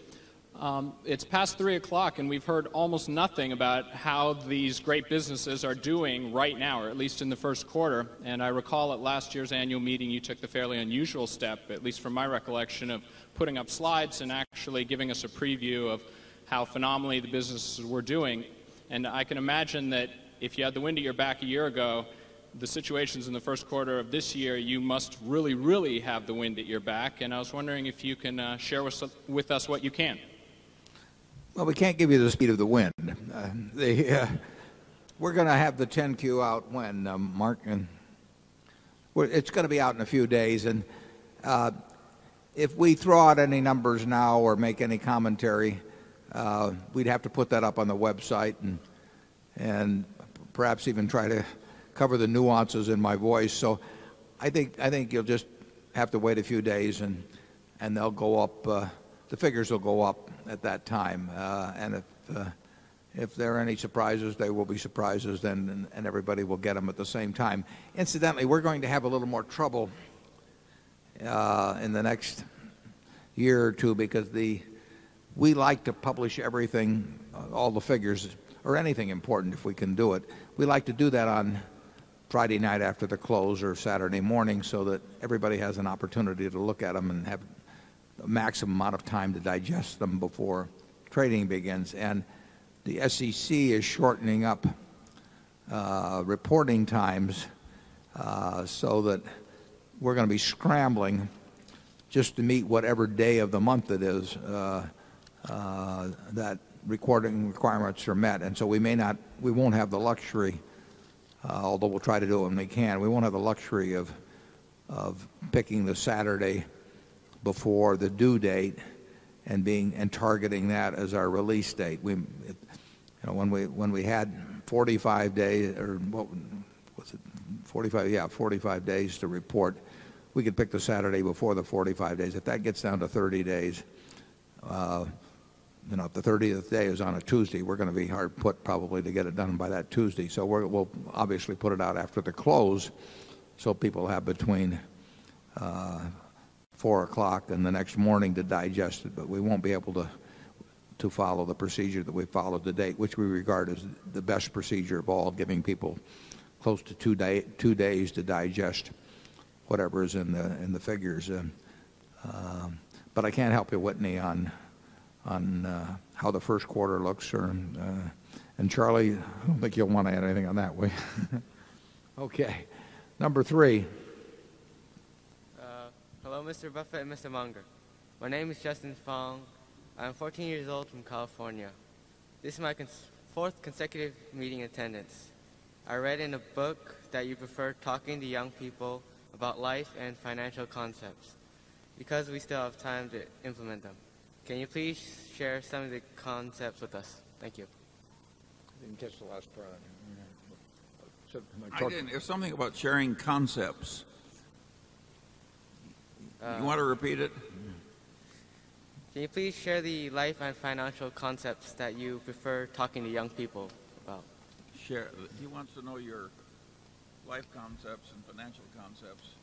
It's past 3 o'clock, and we've heard almost nothing about how these great businesses are doing right now, or at least in the Q1. I recall at last year's annual meeting, you took the fairly unusual step, at least from my recollection, of putting up slides and actually giving us a preview of how phenomenally the businesses were doing. And I can imagine that if you had the wind at your back a year ago, the situation is in the Q1 of this year, you must really, really have the wind at your back. And I was wondering if you can share with us what you can. Well, we can't give you the speed of the wind. We're going to have the 10 Q out when, Mark? It's going to be out in a few days. And if we throw out any numbers now or make any commentary, we'd have to put that up on the website and perhaps even try to cover the nuances in my voice. So I think you'll just have to wait a few days and they'll go up, the figures will go up at that time. And if there are any surprises, there will be surprises, and everybody will get them at the same time. Incidentally, we're going to have a little more trouble in the next year or 2 because we like to publish everything, all the figures, or anything important if we can do it. We like to do that on Friday night after the close or Saturday morning so that everybody has an opportunity to look at them and have the maximum amount of time to digest them before trading begins. And the SEC is shortening up reporting times, so that we're going to be scrambling just to meet whatever day of the month it is that recording requirements are met. And so we may not we won't have the luxury, although we'll try to do it when we can. We won't have the luxury of picking the Saturday before the due date and being and targeting that as our release date. When we had 45 days or what was it 45 yes, 45 days to report, We could pick the Saturday before the 45 days. If that gets down to 30 days, if the 30th day is on a Tuesday, we're going to be hard put probably to get it done by that Tuesday. So we'll obviously put it out after the close so people have between 4 o'clock and the next morning to digest it. But we won't be able to follow the procedure that we followed to date, which we regard as the best procedure of all, giving people close to 2 days to digest whatever is in the figures. But I can't help you, Whitney, on how the Q1 looks. And Charlie, I don't think you'll want to add anything on that way. Okay. Number 3. Hello, Mr. Buffet and Mr. Munger. My name is Justin Fong. I'm 14 years old from California. This is my 4th consecutive meeting attendance. I read in a book that you prefer talking to young people about life and financial concepts because we still have time to implement them. Can you please share some of the concepts with us? Thank you. I didn't catch the last part. I didn't. It's something about sharing concepts. You want to repeat it? Can you please share the life and financial concepts that you prefer talking to young people about? Share. He wants to know your life concepts and financial concepts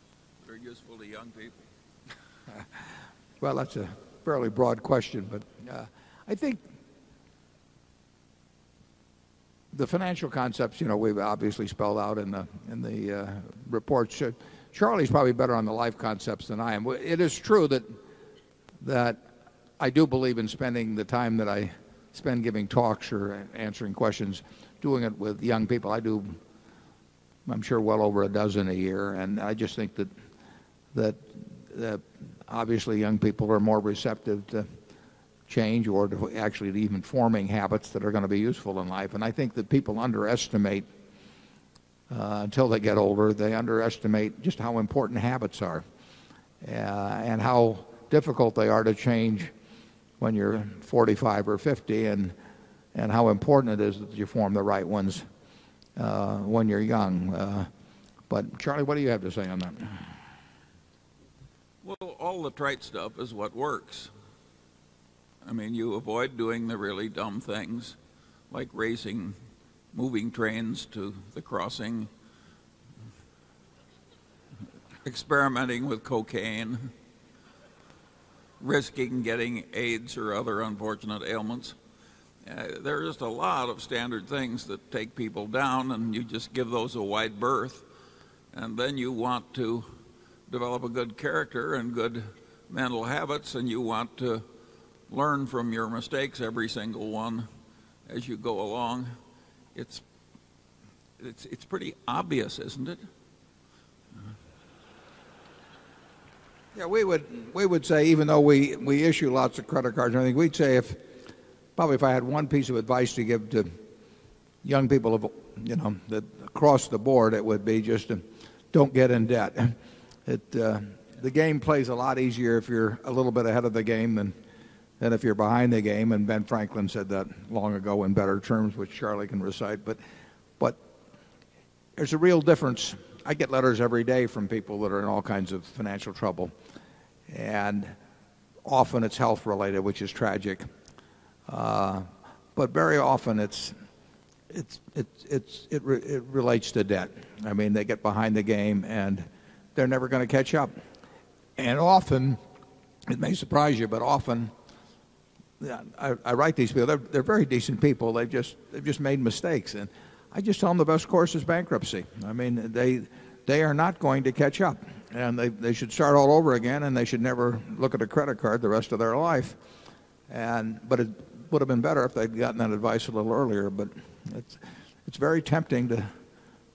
that are useful to young people. Well, that's a fairly broad question. But I think the financial concepts, you know, we've obviously spelled out in the reports. Charlie's probably better on the life concepts than I am. It is true that I do believe in spending the time that I spend giving talks or answering questions, doing it with young people. I do, I'm sure, well over a dozen a year. And I just think that obviously young people are more receptive to change or to actually even forming habits that are going to be useful in life. And I think that people underestimate, until they get older, they underestimate just how important habits are, and how difficult they are to change when you're 45 or 50 and how important it is that you form the right ones when you're young. But, Charlie, what do you have to say on that? Well, all the trite stuff is what works. I mean, you avoid doing the really dumb things, like raising, moving trains to the crossing, experimenting with cocaine, risking getting AIDS or other unfortunate ailments. There is a lot of standard things that take people down and you just give those a wide berth. And then you want to develop a good character and good mental habits and you want to learn from your mistakes, every single one as you go along, it's pretty obvious, isn't it? Yeah, we would say, even though we issue lots of credit cards, I think we'd say if probably if I had one piece of advice to give to young people, you know, across the board, it would be just don't get in debt. The game plays a lot easier if you're a little bit ahead of the game than if you're behind the game. And Ben Franklin said that long ago in better terms, which Charlie can recite. But there's a real difference. I get letters every day from people that are in all kinds of financial trouble. And often, it's health related, which is tragic. But very often, it's it's it relates to debt. I mean, they get behind the game and they're never going to catch up. And often, it may surprise you, but often, I write these people. They're very decent people. They've just made mistakes. And I just tell them the best course is bankruptcy. I mean, they are not going to catch up. And they should start all over again, and they should never look at a credit card the rest of their life. And but it would have been better if they'd gotten that advice a little earlier, but it's it's very tempting to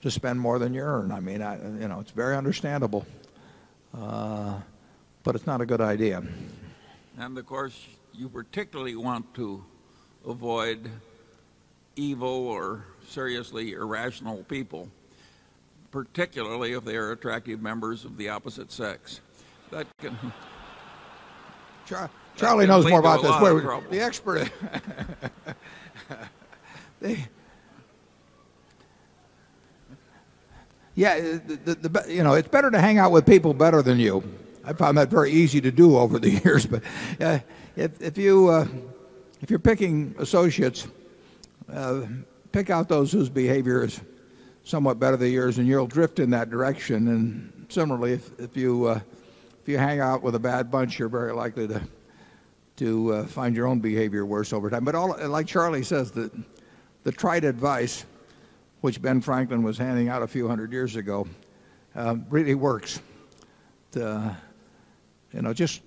to spend more than you earn. I mean, it's very understandable, but it's not a good idea. And of course, you particularly want to avoid evil or seriously irrational people, particularly if they are attractive members of the opposite sex. Charlie knows more about this. The expert. Yeah, the the you know, it's better to hang out with people better than you. I found that very easy to do over the years. But if you, if you're picking associates, pick out those whose behavior is somewhat better than yours and you'll drift in that direction. And similarly, if you, if you hang out with a bad bunch, you're very likely to find your own behavior worse over time. But like Charlie says, the trite advice, which Ben Franklin was handing out a few 100 years ago, really works. You know, just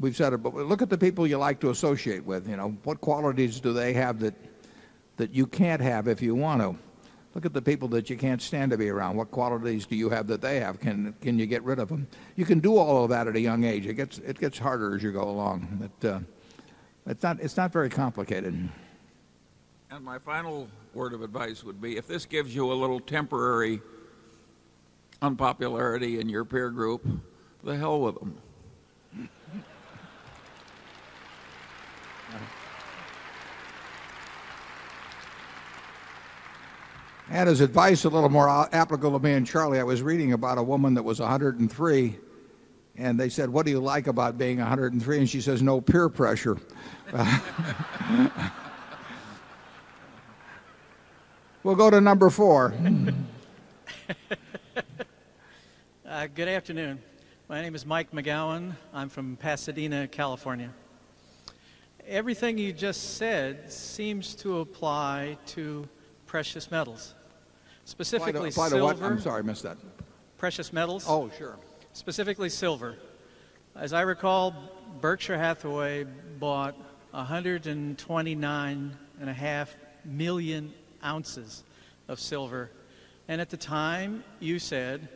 we've said it, but look at the people you like to associate with, you know. What qualities do they have that you can't have if you want to? Look at the people that you can't stand to be around. What qualities do you have that they have? Can you get rid of them? You can do all of that at a young age. It gets harder as you go along. It's not very complicated. And my final word of advice would be, if this gives you a little temporary unpopularity in your peer group, the hell with them. And as advice a little more applicable to me and Charlie, I was reading about a woman that was 103. And they said, what do you like about being 103? And she says, no peer pressure. We'll go to number 4. Good afternoon. My name is Mike McGowan. I'm from Pasadena, California. Everything you just said seems to apply to precious metals, specifically silver. I'm sorry, I missed that. Precious metals? Oh, sure. Specifically, silver. As I recall, Berkshire Hathaway bought 129 and a half 1,000,000 ounces of silver. And at the time, you said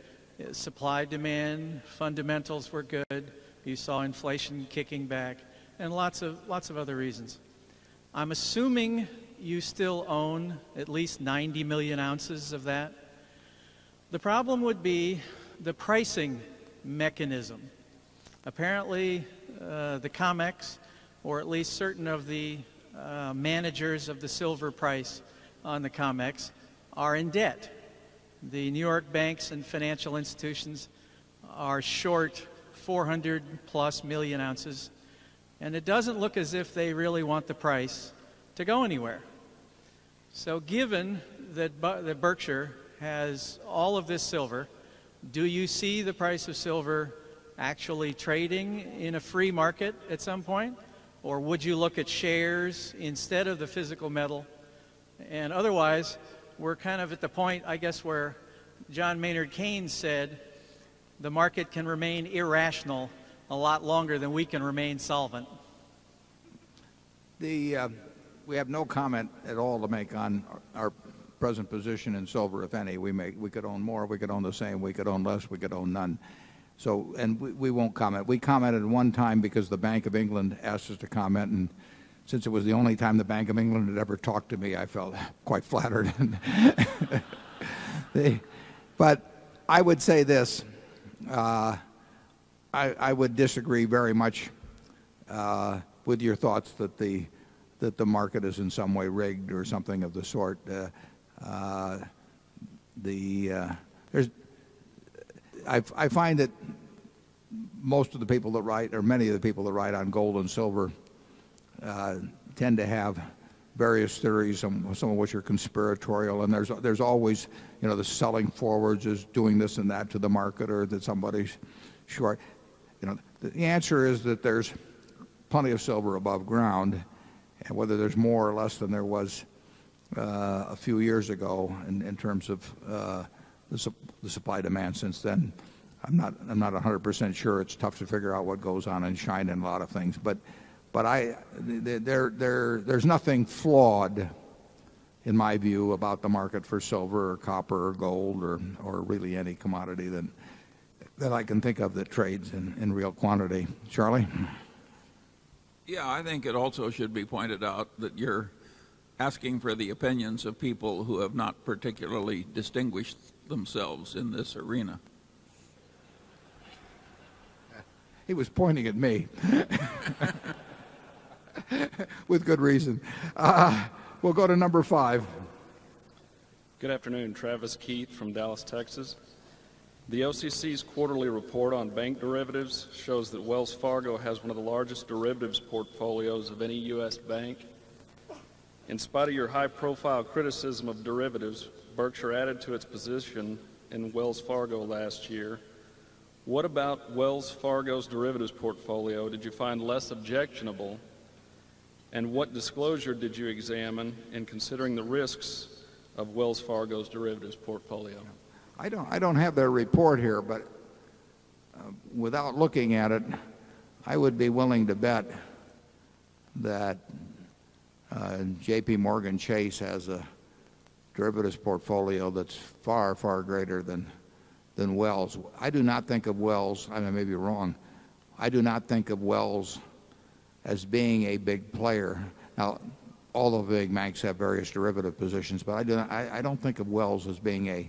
supply demand fundamentals were good, You saw inflation kicking back, and lots of other reasons. I'm assuming you still own at least 90,000,000 ounces of that. The problem would be the pricing mechanism. Apparently, the COMEX, or at least certain of the, managers of the silver price on the COMEX, are in debt. The New York banks and financial institutions are short 400 +1000000 ounces, and it doesn't look as if they really want the price to go anywhere. So given that Berkshire has all of this silver, do you see the price of silver actually trading in a free market at some point, or would you look at shares instead of the physical metal? And otherwise, we're kind of at the point, I guess, where John Maynard Keynes said the market can remain irrational a lot longer than we can remain solvent. We have no comment at all to make on our present position in silver, if any. We could own more, we could own the same, we could own less, we could own none. So and we won't comment. We commented one time because the Bank of England asked us to comment and since it was the only time the Bank of England had ever talked to me, I felt quite flattered. But I would say this, I would disagree very much with your thoughts that the market is in some way rigged or something of the sort. I find that most of the people that write or many of the people that write on gold and silver tend to have various theories, some of which are conspiratorial. And there's always the selling forward is doing this and that to the market or that somebody is sure. The answer is that there's plenty of silver above ground, whether there's more or less than there was a few years ago in terms of the supply demand since then, I'm not 100% sure. It's tough to figure out what goes on in China and a lot of things. But I there's nothing flawed, in my view, about the market for silver or copper or gold or really any commodity that I can think of that trades in real quantity. Charlie? Yes. I think it also should be pointed out that you're asking for the opinions of people who have not particularly distinguished themselves in this arena. He was pointing at me with good reason. We'll go to number 5. Good afternoon, Travis. Keith from Dallas, Texas. The OCC's quarterly report on bank derivatives shows that Wells Fargo has one of the largest derivatives portfolios of any U. S. Bank. In spite of your high profile criticism of derivatives, Berkshire added to its position in Wells Fargo last year. What about Wells Fargo's derivatives portfolio did you find less objectionable? And what disclosure did you examine in considering the risks of Wells Fargo's derivatives portfolio? I don't have their report here. But without looking at it, I would be willing to bet that JPMorgan Chase has a derivatives portfolio that's far, far greater than Wells. I do not think of Wells, and I may be wrong, I do not think of Wells as being a big player. Now all the big banks have various derivative positions, but I don't think of Wells as being a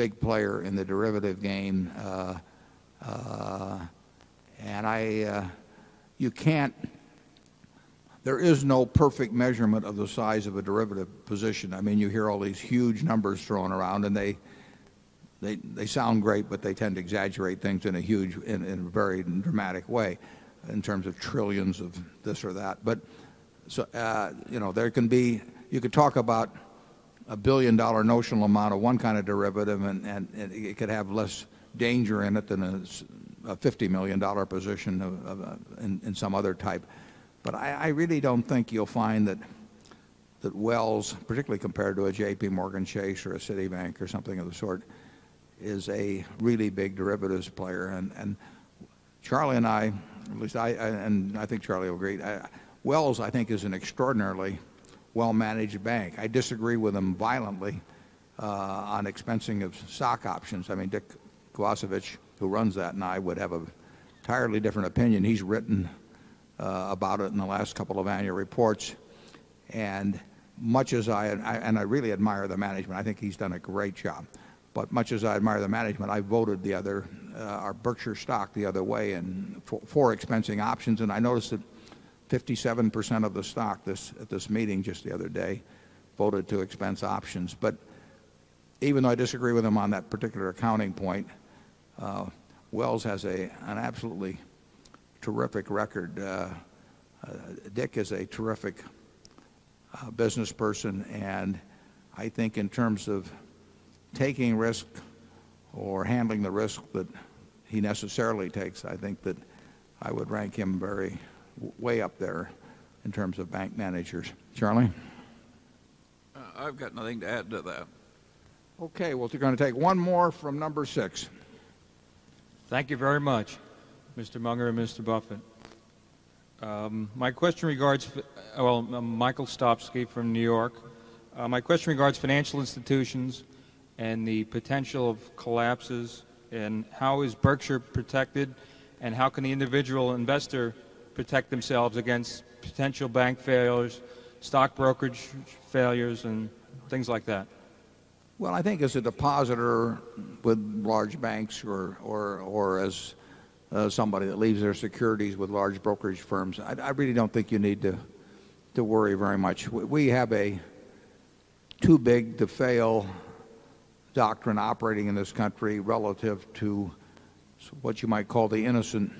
big player in the derivative game. And I, you can't there is no perfect measurement of the size of a derivative position. I mean, you hear all these huge numbers thrown around and they sound great, but they tend to exaggerate things in a huge in a very dramatic way in terms of 1,000,000,000,000 of this or that. But so there can be you could talk about $1,000,000,000 notional amount of one kind of derivative and it could have less danger in it than a $50,000,000 position in some other type. But I really don't think you'll find that Wells, particularly compared to a JPMorgan Chase or a Citibank or something of the sort, is a really big derivatives player. And Charlie and I at least I and I think Charlie will agree. Wells, I think, is an extraordinarily well managed bank. I disagree with them violently on expensing of stock options. I mean Dick Gwasovich, who runs that, and I would have an entirely different opinion. He's written about it in the last couple of annual reports. And much as I and I really admire the management. I think he's done a great job. But much as I admire the management, I voted the other our Berkshire stock the other way and 4 expensing options. And I noticed that 57% of the stock at this meeting just the other day voted to expense options. But even though I disagree with him on that particular accounting point, Wells has an absolutely terrific record. Dick is a terrific businessperson. And I think in terms of taking risk or handling the risk that he necessarily takes, I think that I would rank him very way up there in terms of bank managers. Charlie? I've got nothing to add to that. Okay. Well, if you're going to take one more from number 6. Thank you very much, mister Munger and mister Buffet. My question regards well, I'm Michael Stopsky from New York. My question regards financial institutions and the potential of collapses and how is Berkshire protected and how can the individual investor protect themselves against potential bank failures, stock brokerage failures, and things like that? Well, I think as a depositor with large banks or as somebody that leaves their securities with large brokerage firms, I really don't think you need to worry very much. We have a too big to fail doctrine operating in this country relative to what you might call the innocent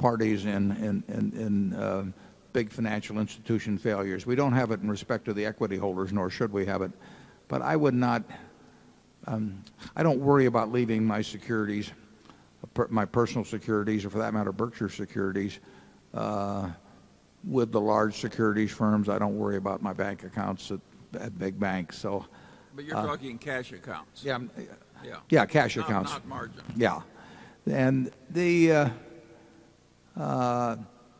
parties in big financial institution failures. We don't have it in respect to the equity holders, nor should we have it. But I would not I don't worry about leaving my securities my personal securities or for that matter Berkshire securities With the large securities firms, I don't worry about my bank accounts at big banks. So But you're talking cash accounts? Yeah, cash accounts. And not margin. Yeah. And the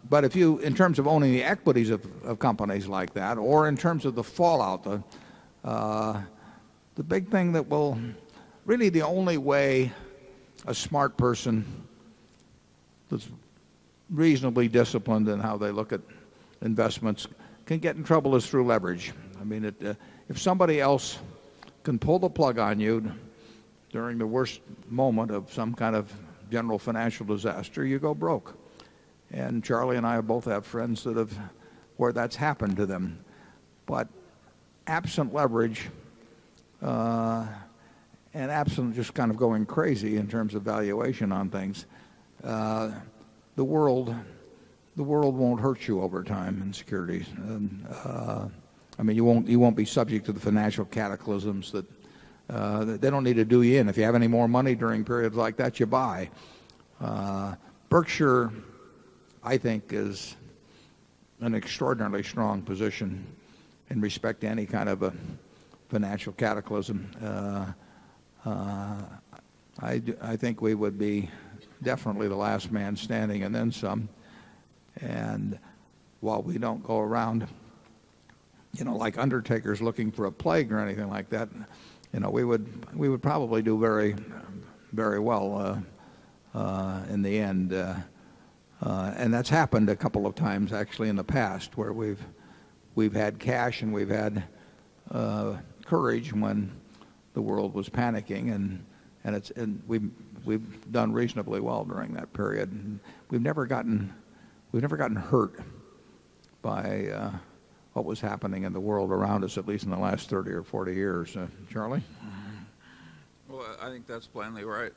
but if you in terms of owning the equities of companies like that or in terms of the fallout, the big thing that will really the only way a smart person that's reasonably disciplined in how they look at investments can get in trouble is through leverage. I mean, if somebody else can pull the plug on you during the worst moment of some kind of general financial disaster, you go broke. And Charlie and I both have friends that have where that's happened to them. But absent leverage and absent just kind of going crazy in terms of valuation on things, the world The world won't hurt you over time in securities. I mean, you won't be subject to the financial cataclysms that they don't need to do you in. If you have any more money during periods like that, you buy. Berkshire, I think, is an extraordinarily strong position in respect to any kind of a financial cataclysm. I think we would be definitely the last man standing and then some. And while we don't go around like undertakers looking for a plague or anything like that, we would probably do very, very well in the end. And that's happened a couple of times actually in the past where we've had cash and we've had courage when the world was panicking. And we've done reasonably well during that period. And we've never gotten hurt by what was happening in the world around us, at least in the last 30 or 40 years. Charlie? Well, I think that's plainly right.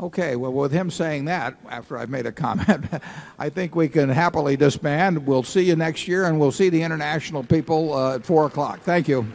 Okay. Well, with him saying that after I've made a comment, I think we can happily disband. We'll see you next year and we'll see the international people at 4 o'clock. Thank you.